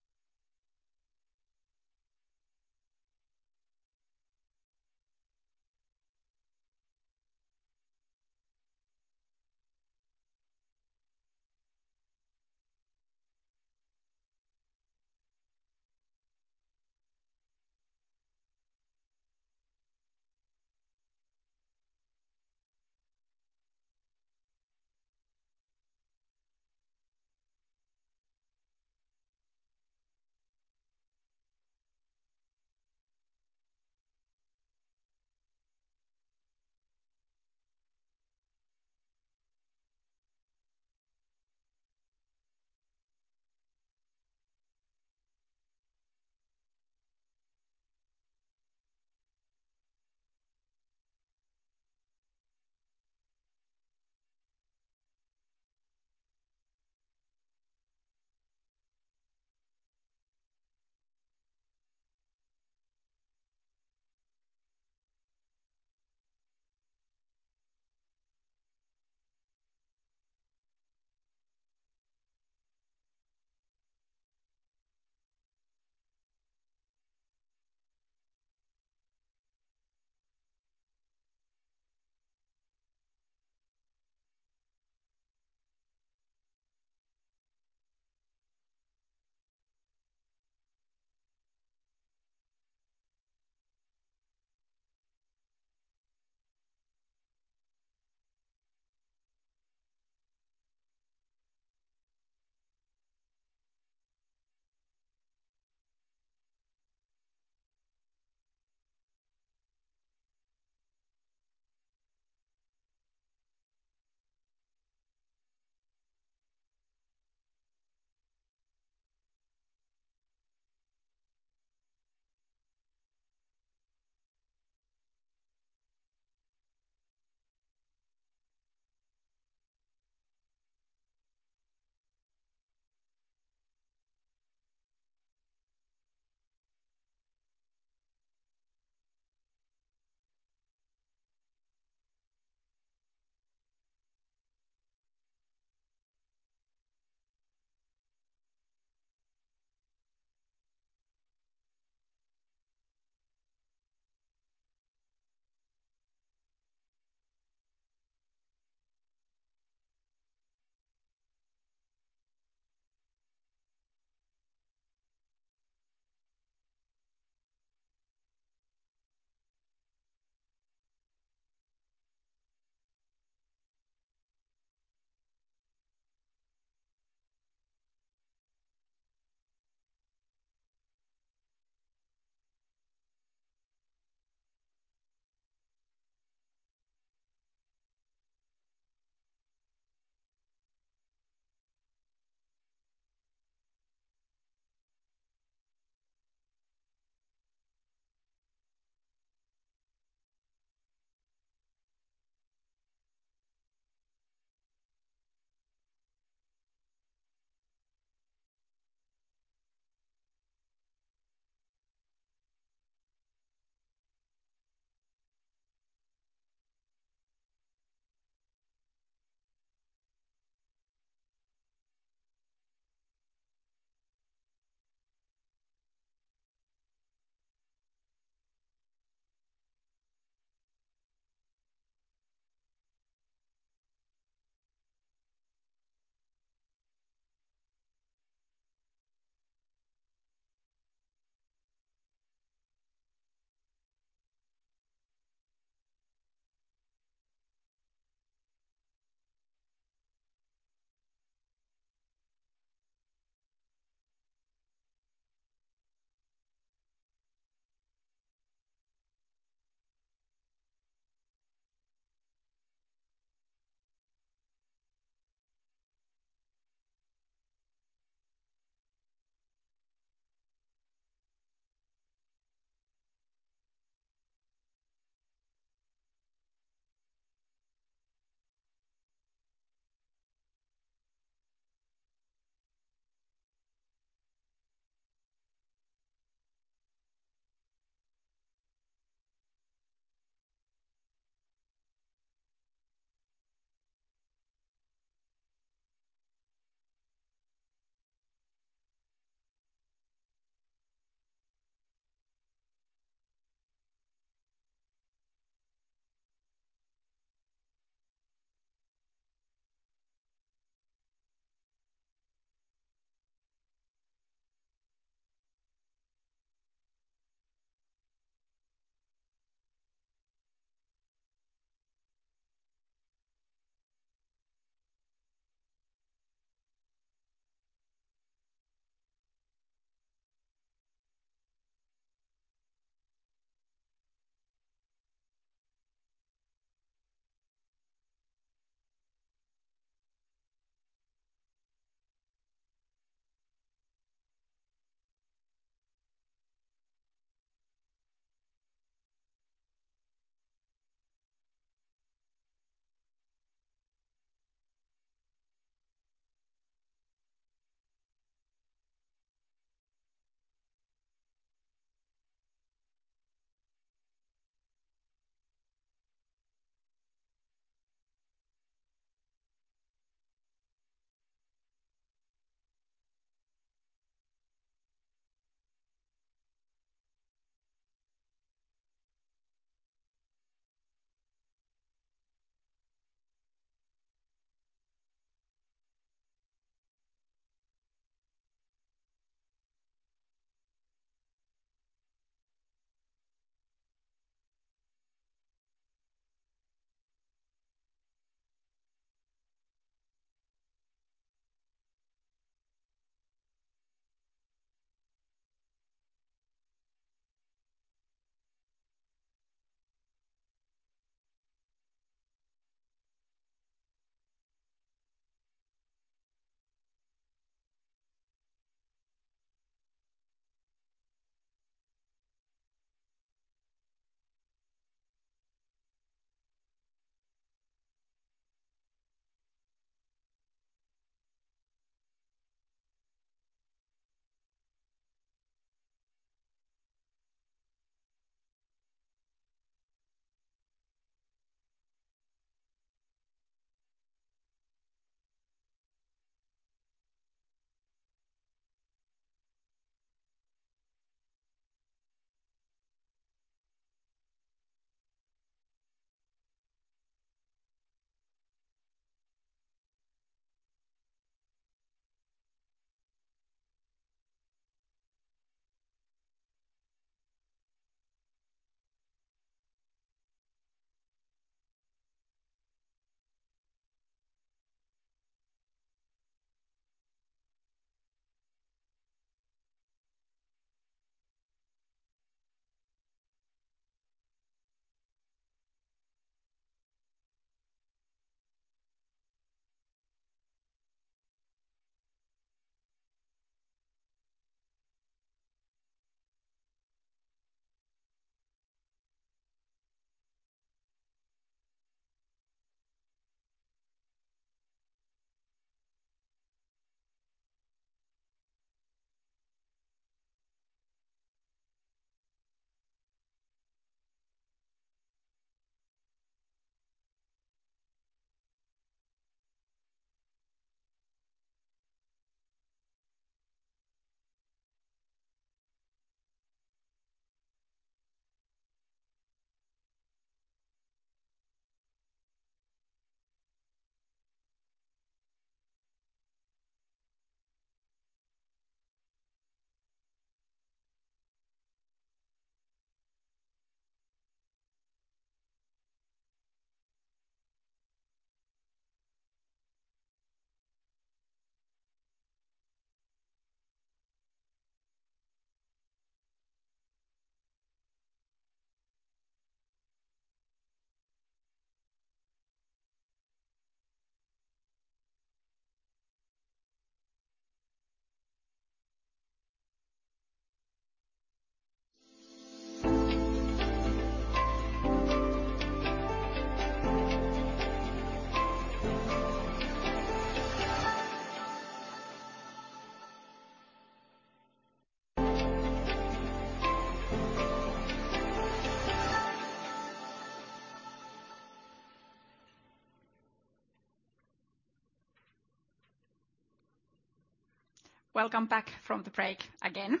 Welcome back from the break again.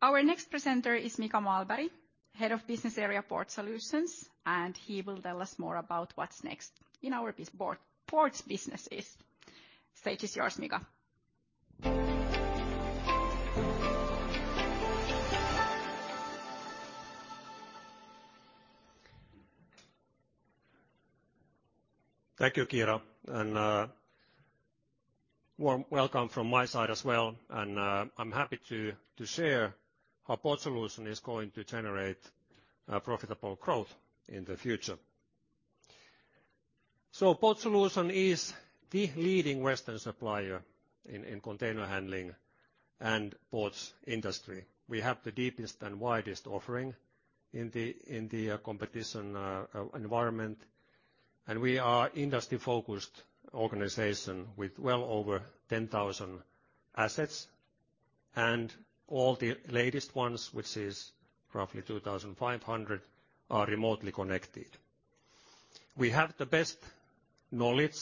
Our next presenter is Mika Mahlberg, Head of Business Area Port Solutions, and he will tell us more about what's next in our ports businesses. Stage is yours, Mika. Thank you, Kiira. Warm welcome from my side as well, and I'm happy to share how Port Solutions is going to generate profitable growth in the future. Port Solutions is the leading Western supplier in container handling and ports industry. We have the deepest and widest offering in the competition environment, and we are industry-focused organization with well over 10,000 assets. All the latest ones, which is roughly 2,500, are remotely connected. We have the best knowledge,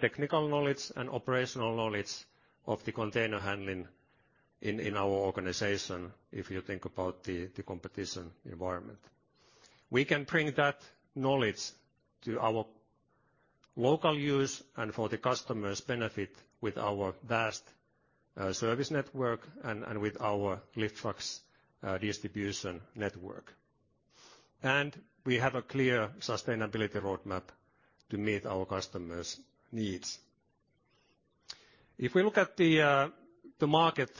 technical knowledge, and operational knowledge of the container handling in our organization, if you think about the competition environment. We can bring that knowledge to our local use and for the customer's benefit with our vast service network and with our lift truck's distribution network. We have a clear sustainability roadmap to meet our customers' needs. If we look at the market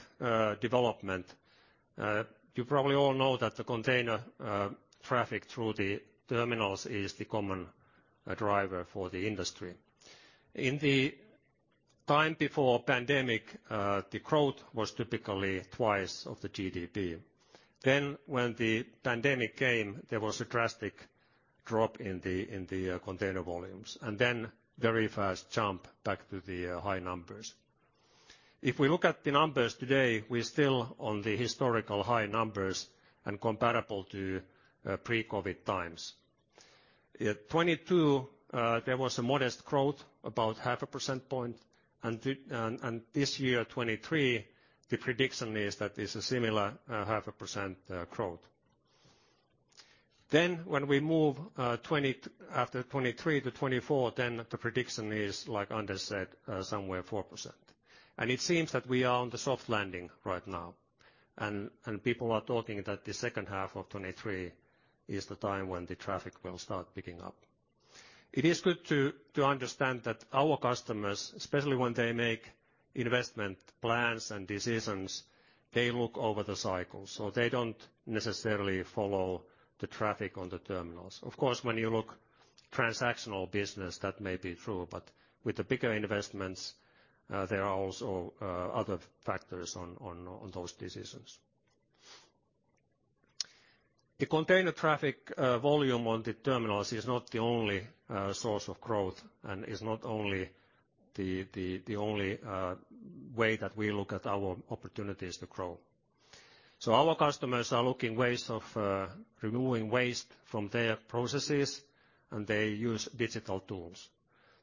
development, you probably all know that the container traffic through the terminals is the common driver for the industry. In the time before pandemic, the growth was typically twice of the GDP. When the pandemic came, there was a drastic drop in the container volumes, and then very fast jump back to the high numbers. If we look at the numbers today, we're still on the historical high numbers and comparable to pre-COVID times. In 2022, there was a modest growth, about half a percent point, and this year, 2023, the prediction is that it's a similar 0.5% growth. When we move after 2023 to 2024, the prediction is, like Anders said, somewhere 4%. It seems that we are on the soft landing right now, and people are talking that the second half of 2023 is the time when the traffic will start picking up. It is good to understand that our customers, especially when they make investment plans and decisions, they look over the cycle, so they don't necessarily follow the traffic on the terminals. Of course, when you look transactional business, that may be true, but with the bigger investments, there are also other factors on those decisions. The container traffic volume on the terminals is not the only source of growth and is not only the only way that we look at our opportunities to grow. Our customers are looking ways of removing waste from their processes, and they use digital tools.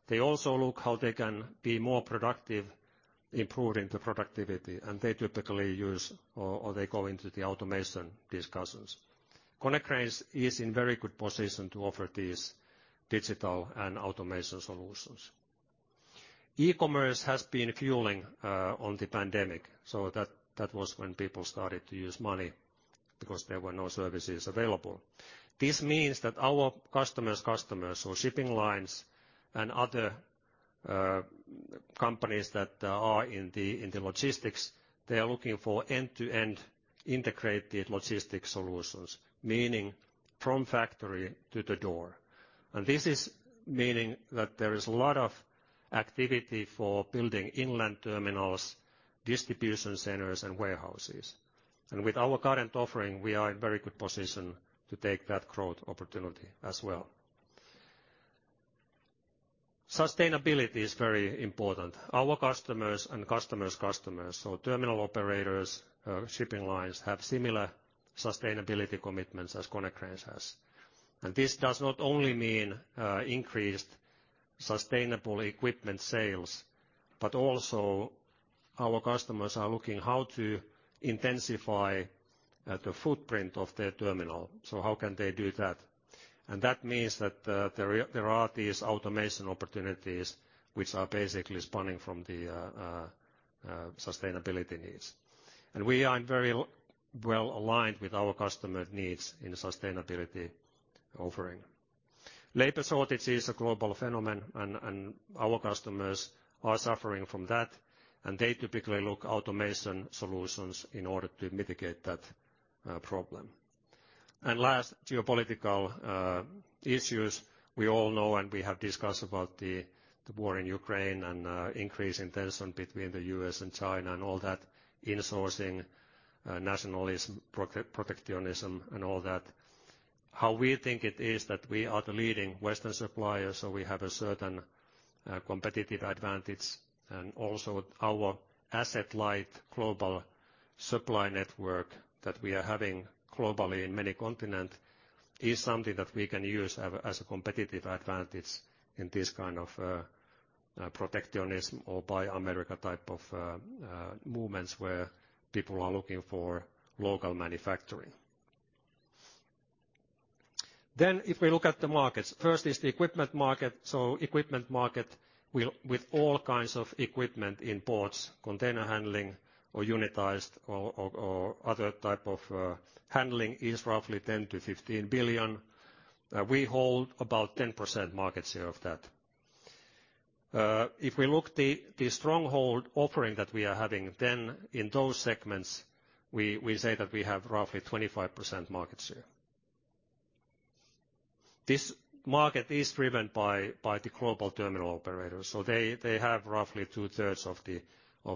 They also look how they can be more productive, improving the productivity, and they typically go into the automation discussions. Konecranes is in very good position to offer these digital and automation solutions. E-commerce has been fueling on the pandemic, so that was when people started to use money because there were no services available. This means that our customers' customers, so shipping lines and other companies that are in the logistics, they are looking for end-to-end integrated logistics solutions, meaning from factory to the door. This is meaning that there is a lot of activity for building inland terminals, distribution centers, and warehouses. With our current offering, we are in very good position to take that growth opportunity as well. Sustainability is very important. Our customers and customers' customers, so terminal operators, shipping lines, have similar sustainability commitments as Konecranes has. This does not only mean increased sustainable equipment sales, but also our customers are looking how to intensify the footprint of their terminal. So how can they do that? That means that there are these automation opportunities which are basically spawning from the sustainability needs. We are very well-aligned with our customer needs in sustainability offering. Labor shortage is a global phenomenon, and our customers are suffering from that, and they typically look automation solutions in order to mitigate that problem. Last, geopolitical issues. We all know and we have discussed about the war in Ukraine and increasing tension between the U.S. and China and all that insourcing, nationalism, protectionism, and all that. How we think it is that we are the leading Western supplier, so we have a certain competitive advantage. Also our asset-light global supply network that we are having globally in many continent is something that we can use as a competitive advantage in this kind of protectionism or buy America type of movements where people are looking for local manufacturing. If we look at the markets, first is the equipment market. Equipment market with all kinds of equipment in ports, container handling or unitized or other type of handling is roughly 10 billion-15 billion. We hold about 10% market share of that. If we look the stronghold offering that we are having, then in those segments, we say that we have roughly 25% market share. This market is driven by the global terminal operators. They have roughly two-thirds of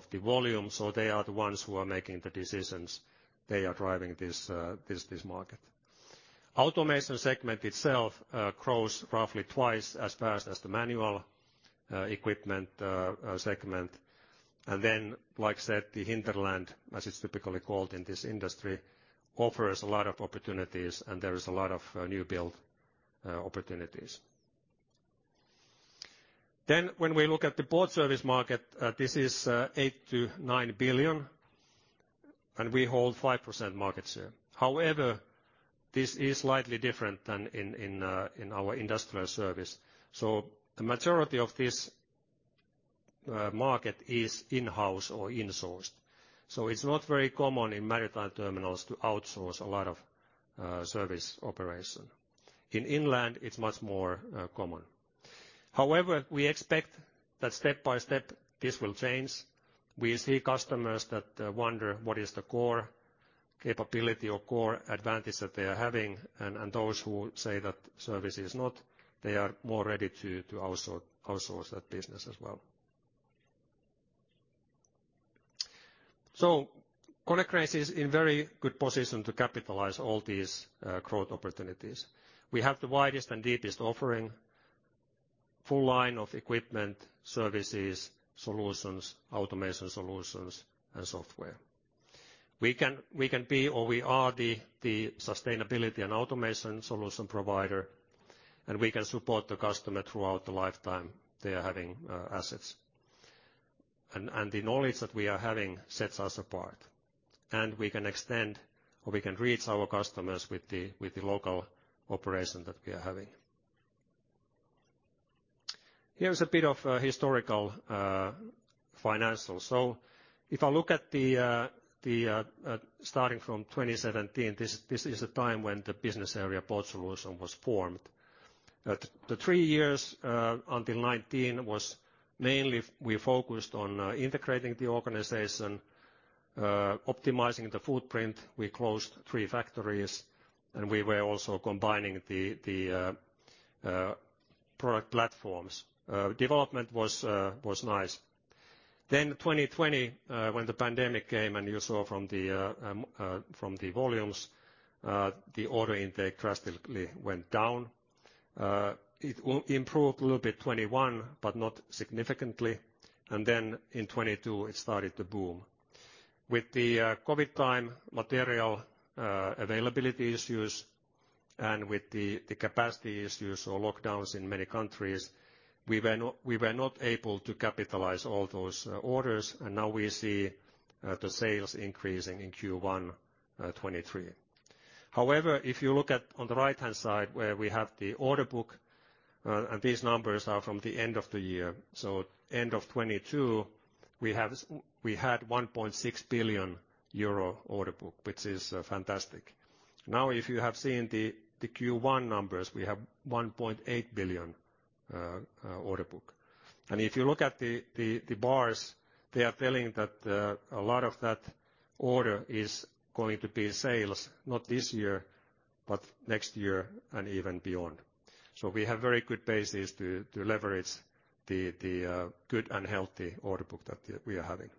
the volume, so they are the ones who are making the decisions. They are driving this market. Automation segment itself grows roughly twice as fast as the manual equipment segment. Like I said, the hinterland, as it's typically called in this industry, offers a lot of opportunities, and there is a lot of new build opportunities. When we look at the port service market, this is 8 billion-9 billion, and we hold 5% market share. However, this is slightly different than in our industrial service. The majority of this market is in-house or insourced. It's not very common in maritime terminals to outsource a lot of service operation. In inland, it's much more common. We expect that step by step this will change. We see customers that wonder what is the core capability or core advantage that they are having, and those who say that service is not, they are more ready to also outsource that business as well. Konecranes is in very good position to capitalize all these growth opportunities. We have the widest and deepest offering, full line of equipment, services, solutions, automation solutions and software. We are the sustainability and automation solution provider, and we can support the customer throughout the lifetime they are having assets. The knowledge that we are having sets us apart. We can extend or we can reach our customers with the local operation that we are having. Here is a bit of historical financials. If I look at the starting from 2017, this is a time when the business area Port Solution was formed. The three years until 2019 was mainly we focused on integrating the organization, optimizing the footprint. We closed three factories, and we were also combining the product platforms. Development was nice. In 2020, when the pandemic came and you saw from the volumes, the order intake drastically went down. It improved a little bit 2021, but not significantly. In 2022, it started to boom. With the COVID time material availability issues and with the capacity issues or lockdowns in many countries, we were not able to capitalize all those orders, and now we see the sales increasing in Q1 2023. However, if you look at on the right-hand side where we have the order book, and these numbers are from the end of the year. End of 2022, we had 1.6 billion euro order book, which is fantastic. Now if you have seen the Q1 numbers, we have 1.8 billion order book. If you look at the bars, they are telling that a lot of that order is going to be in sales, not this year, but next year and even beyond. We have very good basis to leverage the good and healthy order book that we are having.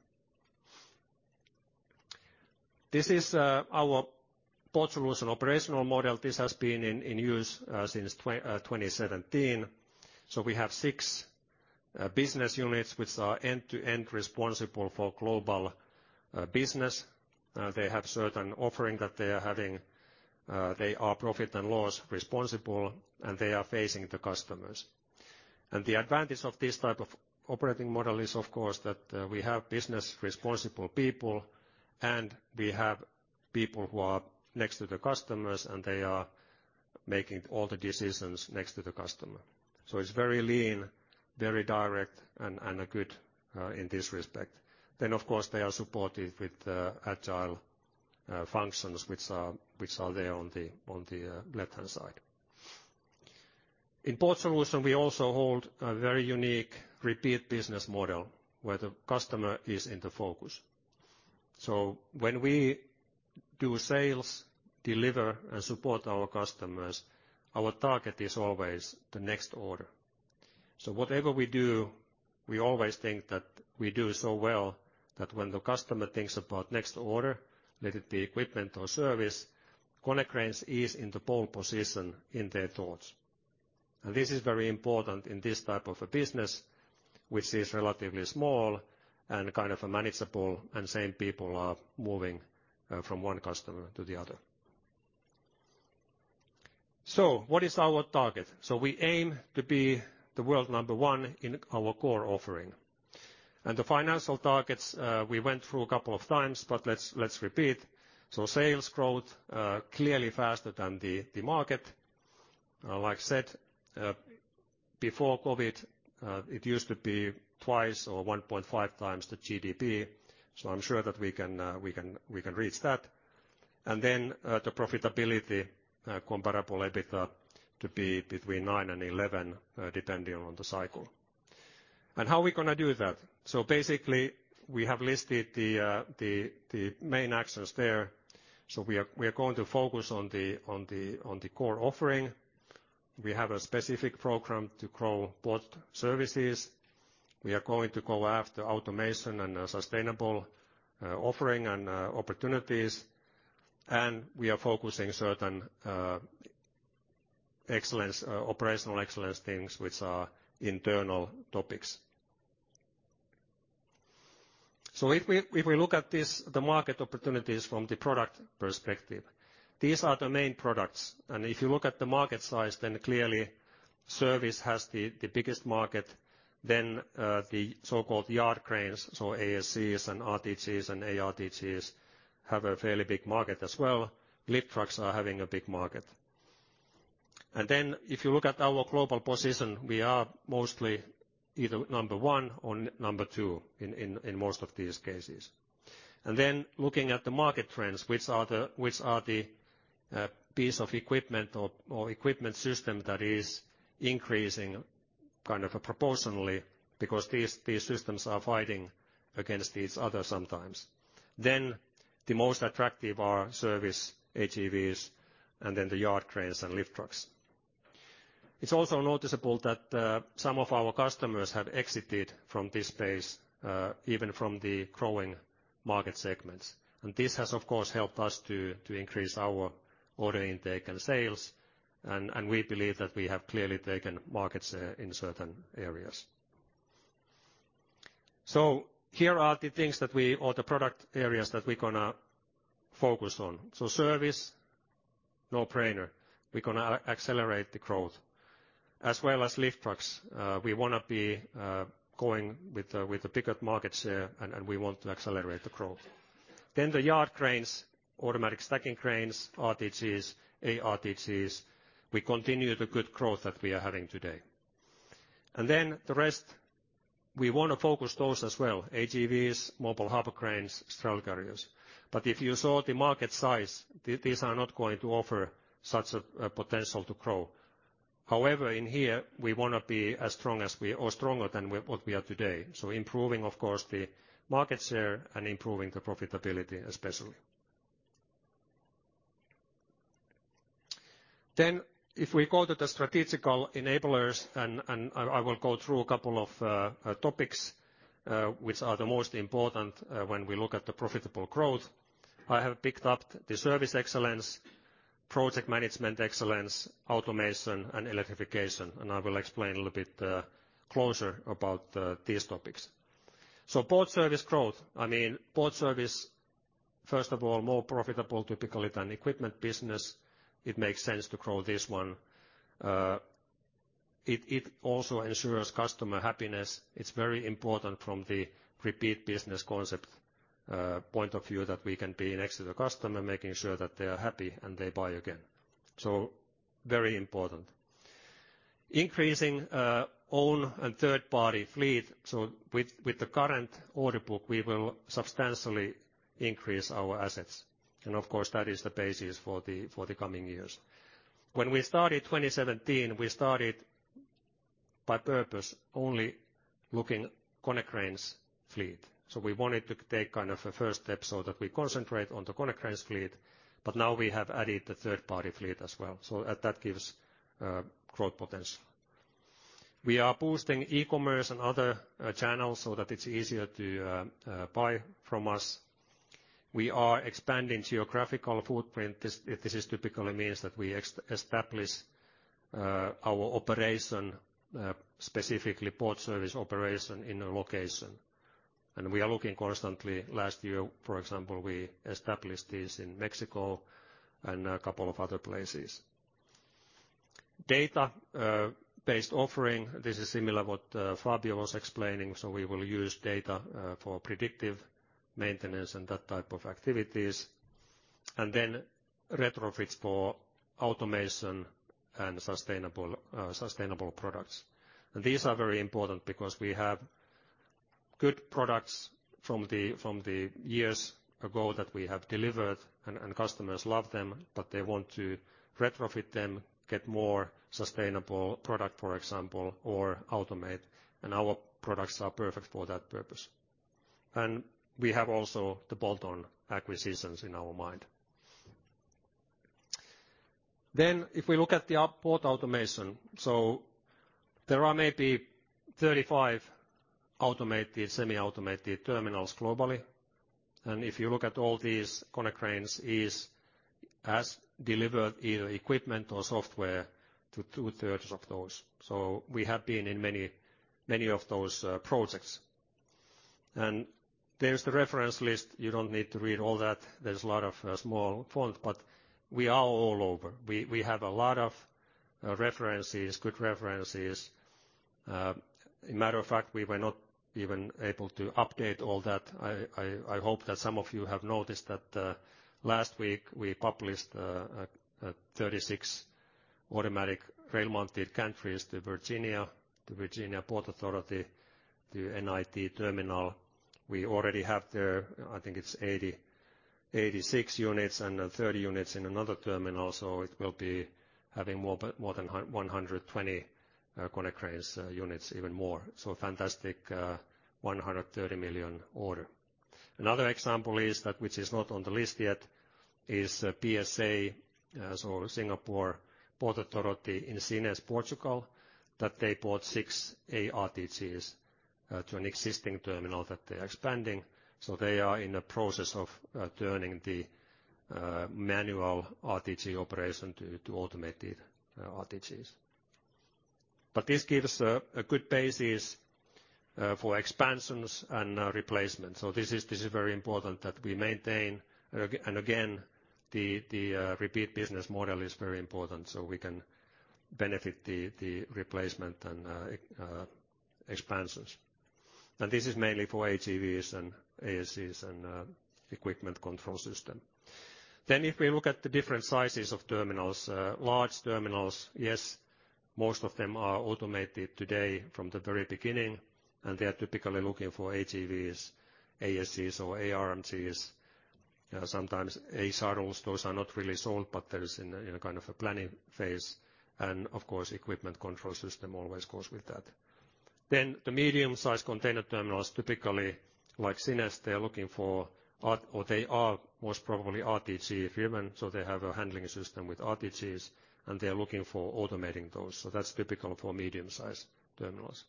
This is our Port Solutions operational model. This has been in use since 2017. We have six business units which are end-to-end responsible for global business. They have certain offering that they are having. They are profit and loss responsible, and they are facing the customers. The advantage of this type of operating model is, of course, that we have business responsible people, and we have people who are next to the customers, and they are making all the decisions next to the customer. It's very lean, very direct and good in this respect. Of course, they are supported with the agile functions which are, which are there on the, on the left-hand side. In Port Solutions, we also hold a very unique repeat business model where the customer is in the focus. When we do sales, deliver and support our customers, our target is always the next order. Whatever we do, we always think that we do so well that when the customer thinks about next order, let it be equipment or service, Konecranes is in the pole position in their thoughts. This is very important in this type of a business which is relatively small and kind of manageable, and same people are moving from one customer to the other. What is our target? We aim to be the world number one in our core offering. The financial targets we went through a couple of times, but let's repeat. Sales growth clearly faster than the market. Like I said, before COVID, it used to be twice or 1.5x the GDP. I'm sure that we can reach that. The profitability, comparable EBITDA to be between 9% and 11%, depending on the cycle. How are we gonna do that? Basically, we have listed the main actions there. We are going to focus on the core offering. We have a specific program to grow both services. We are going to go after automation and sustainable offering and opportunities. We are focusing certain excellence operational excellence things which are internal topics. If we look at this, the market opportunities from the product perspective, these are the main products. If you look at the market size, then clearly service has the biggest market then the so-called yard cranes. ASCs and RTGs and ARTGs have a fairly big market as well. Lift trucks are having a big market. If you look at our global position, we are mostly either number one or number two in most of these cases. Looking at the market trends, which are the piece of equipment or equipment system that is increasing kind of proportionally because these systems are fighting against each other sometimes. The most attractive are service AGVs and then the yard cranes and lift trucks. It's also noticeable that some of our customers have exited from this space, even from the growing market segments. This has, of course, helped us to increase our order intake and sales, and we believe that we have clearly taken markets in certain areas. Here are the things that we or the product areas that we're gonna focus on. Service, no-brainer. We're gonna accelerate the growth. As well as lift trucks. We wanna be going with the bigger markets here and we want to accelerate the growth. The yard cranes, automatic stacking cranes, RTGs, ARTGs, we continue the good growth that we are having today. The rest, we wanna focus those as well, AGVs, mobile harbor cranes, straddle carriers. If you saw the market size, these are not going to offer such a potential to grow. However, in here, we wanna be as strong as we or stronger than what we are today. Improving, of course, the market share and improving the profitability especially. If we go to the strategic enablers, and I will go through a couple of topics which are the most important when we look at the profitable growth. I have picked up the service excellence, project management excellence, automation and electrification, and I will explain a little bit closer about these topics. Port Service growth, I mean, Port Service, first of all, more profitable typically than Equipment business. It makes sense to grow this one. It also ensures customer happiness. It's very important from the repeat business concept point of view that we can be next to the customer, making sure that they are happy and they buy again. Very important. Increasing own and third-party fleet. With the current order book, we will substantially increase our assets. Of course, that is the basis for the coming years. When we started 2017, we started by purpose only looking Konecranes fleet. We wanted to take kind of a first step so that we concentrate on the Konecranes fleet, but now we have added the third-party fleet as well. That gives growth potential. We are boosting e-commerce and other channels so that it's easier to buy from us. We are expanding geographical footprint. This typically means that we establish our operation, specifically port service operation in a location. We are looking constantly. Last year, for example, we established this in Mexico and a couple of other places. Data based offering, this is similar what Fabio was explaining. We will use data for predictive maintenance and that type of activities. Retrofits for automation and sustainable products. These are very important because we have good products from the years ago that we have delivered and customers love them, but they want to retrofit them, get more sustainable product, for example, or automate. Our products are perfect for that purpose. We have also the bolt-on acquisitions in our mind. If we look at the up port automation. There are maybe 35 automated, semi-automated terminals globally. If you look at all these Konecranes has delivered either equipment or software to two-thirds of those. We have been in many of those projects. There's the reference list. You don't need to read all that. There's a lot of small font, but we are all over. We have a lot of references, good references. A matter of fact, we were not even able to update all that. I hope that some of you have noticed that last week we published 36 Automated Rail-Mounted Gantries to Virginia, to Virginia Port Authority, to NIT Terminal. We already have their, I think it's 86 units and 30 units in another terminal, it will be having more than 120 Konecranes units, even more. Fantastic, 130 million order. Another example is that which is not on the list yet is PSA, as well as Port of Singapore Authority in Sines, Portugal, that they bought 6 ARTGs to an existing terminal that they are expanding. They are in the process of turning the manual RTG operation to automated RTGs. This gives a good basis for expansions and replacement. This is very important that we maintain. Again, the repeat business model is very important, so we can benefit the replacement and expansions. This is mainly for AGVs and ASCs and equipment control system. If we look at the different sizes of terminals, large terminals, yes, most of them are automated today from the very beginning, and they are typically looking for AGVs, ASCs or ARMGs, sometimes ASARs. Those are not really sold, but there is in a kind of a planning phase. Of course, equipment control system always goes with that. The medium-sized container terminals, typically like Sines, they are looking for or they are most probably RTG-driven, so they have a handling system with RTGs, and they are looking for automating those. That's typical for medium-sized terminals.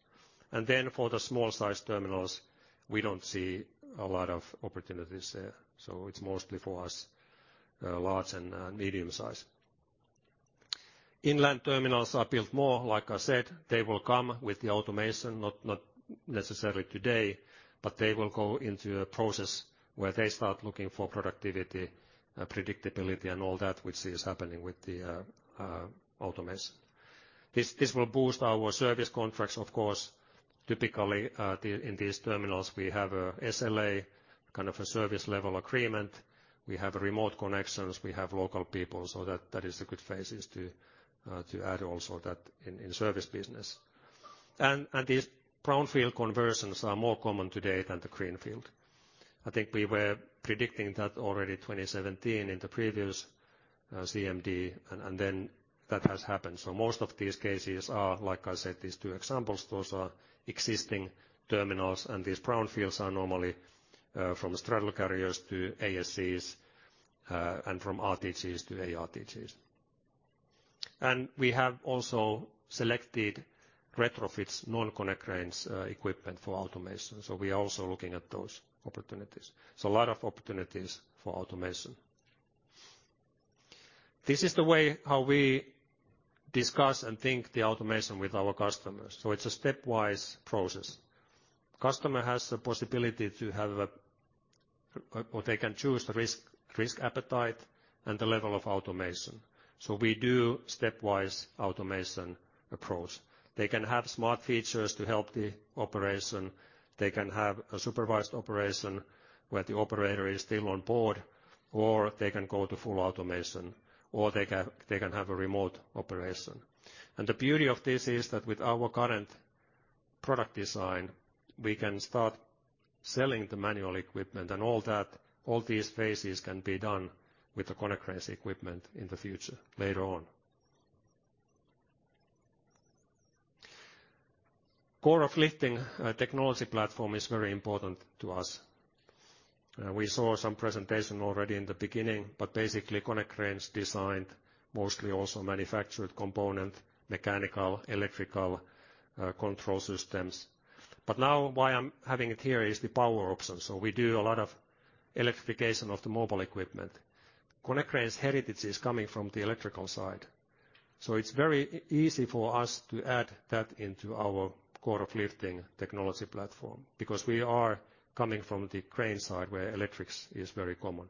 For the small-sized terminals, we don't see a lot of opportunities there. It's mostly for us, large and medium-sized. Inland terminals are built more. Like I said, they will come with the automation, not necessarily today, but they will go into a process where they start looking for productivity, predictability and all that which is happening with the automation. This will boost our service contracts, of course. Typically, in these terminals, we have a SLA, kind of a service level agreement. We have remote connections, we have local people, so that is a good phase to add also that in service business. These brownfield conversions are more common today than the greenfield. I think we were predicting that already in 2017 in the previous CMD, then that has happened. Most of these cases are, like I said, these two examples. Those are existing terminals, and these brownfields are normally from straddle carriers to ASCs, and from RTGs to ARTGs. We have also selected retrofits non-Konecranes equipment for automation, so we are also looking at those opportunities. A lot of opportunities for automation. This is the way how we discuss and think the automation with our customers, so it's a stepwise process. Customer has the possibility to have a— They can choose the risk appetite and the level of automation. We do stepwise automation approach. They can have smart features to help the operation. They can have a supervised operation where the operator is still on board, they can go to full automation, or they can have a remote operation. The beauty of this is that with our current product design, we can start selling the manual equipment and all that, all these phases can be done with the Konecranes equipment in the future later on. Core of Lifting technology platform is very important to us. We saw some presentation already in the beginning, basically Konecranes designed, mostly also manufactured component, mechanical, electrical, control systems. Now why I'm having it here is the power option. We do a lot of electrification of the mobile equipment. Konecranes heritage is coming from the electrical side. It's very easy for us to add that into our Core of Lifting technology platform because we are coming from the crane side where electrics is very common.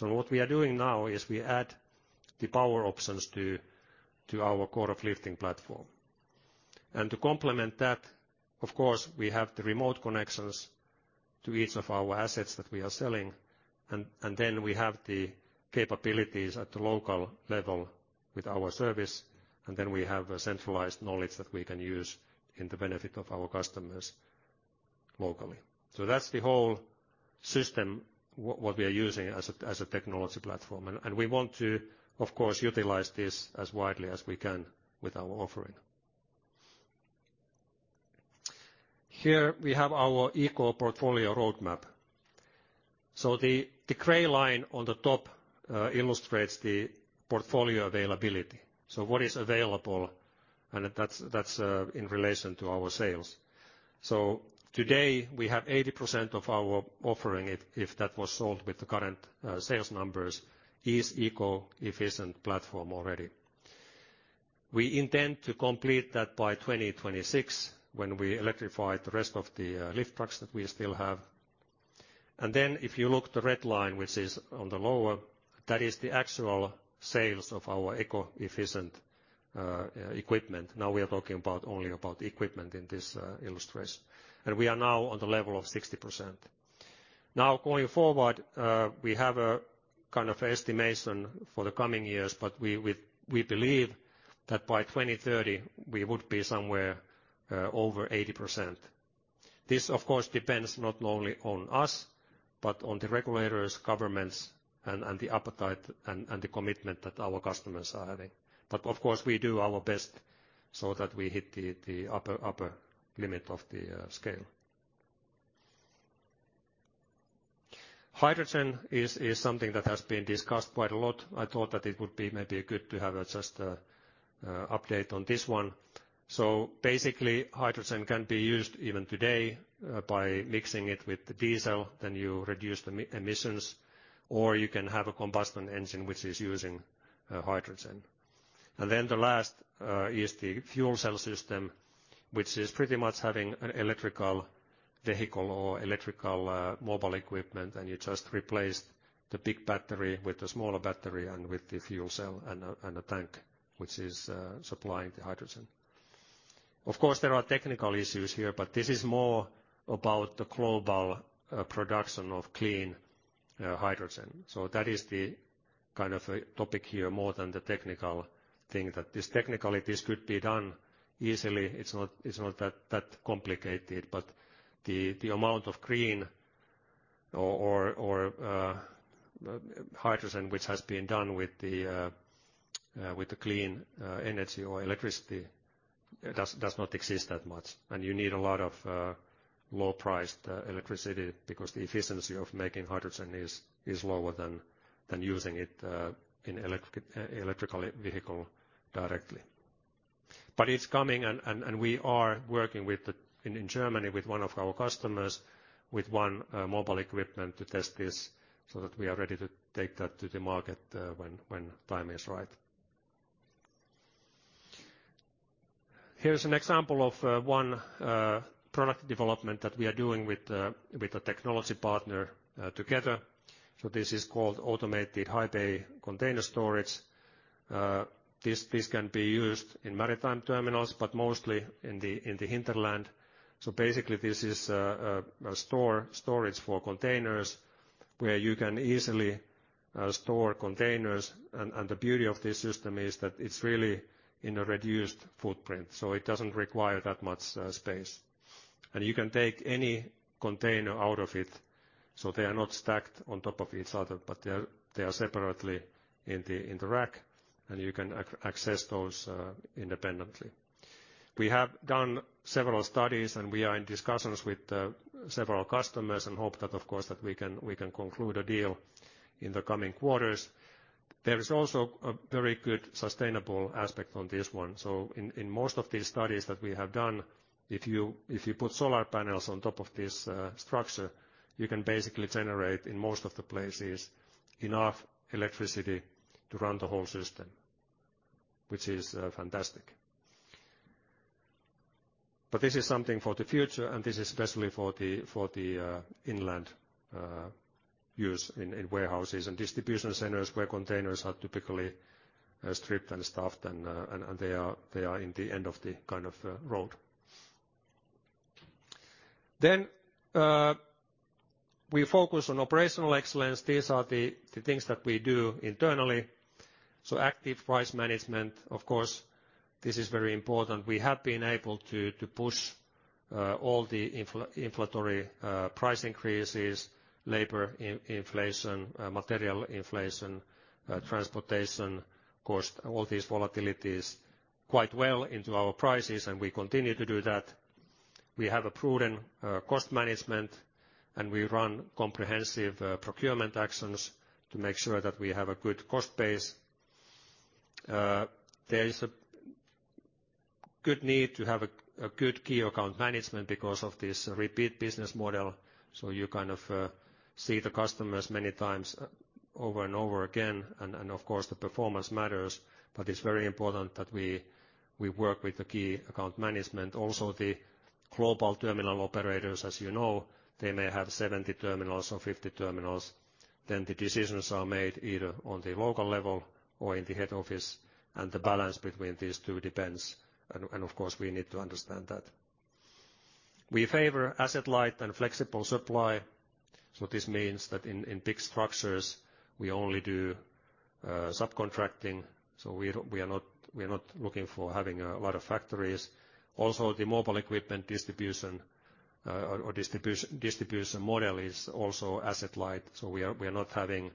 What we are doing now is we add the power options to our Core of Lifting platform. To complement that, of course, we have the remote connections to each of our assets that we are selling. Then we have the capabilities at the local level with our service, and then we have a centralized knowledge that we can use in the benefit of our customers locally. That's the whole system we are using as a technology platform. We want to, of course, utilize this as widely as we can with our offering. Here we have our eco-portfolio roadmap. The gray line on the top illustrates the portfolio availability. What is available, and that's in relation to our sales. Today we have 80% of our offering if that was sold with the current sales numbers, is eco-efficient platform already. We intend to complete that by 2026, when we electrify the rest of the lift trucks that we still have. If you look at the red line, which is on the lower, that is the actual sales of our eco-efficient equipment. We are talking about only about equipment in this illustration. We are now on the level of 60%. Going forward, we have a kind of estimation for the coming years, but we believe that by 2030 we would be somewhere over 80%. This, of course, depends not only on us, but on the regulators, governments and the appetite and the commitment that our customers are having. Of course, we do our best so that we hit the upper limit of the scale. Hydrogen is something that has been discussed quite a lot. I thought that it would be maybe good to have just a update on this one. Basically, hydrogen can be used even today by mixing it with diesel, then you reduce the emissions, or you can have a combustion engine which is using hydrogen. The last is the fuel cell system, which is pretty much having an electrical vehicle or electrical mobile equipment, and you just replace the big battery with a smaller battery and with the fuel cell and a tank which is supplying the hydrogen. Of course, there are technical issues here, but this is more about the global production of clean hydrogen. That is the kind of topic here more than the technical thing that is technical. It could be done easily. It's not that complicated, but the amount of green or hydrogen which has been done with the clean energy or electricity does not exist that much. You need a lot of low-priced electricity because the efficiency of making hydrogen is lower than using it in electrical vehicle directly. It's coming and we are working In Germany, with one of our customers, with 1 mobile equipment to test this so that we are ready to take that to the market when time is right. Here is an example of one product development that we are doing with a technology partner together. This is called Automated High-Bay Container Storage. This can be used in maritime terminals, but mostly in the hinterland. Basically this is a storage for containers where you can easily store containers. The beauty of this system is that it's really in a reduced footprint, so it doesn't require that much space. You can take any container out of it, so they are not stacked on top of each other, but they are separately in the rack, and you can access those independently. We have done several studies, and we are in discussions with several customers and hope that of course, that we can conclude a deal in the coming quarters. There is also a very good sustainable aspect on this one. In most of these studies that we have done, if you put solar panels on top of this structure, you can basically generate in most of the places enough electricity to run the whole system, which is fantastic. This is something for the future, and this is especially for the inland use in warehouses and distribution centers where containers are typically stripped and stuffed and they are in the end of the kind of road. We focus on operational excellence. These are the things that we do internally. Active price management, of course, this is very important. We have been able to push all the inflationary price increases, labor inflation, material inflation, transportation cost, all these volatilities quite well into our prices, and we continue to do that. We have a prudent cost management, and we run comprehensive procurement actions to make sure that we have a good cost base. There is a good need to have a good key account management because of this repeat business model. You kind of see the customers many times over and over again. Of course the performance matters, but it's very important that we work with the key account management. Also, the global terminal operators, as you know, they may have 70 terminals or 50 terminals. The decisions are made either on the local level or in the head office. The balance between these two depends. Of course, we need to understand that. We favor asset light and flexible supply. This means that in big structures, we only do subcontracting. We are not looking for having a lot of factories. The mobile equipment distribution or distribution model is also asset light. We are not having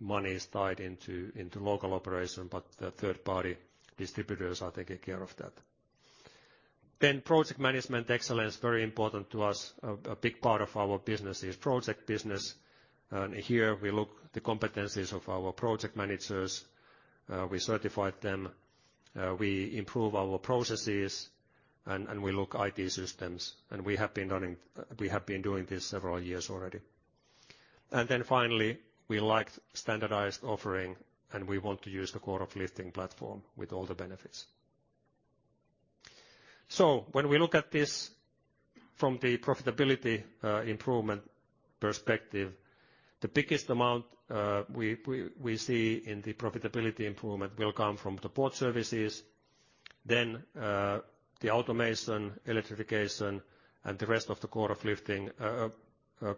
monies tied into local operation, but the third-party distributors are taking care of that. Project management excellence, very important to us. A big part of our business is project business, and here we look the competencies of our project managers. We certified them, we improve our processes and we look IT systems. We have been doing this several years already. Then finally, we liked standardized offering, and we want to use the Core of Lifting platform with all the benefits. When we look at this from the profitability improvement perspective, the biggest amount we see in the profitability improvement will come from the port services, then the automation, electrification, and the rest of the Core of Lifting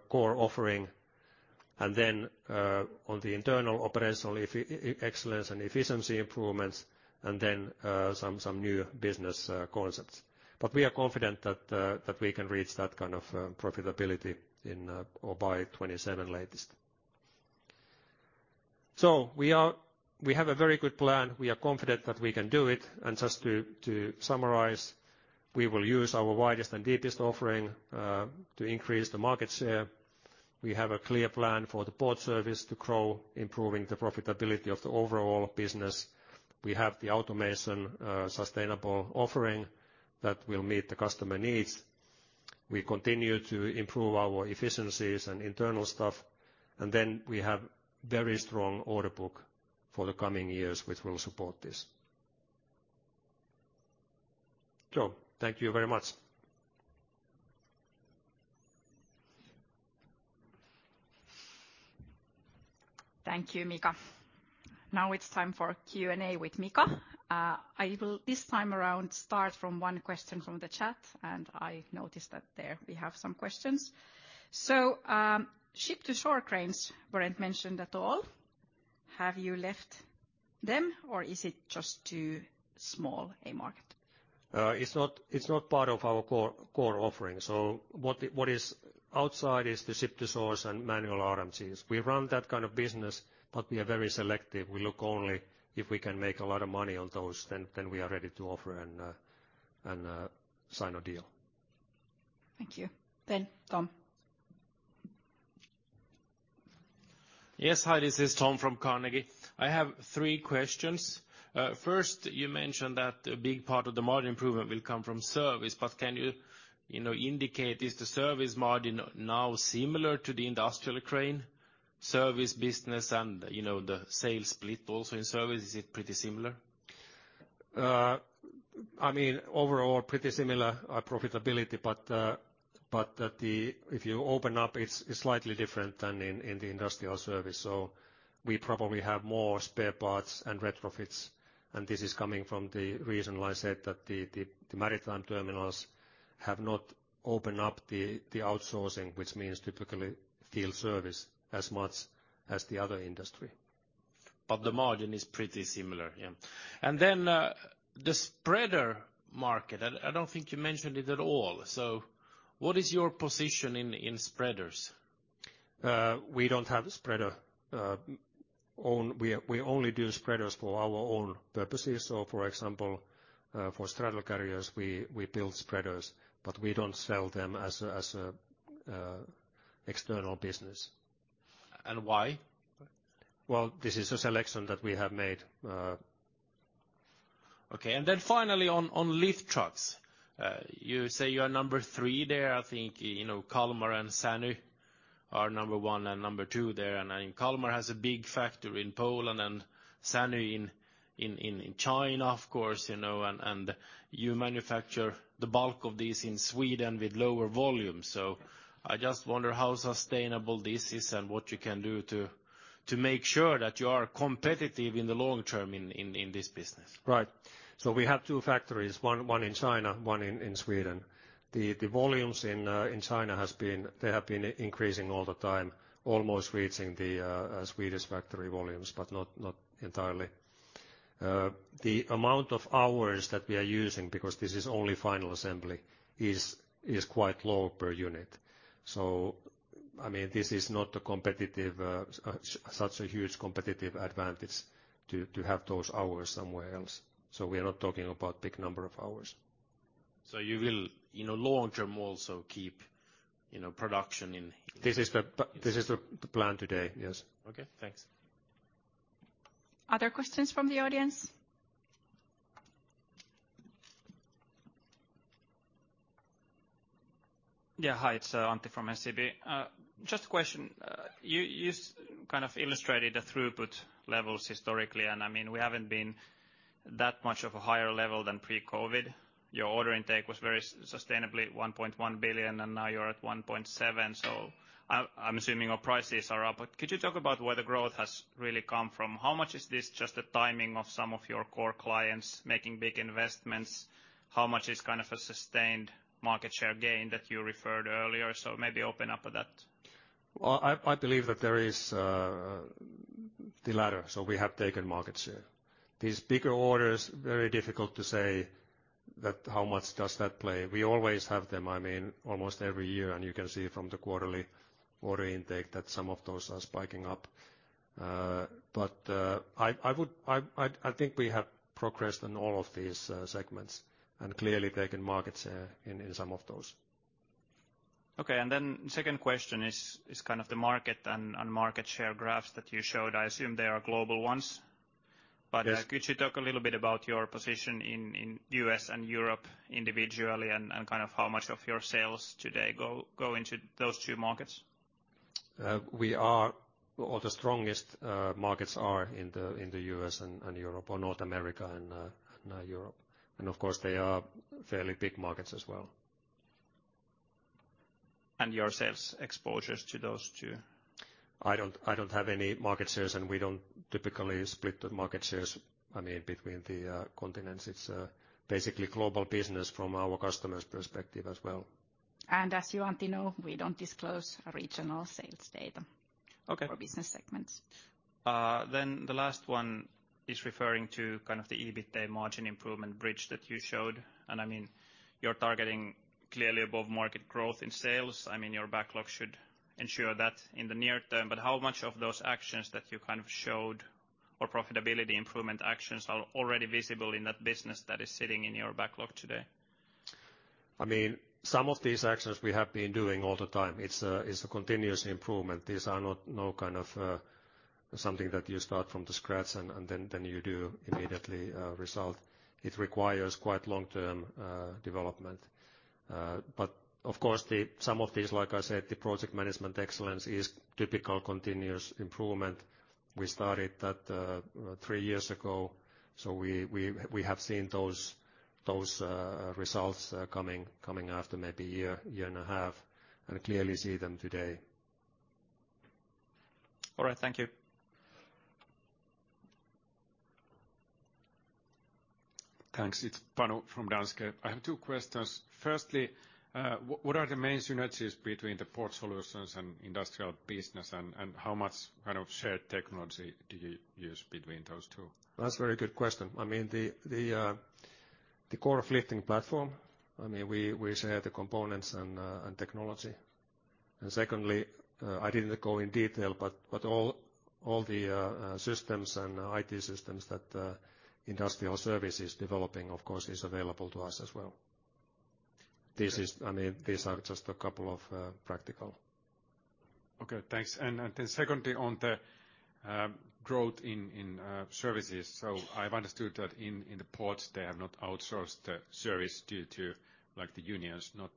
core offering. On the internal operational excellence and efficiency improvements, then some new business concepts. We are confident that we can reach that kind of profitability in or by 2027 latest. We have a very good plan. We are confident that we can do it. Just to summarize, we will use our widest and deepest offering to increase the market share. We have a clear plan for the port service to grow, improving the profitability of the overall business. We have the automation, sustainable offering that will meet the customer needs. We continue to improve our efficiencies and internal stuff. We have very strong order book for the coming years, which will support this. Thank you very much. Thank you, Mika. Now it's time for Q&A with Mika. I will, this time around, start from one question from the chat, and I noticed that there we have some questions. Ship-to-Shore cranes weren't mentioned at all. Have you left them, or is it just too small a market? It's not part of our core offering. What is outside is the Ship-to-Shore and manual RMGs. We run that kind of business, but we are very selective. We look only if we can make a lot of money on those, then we are ready to offer and sign a deal. Thank you. Tom. Yes. Hi, this is Tom from Carnegie. I have three questions. First, you mentioned that a big part of the margin improvement will come from service, but can you know, indicate, is the service margin now similar to the industrial crane service business and, you know, the sales split also in service? Is it pretty similar? I mean, overall pretty similar profitability, but if you open up, it's slightly different than in the industrial service. We probably have more spare parts and retrofits, and this is coming from the reason why I said that the maritime terminals have not opened up the outsourcing, which means typically field service as much as the other industry. The margin is pretty similar, yeah. The spreader market, I don't think you mentioned it at all. What is your position in spreaders? We don't have spreader own. We only do spreaders for our own purposes. For example, for straddle carriers, we build spreaders, but we don't sell them as a external business. Why? Well, this is a selection that we have made. Okay. Finally on lift trucks, you say you are number three there. I think, you know, Kalmar and SANY are number one and number two there. I think Kalmar has a big factory in Poland and SANY in China, of course, you know, and you manufacture the bulk of these in Sweden with lower volume. I just wonder how sustainable this is and what you can do to make sure that you are competitive in the long term in this business. Right. We have two factories, one in China, one in Sweden. The volumes in China, they have been increasing all the time, almost reaching the Swedish factory volumes, but not entirely. The amount of hours that we are using, because this is only final assembly, is quite low per unit. I mean, this is not a competitive such a huge competitive advantage to have those hours somewhere else. We are not talking about big number of hours. You will, in the long term, also keep, you know, production. This is the plan today. Yes. Okay. Thanks. Other questions from the audience? Hi, it's Antti from SEB. Just a question. You kind of illustrated the throughput levels historically, I mean, we haven't been that much of a higher level than pre-COVID. Your order intake was very sustainably 1.1 billion, and now you're at 1.7 billion. I'm assuming your prices are up. Could you talk about where the growth has really come from? How much is this just the timing of some of your core clients making big investments? How much is kind of a sustained market share gain that you referred earlier? Maybe open up on that. Well, I believe that there is the latter. We have taken market share. These bigger orders, very difficult to say that how much does that play. We always have them, I mean, almost every year, and you can see from the quarterly order intake that some of those are spiking up. I would, I think we have progressed on all of these segments and clearly taken market share in some of those. Okay. Second question is kind of the market and market share graphs that you showed, I assume they are global ones. Could you talk a little bit about your position in U.S. and Europe individually and kind of how much of your sales today go into those two markets? All the strongest markets are in the U.S. and Europe, or North America and Europe. Of course they are fairly big markets as well. Your sales exposures to those two? I don't have any market shares, and we don't typically split the market shares, I mean, between the continents. It's basically global business from our customers' perspective as well. As you, Antti, know, we don't disclose regional sales data of business segments. The last one is referring to kind of the EBITA margin improvement bridge that you showed. I mean, you're targeting clearly above market growth in sales. I mean, your backlog should ensure that in the near term. How much of those actions that you kind of showed or profitability improvement actions are already visible in that business that is sitting in your backlog today? I mean, some of these actions we have been doing all the time. It's a continuous improvement. These are not, no kind of, something that you start from the scratch and then you do immediately result. It requires quite long-term development. Of course the, some of these, like I said, the project management excellence is typical continuous improvement. We started that, three years ago, so we have seen those results coming after maybe a year and a half, and clearly see them today. All right. Thank you. Thanks. It's Panu from Danske. I have two questions. Firstly, what are the main synergies between the Port Solutions and Industrial business and how much, kind of, shared technology do you use between those two? That's a very good question. I mean the Core of Lifting platform, I mean, we share the components and technology. Secondly, I didn't go in detail, but all the systems and IT systems that Industrial Services is developing of course is available to us as well. This is, I mean, these are just a couple of practical. Okay, thanks. Then secondly on the growth in services. I've understood that in the ports, they have not outsourced the service due to like the unions not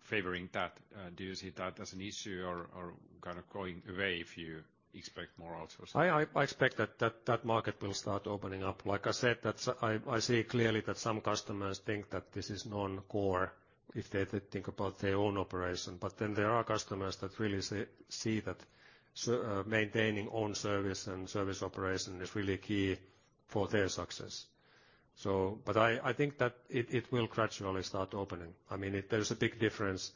favoring that. Do you see that as an issue or kind of going away if you expect more outsource? I expect that market will start opening up. Like I said, that's I see clearly that some customers think that this is non-core if they think about their own operation. There are customers that really see that maintaining own service and service operation is really key for their success. I think that it will gradually start opening. I mean, it, there's a big difference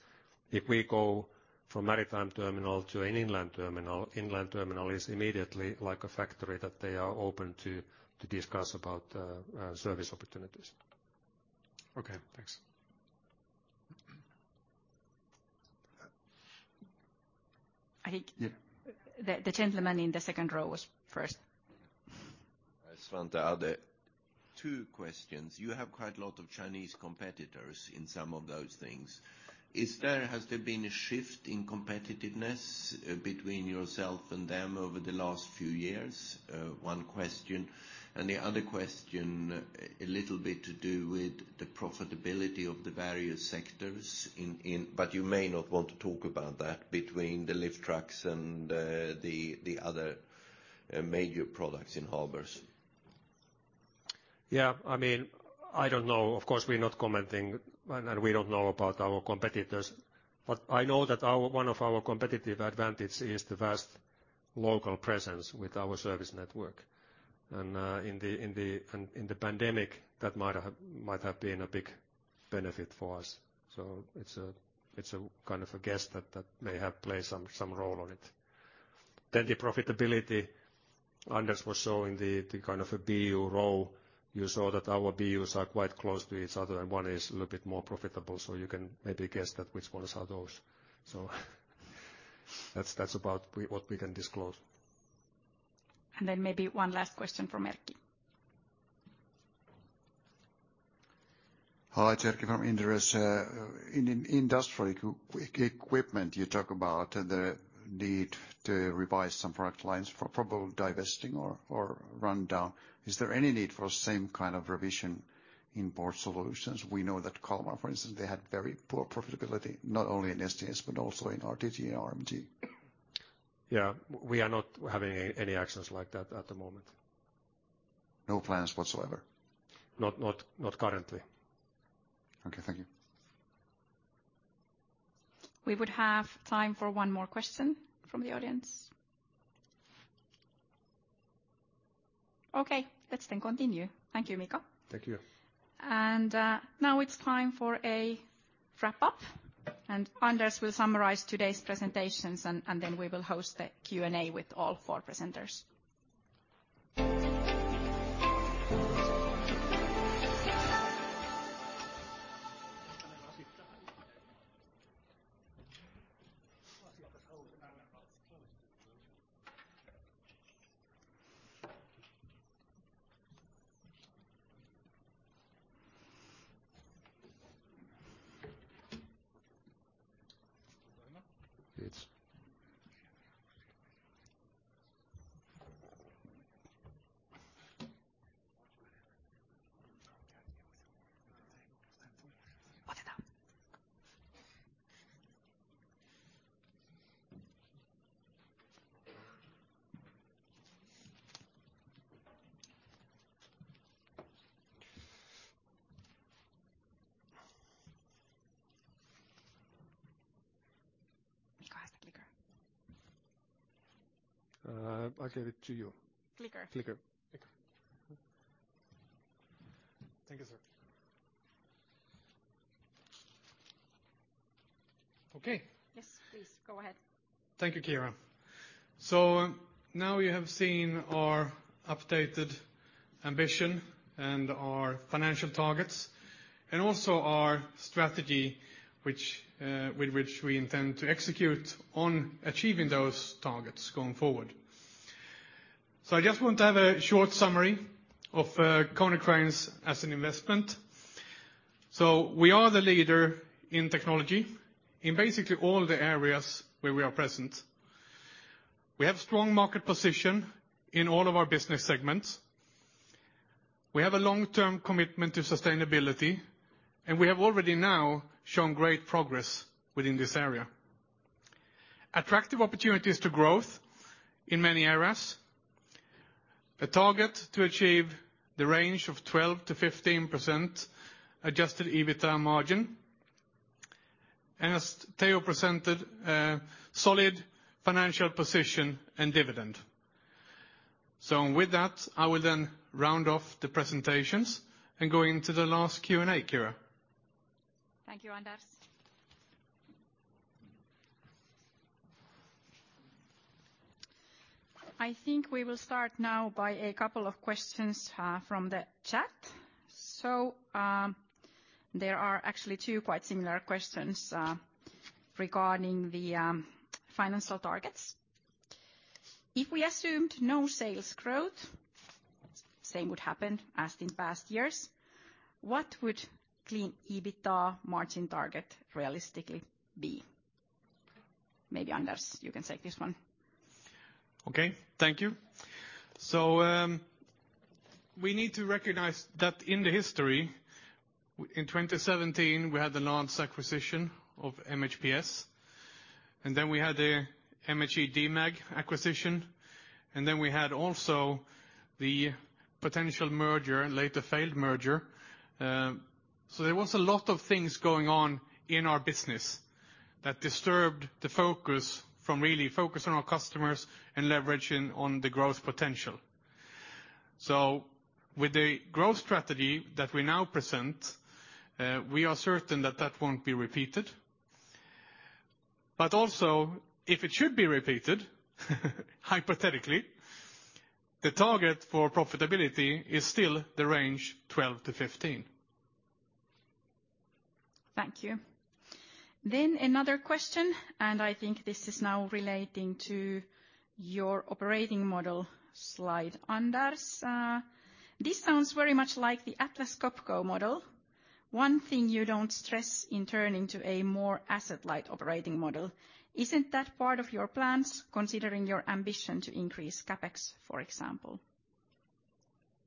if we go from maritime terminal to an inland terminal. Inland terminal is immediately like a factory, that they are open to discuss about service opportunities. Okay. Thanks. Yeah. The gentleman in the second row was first. It's Svante Adde. Two questions. You have quite a lot of Chinese competitors in some of those things. Has there been a shift in competitiveness between yourself and them over the last few years? One question. The other question, a little bit to do with the profitability of the various sectors. You may not want to talk about that, between the lift trucks and the other major products in harbors. Yeah. I mean, I don't know. Of course, we're not commenting and we don't know about our competitors. I know that our, one of our competitive advantage is the vast local presence with our service network. In the pandemic, that might have been a big benefit for us. It's a kind of a guess that that may have played some role on it. The profitability, Anders was showing the kind of a BU row. You saw that our BUs are quite close to each other and one is a little bit more profitable, so you can maybe guess that which ones are those. That's about what we can disclose. Maybe one last question from Erkki. Hi, it's Erkki from Inderes. In Industrial Equipment you talk about the need to revise some product lines for probably divesting or rundown. Is there any need for same kind of revision in Port Solutions? We know that Kalmar for instance, they had very poor profitability, not only in STS, but also in RTG and RMG. Yeah. We are not having any actions like that at the moment. No plans whatsoever? Not currently. Okay. Thank you. We would have time for one more question from the audience. Okay. Let's continue. Thank you, Mika. Thank you. Now it's time for a wrap-up, and Anders will summarize today's presentations, and then we will host the Q&A with all four presenters. I'll give it to you. Clicker. Clicker. Okay. Thank you, sir. Okay. Yes, please. Go ahead. Thank you, Kiira. Now you have seen our updated ambition and our financial targets, and also our strategy, with which we intend to execute on achieving those targets going forward. I just want to have a short summary of Konecranes as an investment. We are the leader in technology in basically all the areas where we are present. We have strong market position in all of our business segments. We have a long-term commitment to sustainability, and we have already now shown great progress within this area. Attractive opportunities to growth in many areas. A target to achieve the range of 12%-15% adjusted EBITDA margin. As Teo presented, a solid financial position and dividend. With that, I will round off the presentations, and go into the last Q&A, Kiira. Thank you, Anders. I think we will start now by a couple of questions from the chat. There are actually two quite similar questions regarding the financial targets. If we assumed no sales growth, same would happen as in past years, what would clean EBITDA margin target realistically be? Maybe Anders, you can take this one. Okay, thank you. We need to recognize that in the history, in 2017, we had the large acquisition of MHPS, and then we had the MHE-Demag acquisition, and then we had also the potential merger, and later failed merger. There was a lot of things going on in our business that disturbed the focus from really focus on our customers and leveraging on the growth potential. With the growth strategy that we now present, we are certain that that won't be repeated. If it should be repeated hypothetically, the target for profitability is still the range 12%-15%. Thank you. Another question, and I think this is now relating to your operating model slide, Anders. This sounds very much like the Atlas Copco model. One thing you don't stress in turning to a more asset-light operating model. Isn't that part of your plans, considering your ambition to increase CapEx, for example?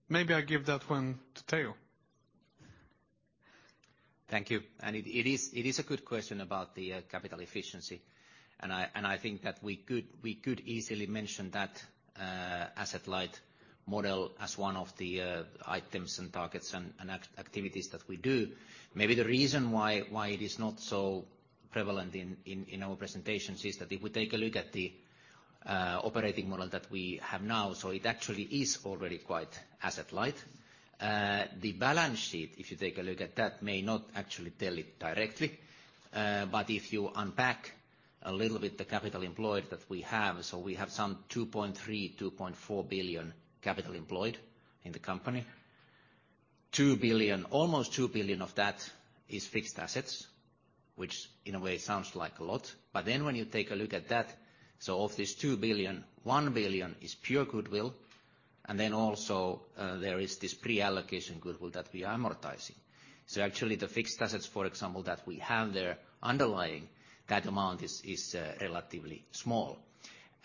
Maybe I give that one to Teo. Thank you. It is a good question about the capital efficiency. I think that we could easily mention that asset-light model as one of the items and targets and activities that we do. Maybe the reason why it is not so prevalent in our presentations is that if we take a look at the operating model that we have now, so it actually is already quite asset-light. The balance sheet, if you take a look at that, may not actually tell it directly. If you unpack a little bit the capital employed that we have, so we have some 2.3 billion-2.4 billion capital employed in the company. 2 billion, almost 2 billion of that is fixed assets, which in a way sounds like a lot. When you take a look at that, of this 2 billion, 1 billion is pure goodwill, and also there is this pre-allocation goodwill that we are amortizing. Actually the fixed assets, for example, that we have there underlying, that amount is relatively small.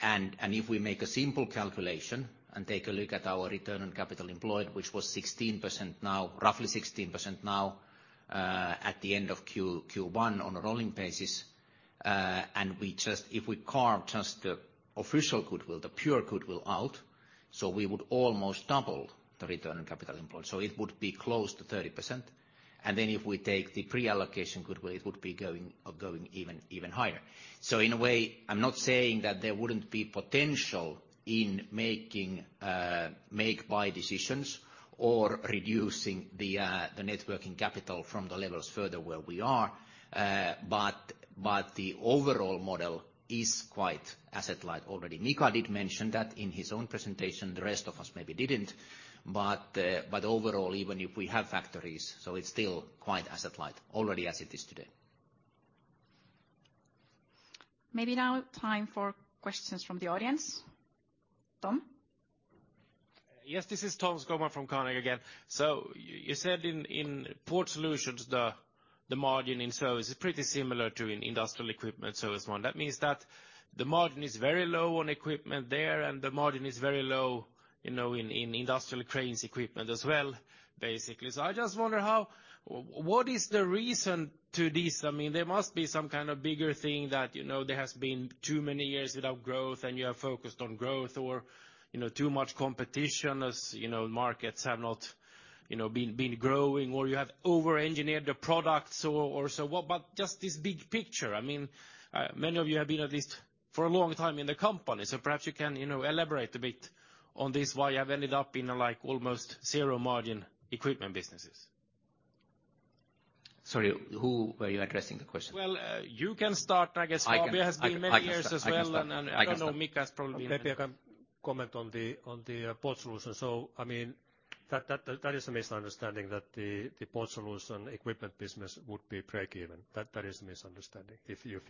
And if we make a simple calculation and take a look at our return on capital employed, which was 16% now, roughly 16% now, at the end of Q1 on a rolling basis, and we just, if we carve just the official goodwill, the pure goodwill out, we would almost double the return on capital employed. It would be close to 30%. If we take the pre-allocation goodwill, it would be going even higher. In a way, I'm not saying that there wouldn't be potential in making, make buy decisions or reducing the net working capital from the levels further where we are, but the overall model is quite asset light already. Mika did mention that in his own presentation. The rest of us maybe didn't. Overall, even if we have factories, so it's still quite asset light already as it is today. Maybe now time for questions from the audience. Tom? This is Tom Skogman from Carnegie again. You said in Port Solutions, the margin in service is pretty similar to an Industrial Equipment service one. That means that the margin is very low on equipment there, and the margin is very low, you know, in industrial cranes equipment as well, basically. I just wonder how... What is the reason to this? I mean, there must be some kind of bigger thing that, you know, there has been too many years without growth, and you are focused on growth or, you know, too much competition as, you know, markets have not, you know, been growing, or you have over-engineered the products or so. Just this big picture, I mean, many of you have been at least for a long time in the company. Perhaps you can, you know, elaborate a bit on this, why you have ended up in, like, almost zero margin equipment businesses. Sorry, who were you addressing the question? Well, you can start. I can start. Fabio has been many years as well. I can start. I don't know, Mika's probably been- Maybe I can comment on the Port Solutions. I mean, that is a misunderstanding that the Port Solutions equipment business would be break-even. That is a misunderstanding if you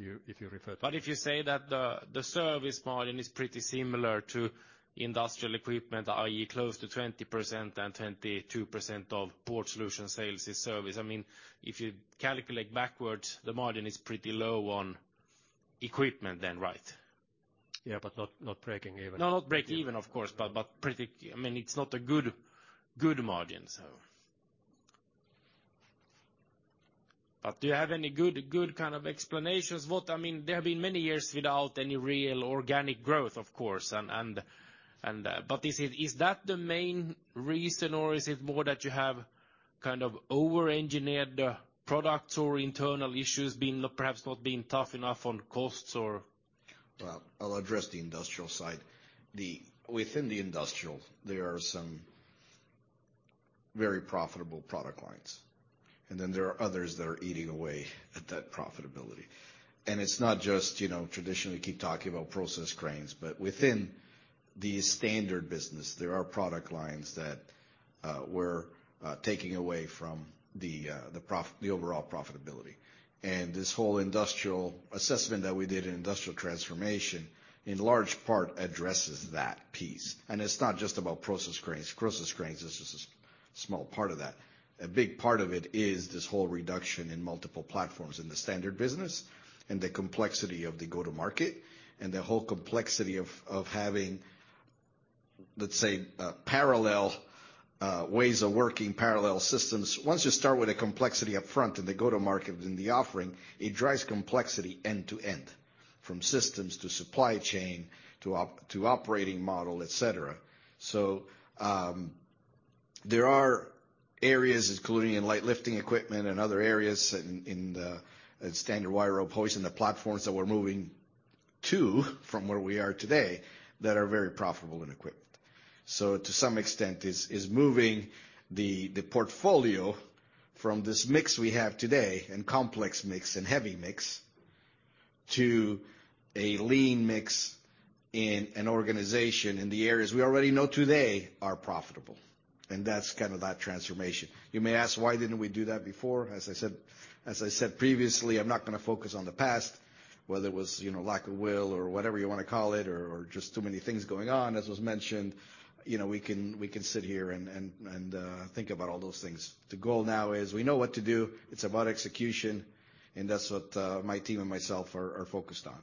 refer to that. If you say that the service margin is pretty similar to Industrial Equipment, i.e., close to 20% and 22% of Port Solution sales is service. I mean, if you calculate backwards, the margin is pretty low on equipment then, right? Yeah, but not breaking even. No, not breaking even, of course, but pretty. I mean, it's not a good margin, so. Do you have any good kind of explanations what? I mean, there have been many years without any real organic growth, of course, and, is that the main reason or is it more that you have kind of over-engineered the products or internal issues being perhaps not being tough enough on costs or? Well, I'll address the Industrial side. Within the Industrial, there are some very profitable product lines, and then there are others that are eating away at that profitability. It's not just, you know, traditionally keep talking about process cranes, but within the standard business, there are product lines that we're taking away from the overall profitability. This whole Industrial assessment that we did in Industrial transformation in large part addresses that piece. It's not just about process cranes. Process cranes is just a small part of that. A big part of it is this whole reduction in multiple platforms in the standard business and the complexity of the go-to-market and the whole complexity of having, let's say, parallel ways of working, parallel systems. Once you start with a complexity up front in the go-to-market in the offering, it drives complexity end to end, from systems to supply chain to operating model, et cetera. There are areas, including in light lifting equipment and other areas in standard wire rope hoists and the platforms that we're moving to from where we are today that are very profitable in Equipment. To some extent, it's moving the portfolio from this mix we have today and complex mix and heavy mix to a lean mix in an organization in the areas we already know today are profitable. That's kind of that transformation. You may ask, why didn't we do that before? As I said previously, I'm not gonna focus on the past, whether it was, you know, lack of will or whatever you wanna call it or just too many things going on, as was mentioned. You know, we can sit here and think about all those things. The goal now is we know what to do. It's about execution, and that's what my team and myself are focused on.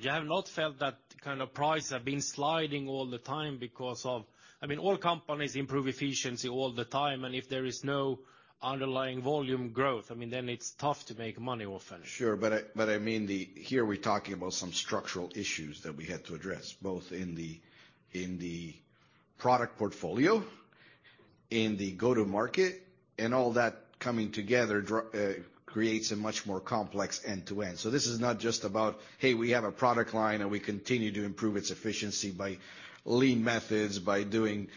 You have not felt that the kind of prices have been sliding all the time because of, I mean, all companies improve efficiency all the time, and if there is no underlying volume growth, I mean, then it's tough to make money often. Sure. I mean the Here we're talking about some structural issues that we had to address, both in the, in the product portfolio, in the go-to-market, and all that coming together creates a much more complex end-to-end. This is not just about, hey, we have a product line, and we continue to improve its efficiency by lean methods, by doing,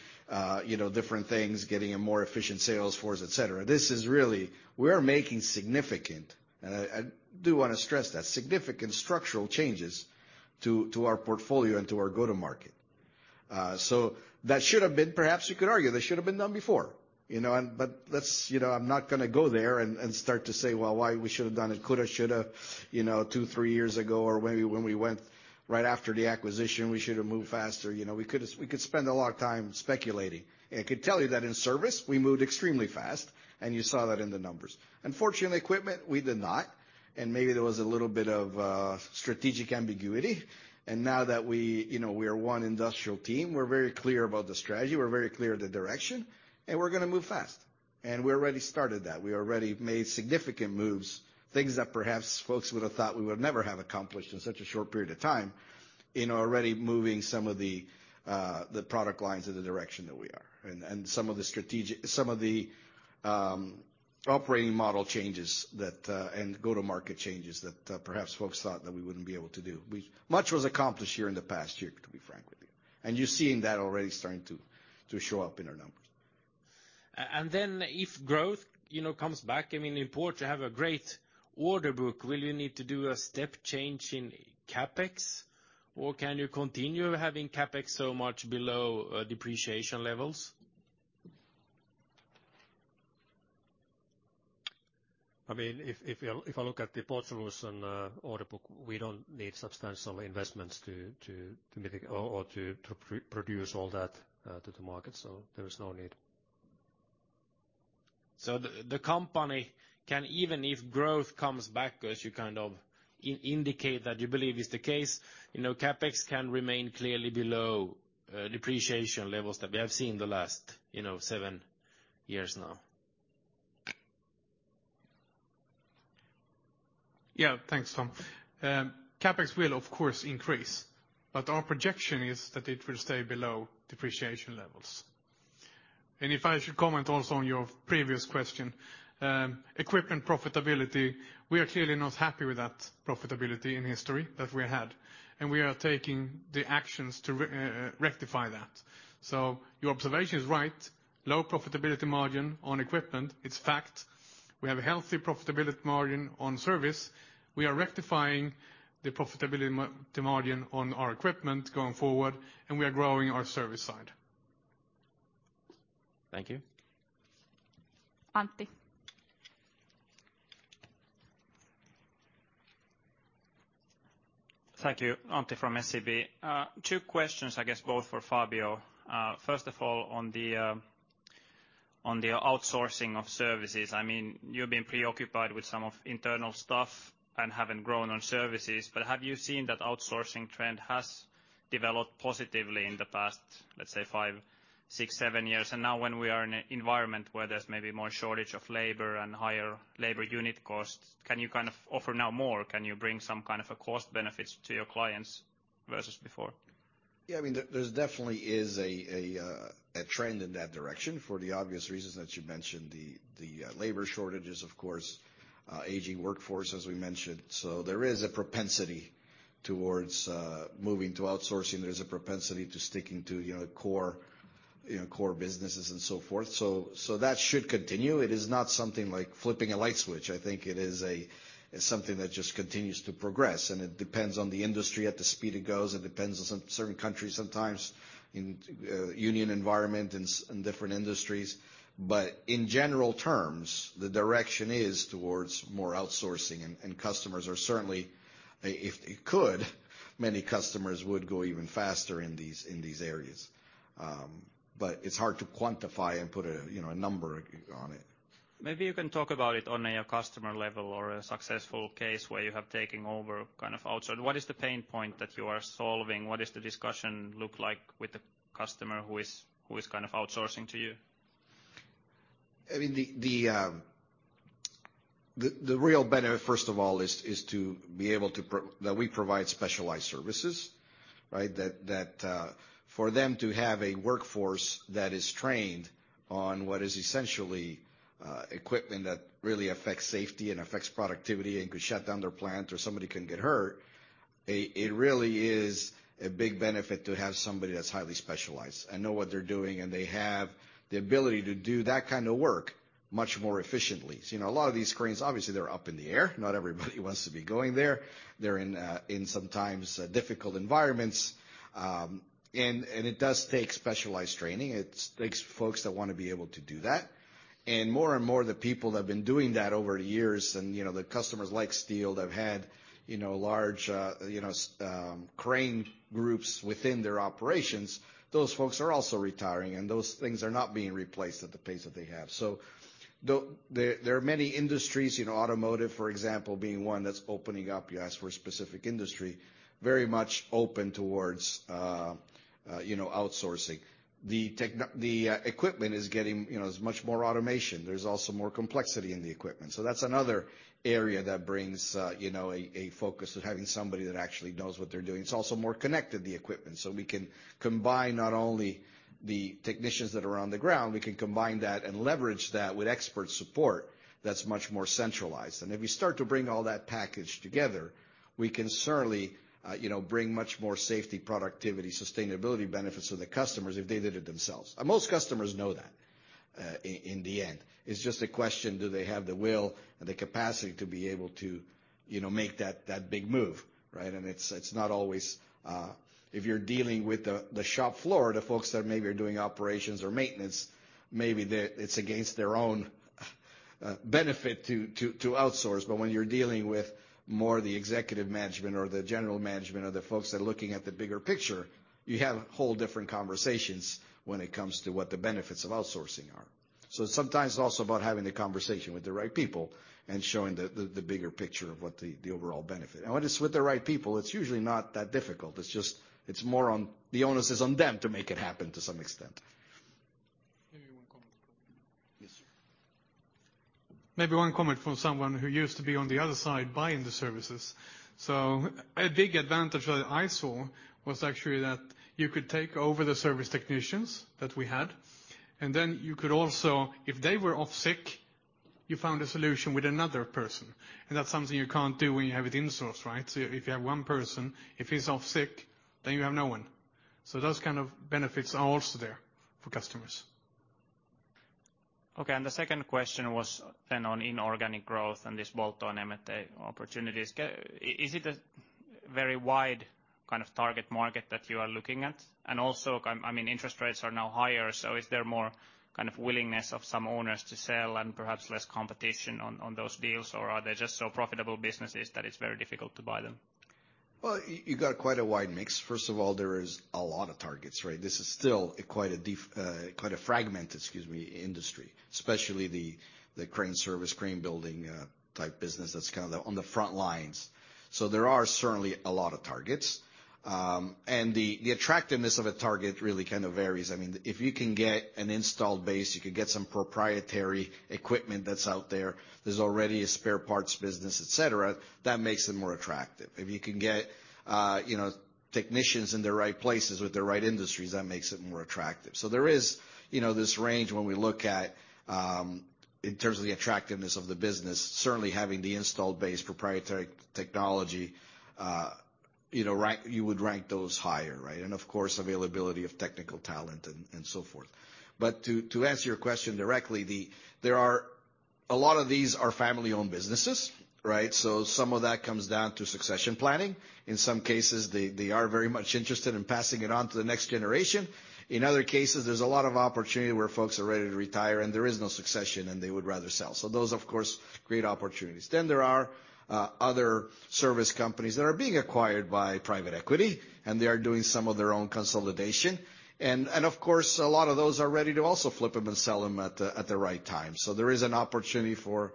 you know, different things, getting a more efficient sales force, et cetera. This is really, we are making significant, and I do wanna stress that, significant structural changes to our portfolio and to our go-to-market. That should have been, perhaps you could argue, that should have been done before, you know? Let's, you know, I'm not gonna go there and start to say, "Well, why we should have done it, coulda, shoulda, you know, two, three years ago, or maybe when we went right after the acquisition, we should have moved faster." You know, we could spend a lot of time speculating. I could tell you that in Service, we moved extremely fast, and you saw that in the numbers. Unfortunately, Equipment, we did not, and maybe there was a little bit of strategic ambiguity. Now that we, you know, we are one industrial team, we're very clear about the strategy, we're very clear the direction, and we're gonna move fast. We already started that. We already made significant moves, things that perhaps folks would have thought we would never have accomplished in such a short period of time in already moving some of the product lines in the direction that we are. Some of the strategic, some of the operating model changes that and go-to-market changes that perhaps folks thought that we wouldn't be able to do. Much was accomplished here in the past year, to be frank with you. You're seeing that already starting to show up in our numbers. If growth, you know, comes back, I mean, in Port, you have a great order book. Will you need to do a step change in CapEx, or can you continue having CapEx so much below depreciation levels? I mean, if you, if I look at the Port Solutions, order book, we don't need substantial investments to meet or to produce all that, to the market. There is no need. The company can, even if growth comes back as you kind of indicate that you believe is the case, you know, CapEx can remain clearly below depreciation levels that we have seen the last, you know, seven years now. Yeah. Thanks, Tom. CapEx will of course increase, but our projection is that it will stay below depreciation levels. If I should comment also on your previous question, equipment profitability, we are clearly not happy with that profitability in history that we had, and we are taking the actions to rectify that. Your observation is right, low profitability margin on equipment, it's fact. We have a healthy profitability margin on service. We are rectifying the profitability margin on our equipment going forward, and we are growing our service side. Thank you. Antti. Thank you. Antti from SEB. Two questions, I guess, both for Fabio. First of all, on the outsourcing of services, I mean, you've been preoccupied with some of internal stuff and haven't grown on services, but have you seen that outsourcing trend has developed positively in the past, let's say five, six, seven years? Now when we are in an environment where there's maybe more shortage of labor and higher labor unit costs, can you kind of offer now more? Can you bring some kind of a cost benefits to your clients versus before? I mean, there's definitely is a trend in that direction for the obvious reasons that you mentioned, the labor shortages, of course, aging workforce, as we mentioned. There is a propensity towards moving to outsourcing. There's a propensity to sticking to, you know, core, you know, core businesses and so forth. That should continue. It is not something like flipping a light switch. I think it's something that just continues to progress, and it depends on the industry at the speed it goes. It depends on some certain countries sometimes in union environment in different industries. In general terms, the direction is towards more outsourcing and customers are certainly, if they could, many customers would go even faster in these areas. It's hard to quantify and put a, you know, a number on it. Maybe you can talk about it on a customer level or a successful case where you have taken over kind of outsource. What is the pain point that you are solving? What is the discussion look like with the customer who is kind of outsourcing to you? I mean, the real benefit, first of all, is to be able to. That we provide specialized services, right? That for them to have a workforce that is trained on what is essentially equipment that really affects safety and affects productivity and could shut down their plant or somebody can get hurt, it really is a big benefit to have somebody that's highly specialized and know what they're doing, and they have the ability to do that kind of work much more efficiently. You know, a lot of these cranes, obviously they're up in the air. Not everybody wants to be going there. They're in sometimes difficult environments. And it does take specialized training. It takes folks that wanna be able to do that. More and more the people that have been doing that over the years and, you know, the customers like steel that have had, you know, large, you know, crane groups within their operations, those folks are also retiring, and those things are not being replaced at the pace that they have. There are many industries, you know, automotive, for example, being one that's opening up, you asked for a specific industry, very much open towards, you know, outsourcing. The equipment is getting, you know, is much more automation. There's also more complexity in the equipment. That's another area that brings, you know, a focus of having somebody that actually knows what they're doing. It's also more connected, the equipment. We can combine not only the technicians that are on the ground, we can combine that and leverage that with expert support that's much more centralized. If we start to bring all that package together, we can certainly, you know, bring much more safety, productivity, sustainability benefits to the customers if they did it themselves. Most customers know that in the end. It's just a question, do they have the will and the capacity to be able to, you know, make that big move, right? It's not always if you're dealing with the shop floor, the folks that maybe are doing operations or maintenance, maybe they. It's against their own benefit to outsource. When you're dealing with more the executive management or the general management or the folks that are looking at the bigger picture, you have whole different conversations when it comes to what the benefits of outsourcing are. Sometimes it's also about having the conversation with the right people and showing the bigger picture of what the overall benefit. When it's with the right people, it's usually not that difficult. It's just, it's more on the onus is on them to make it happen to some extent. Maybe one comment from me. Yes. Maybe one comment from someone who used to be on the other side buying the services. A big advantage that I saw was actually that you could take over the service technicians that we had, and then you could also, if they were off sick, you found a solution with another person, and that's something you can't do when you have it insourced, right? If you have one person, if he's off sick, then you have no one. Those kind of benefits are also there for customers. Okay. The second question was then on inorganic growth and this bolt-on M&A opportunities. Is it? Very wide kind of target market that you are looking at. I mean, interest rates are now higher, is there more kind of willingness of some owners to sell and perhaps less competition on those deals? Are they just so profitable businesses that it's very difficult to buy them? You got quite a wide mix. First of all, there is a lot of targets, right? This is still quite a fragmented, excuse me, industry, especially the crane service, crane building, type business that's kinda on the front lines. There are certainly a lot of targets. And the attractiveness of a target really kind of varies. I mean, if you can get an installed base, you can get some proprietary equipment that's out there's already a spare parts business, et cetera, that makes them more attractive. If you can get, you know, technicians in the right places with the right industries, that makes it more attractive. There is, you know, this range when we look at, in terms of the attractiveness of the business, certainly having the installed base proprietary technology, you know, rank, you would rank those higher, right? Of course, availability of technical talent and so forth. To answer your question directly, a lot of these are family-owned businesses, right? Some of that comes down to succession planning. In some cases, they are very much interested in passing it on to the next generation. In other cases, there's a lot of opportunity where folks are ready to retire, and there is no succession, and they would rather sell. Those, of course, great opportunities. There are other service companies that are being acquired by private equity, and they are doing some of their own consolidation. Of course, a lot of those are ready to also flip them and sell them at the right time. There is an opportunity for,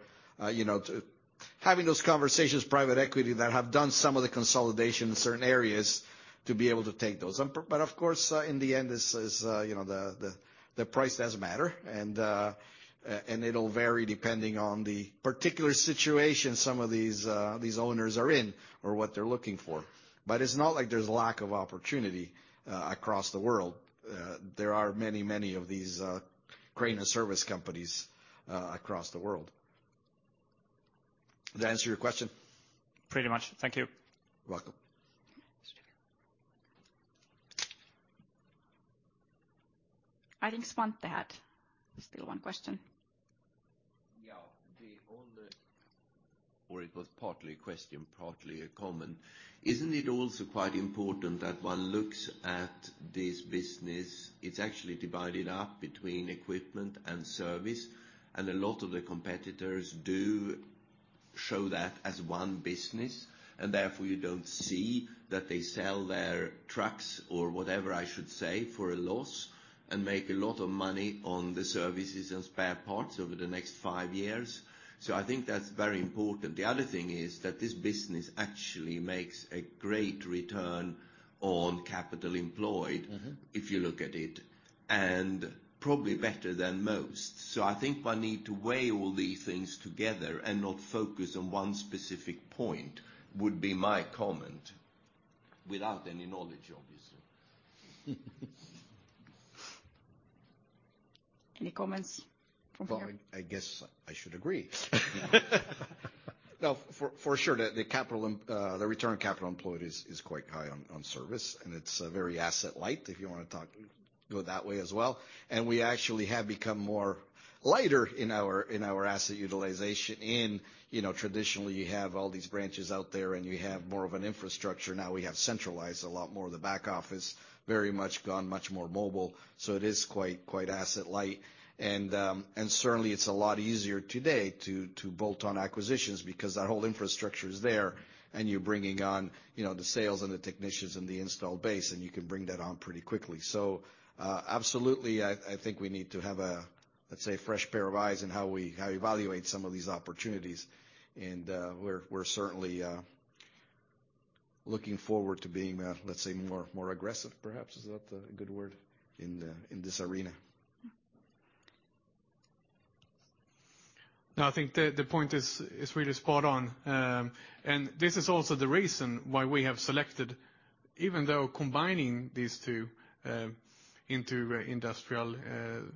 you know, to having those conversations, private equity that have done some of the consolidation in certain areas to be able to take those. But of course, in the end, this is, you know, the price does matter, and it'll vary depending on the particular situation some of these owners are in or what they're looking for. But it's not like there's lack of opportunity across the world. There are many of these crane and service companies across the world. Did that answer your question? Pretty much. Thank you. Welcome. I think Svante had still one question. It was partly a question, partly a comment. Isn't it also quite important that one looks at this business? It's actually divided up between equipment and service, and a lot of the competitors do show that as one business, and therefore you don't see that they sell their trucks or whatever, I should say, for a loss and make a lot of money on the services and spare parts over the next five years. I think that's very important. The other thing is that this business actually makes a great return on capital employed if you look at it, and probably better than most. I think one need to weigh all these things together and not focus on one specific point would be my comment, without any knowledge, obviously. Any comments from you? Well, I guess I should agree. No, for sure, the return capital employed is quite high on service, and it's very asset light if you wanna go that way as well. We actually have become more lighter in our asset utilization in, you know, traditionally you have all these branches out there and you have more of an infrastructure. Now we have centralized a lot more of the back office, very much gone much more mobile, so it is quite asset light. Certainly it's a lot easier today to bolt on acquisitions because that whole infrastructure is there and you're bringing on, you know, the sales and the technicians and the installed base, and you can bring that on pretty quickly. Absolutely, I think we need to have a, let's say, fresh pair of eyes in how we evaluate some of these opportunities. We're certainly looking forward to being, let's say, more aggressive, perhaps. Is that a good word? In this arena. No, I think the point is really spot on. This is also the reason why we have selected, even though combining these two into Industrial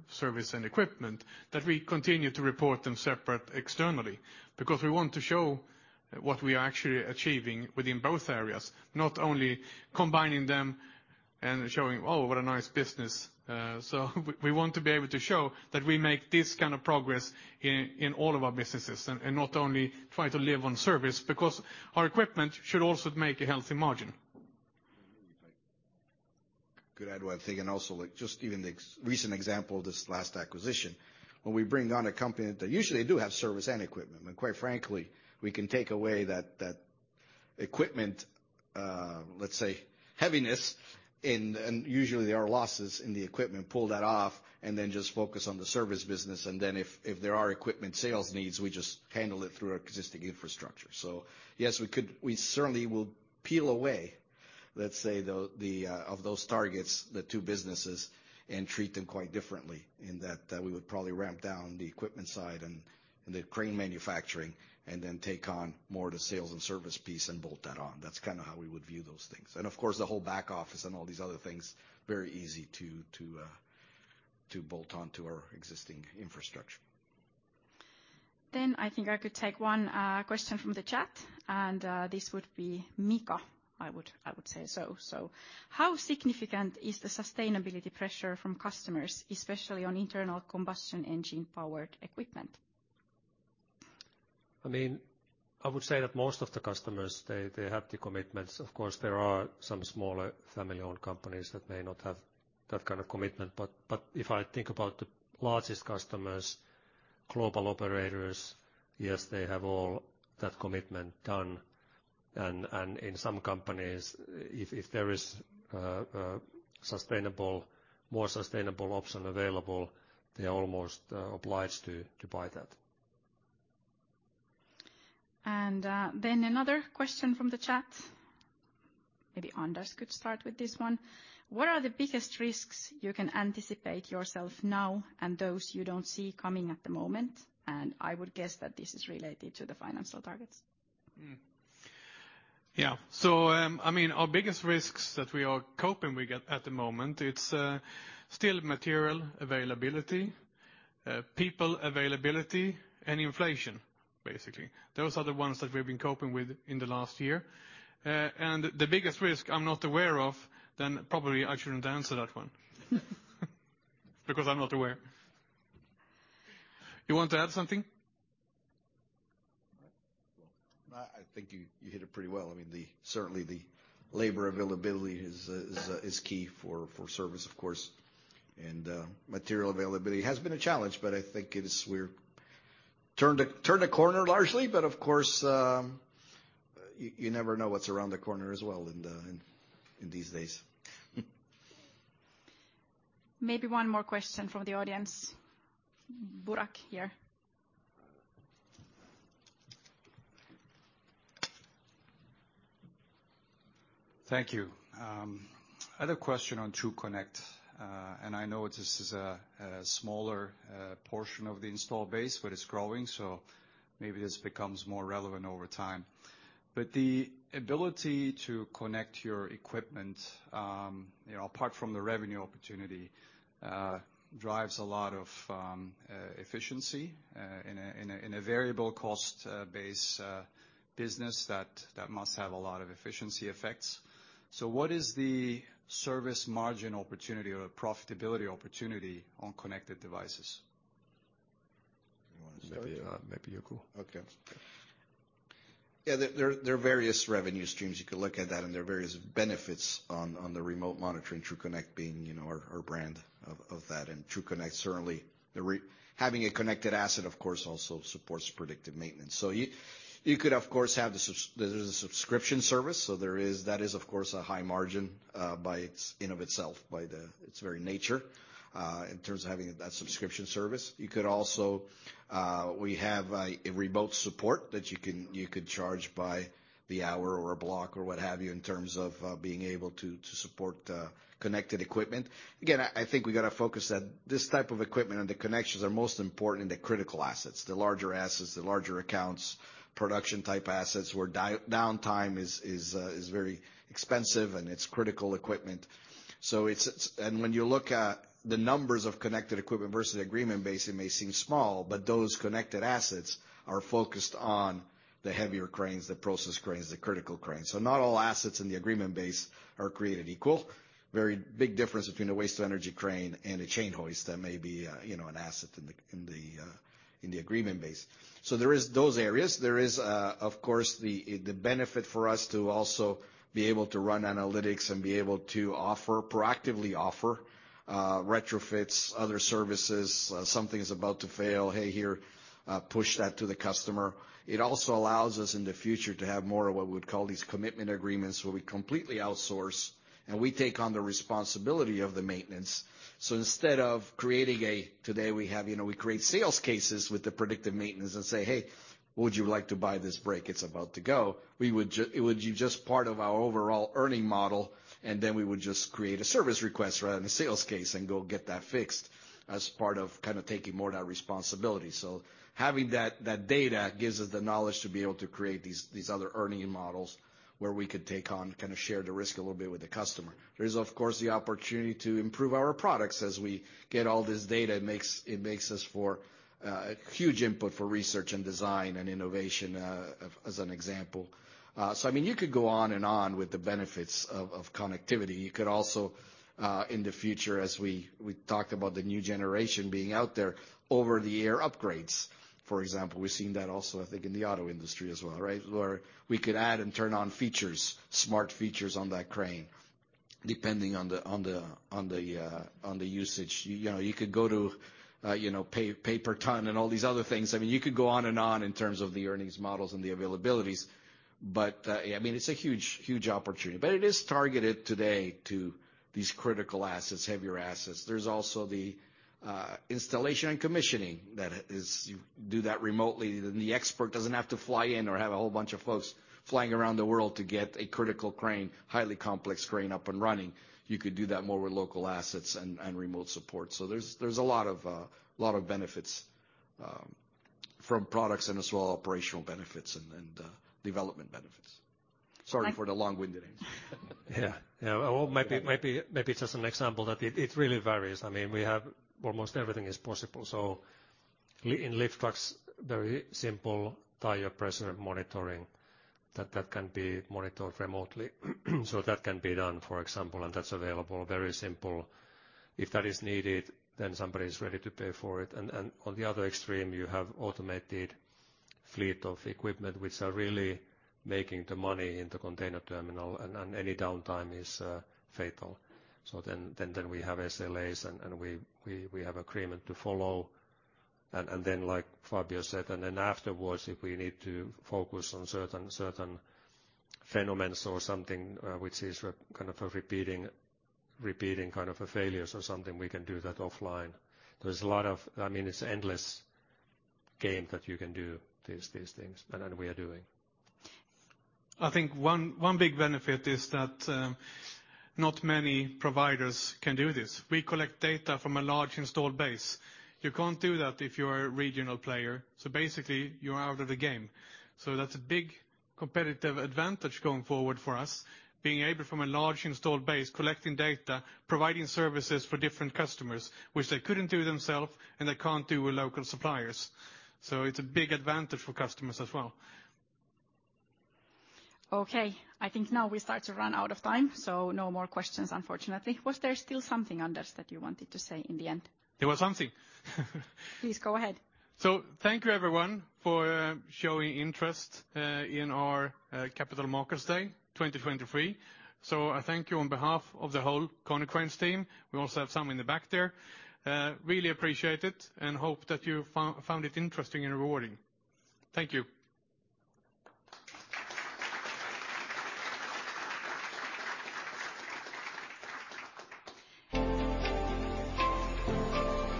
Service and Equipment, that we continue to report them separate externally because we want to show what we are actually achieving within both areas, not only combining them and showing, oh, what a nice business. We want to be able to show that we make this kind of progress in all of our businesses and not only try to live on service because our equipment should also make a healthy margin. Could add one thing, also like just even the recent example, this last acquisition. When we bring on a company that usually do have service and equipment, and quite frankly, we can take away that equipment, let's say heaviness and usually there are losses in the equipment, pull that off, and then just focus on the service business. Then if there are equipment sales needs, we just handle it through our existing infrastructure. Yes, We certainly will peel away, let's say, the of those targets, the two businesses, and treat them quite differently in that we would probably ramp down the equipment side and the crane manufacturing and then take on more of the sales and service piece and bolt that on. That's kind of how we would view those things. Of course, the whole back office and all these other things, very easy to bolt-on to our existing infrastructure. I think I could take one question from the chat, this would be Mika, I would say so. How significant is the sustainability pressure from customers, especially on internal combustion engine-powered equipment? I mean, I would say that most of the customers, they have the commitments. Of course, there are some smaller family-owned companies that may not have that kind of commitment. If I think about the largest customers, global operators, yes, they have all that commitment done. In some companies, if there is a more sustainable option available, they are almost obliged to buy that. Then another question from the chat, maybe Anders could start with this one. What are the biggest risks you can anticipate yourself now, and those you don't see coming at the moment? I would guess that this is related to the financial targets. Yeah. I mean, our biggest risks that we are coping with at the moment, it's still material availability, people availability and inflation, basically. Those are the ones that we've been coping with in the last year. The biggest risk I'm not aware of, probably I shouldn't answer that one because I'm not aware. You want to add something? No, I think you hit it pretty well. I mean, certainly the labor availability is key for service, of course. Material availability has been a challenge, but I think we're turned a corner largely. Of course, you never know what's around the corner as well in these days. Maybe one more question from the audience. Burak, here. Thank you. I had a question on TRUCONNECT. I know this is a smaller portion of the install base, but it's growing, so maybe this becomes more relevant over time. The ability to connect your equipment, you know, apart from the revenue opportunity, drives a lot of efficiency in a variable cost base business that must have a lot of efficiency effects. What is the service margin opportunity or profitability opportunity on connected devices? You wanna start? Maybe you go. Okay. Yeah, there are various revenue streams you can look at that, and there are various benefits on the remote monitoring, TRUCONNECT being, you know, our brand of that. TRUCONNECT, certainly having a connected asset, of course, also supports predictive maintenance. You could of course have there's a subscription service. There is, that is of course a high margin, by its, in of itself, by the, its very nature, in terms of having that subscription service. You could also, we have a remote support that you can, you could charge by the hour or a block or what have you in terms of, being able to support, connected equipment. Again, I think we gotta focus that this type of equipment and the connections are most important in the critical assets, the larger assets, the larger accounts, production type assets where downtime is very expensive and it's critical equipment. It's. When you look at the numbers of connected equipment versus agreement base, it may seem small, but those connected assets are focused on the heavier cranes, the process cranes, the critical cranes. Not all assets in the agreement base are created equal. Very big difference between a waste-to-energy crane and a chain hoist that may be, you know, an asset in the agreement base. There is those areas. There is, of course, the benefit for us to also be able to run analytics and be able to offer, proactively offer retrofits, other services. Something is about to fail, "Hey, here," push that to the customer. It also allows us in the future to have more of what we would call these commitment agreements, where we completely outsource and we take on the responsibility of the maintenance. Instead of creating today, we have, you know, we create sales cases with the predictive maintenance and say, "Hey, would you like to buy this brake? It's about to go." It would be just part of our overall earning model, and then we would just create a service request rather than a sales case and go get that fixed as part of kinda taking more of that responsibility. Having that data gives us the knowledge to be able to create these other earning models where we could take on, kinda share the risk a little bit with the customer. There is, of course, the opportunity to improve our products as we get all this data. It makes us for a huge input for research and design and innovation, as an example. I mean, you could go on and on with the benefits of connectivity. You could also in the future, as we talked about the new generation being out there, over-the-air upgrades, for example. We've seen that also, I think, in the auto industry as well, right? Where we could add and turn on features, smart features on that crane, depending on the usage. You know, you could go to, you know, pay per ton and all these other things. I mean, you could go on and on in terms of the earnings models and the availabilities. Yeah, I mean, it's a huge, huge opportunity. It is targeted today to these critical assets, heavier assets. There's also the installation and commissioning that is you do that remotely, then the expert doesn't have to fly in or have a whole bunch of folks flying around the world to get a critical crane, highly complex crane up and running. You could do that more with local assets and remote support. There's a lot of benefits from products and as well operational benefits and development benefits. Sorry for the long-winded answer. Yeah. Yeah. Well, maybe, maybe just an example that it really varies. I mean, we have almost everything is possible. In lift trucks, very simple tire pressure monitoring that that can be monitored remotely. That can be done, for example, and that's available, very simple. If that is needed, then somebody's ready to pay for it. On the other extreme, you have automated fleet of equipment which are really making the money in the container terminal and any downtime is fatal. Then we have SLAs and we have agreement to follow. Then like Fabio said, and then afterwards, if we need to focus on certain phenomenons or something, which is kind of a repeating kind of a failures or something, we can do that offline. I mean, it's endless game that you can do these things, and we are doing. I think one big benefit is that not many providers can do this. We collect data from a large installed base. You can't do that if you're a regional player. Basically you're out of the game. That's a big competitive advantage going forward for us, being able from a large installed base, collecting data, providing services for different customers, which they couldn't do themselves and they can't do with local suppliers. It's a big advantage for customers as well. Okay, I think now we start to run out of time, so no more questions, unfortunately. Was there still something, Anders, that you wanted to say in the end? There was something. Please go ahead. Thank you everyone for showing interest in our Capital Markets Day 2023. I thank you on behalf of the whole Konecranes team. We also have some in the back there. Really appreciate it and hope that you found it interesting and rewarding. Thank you.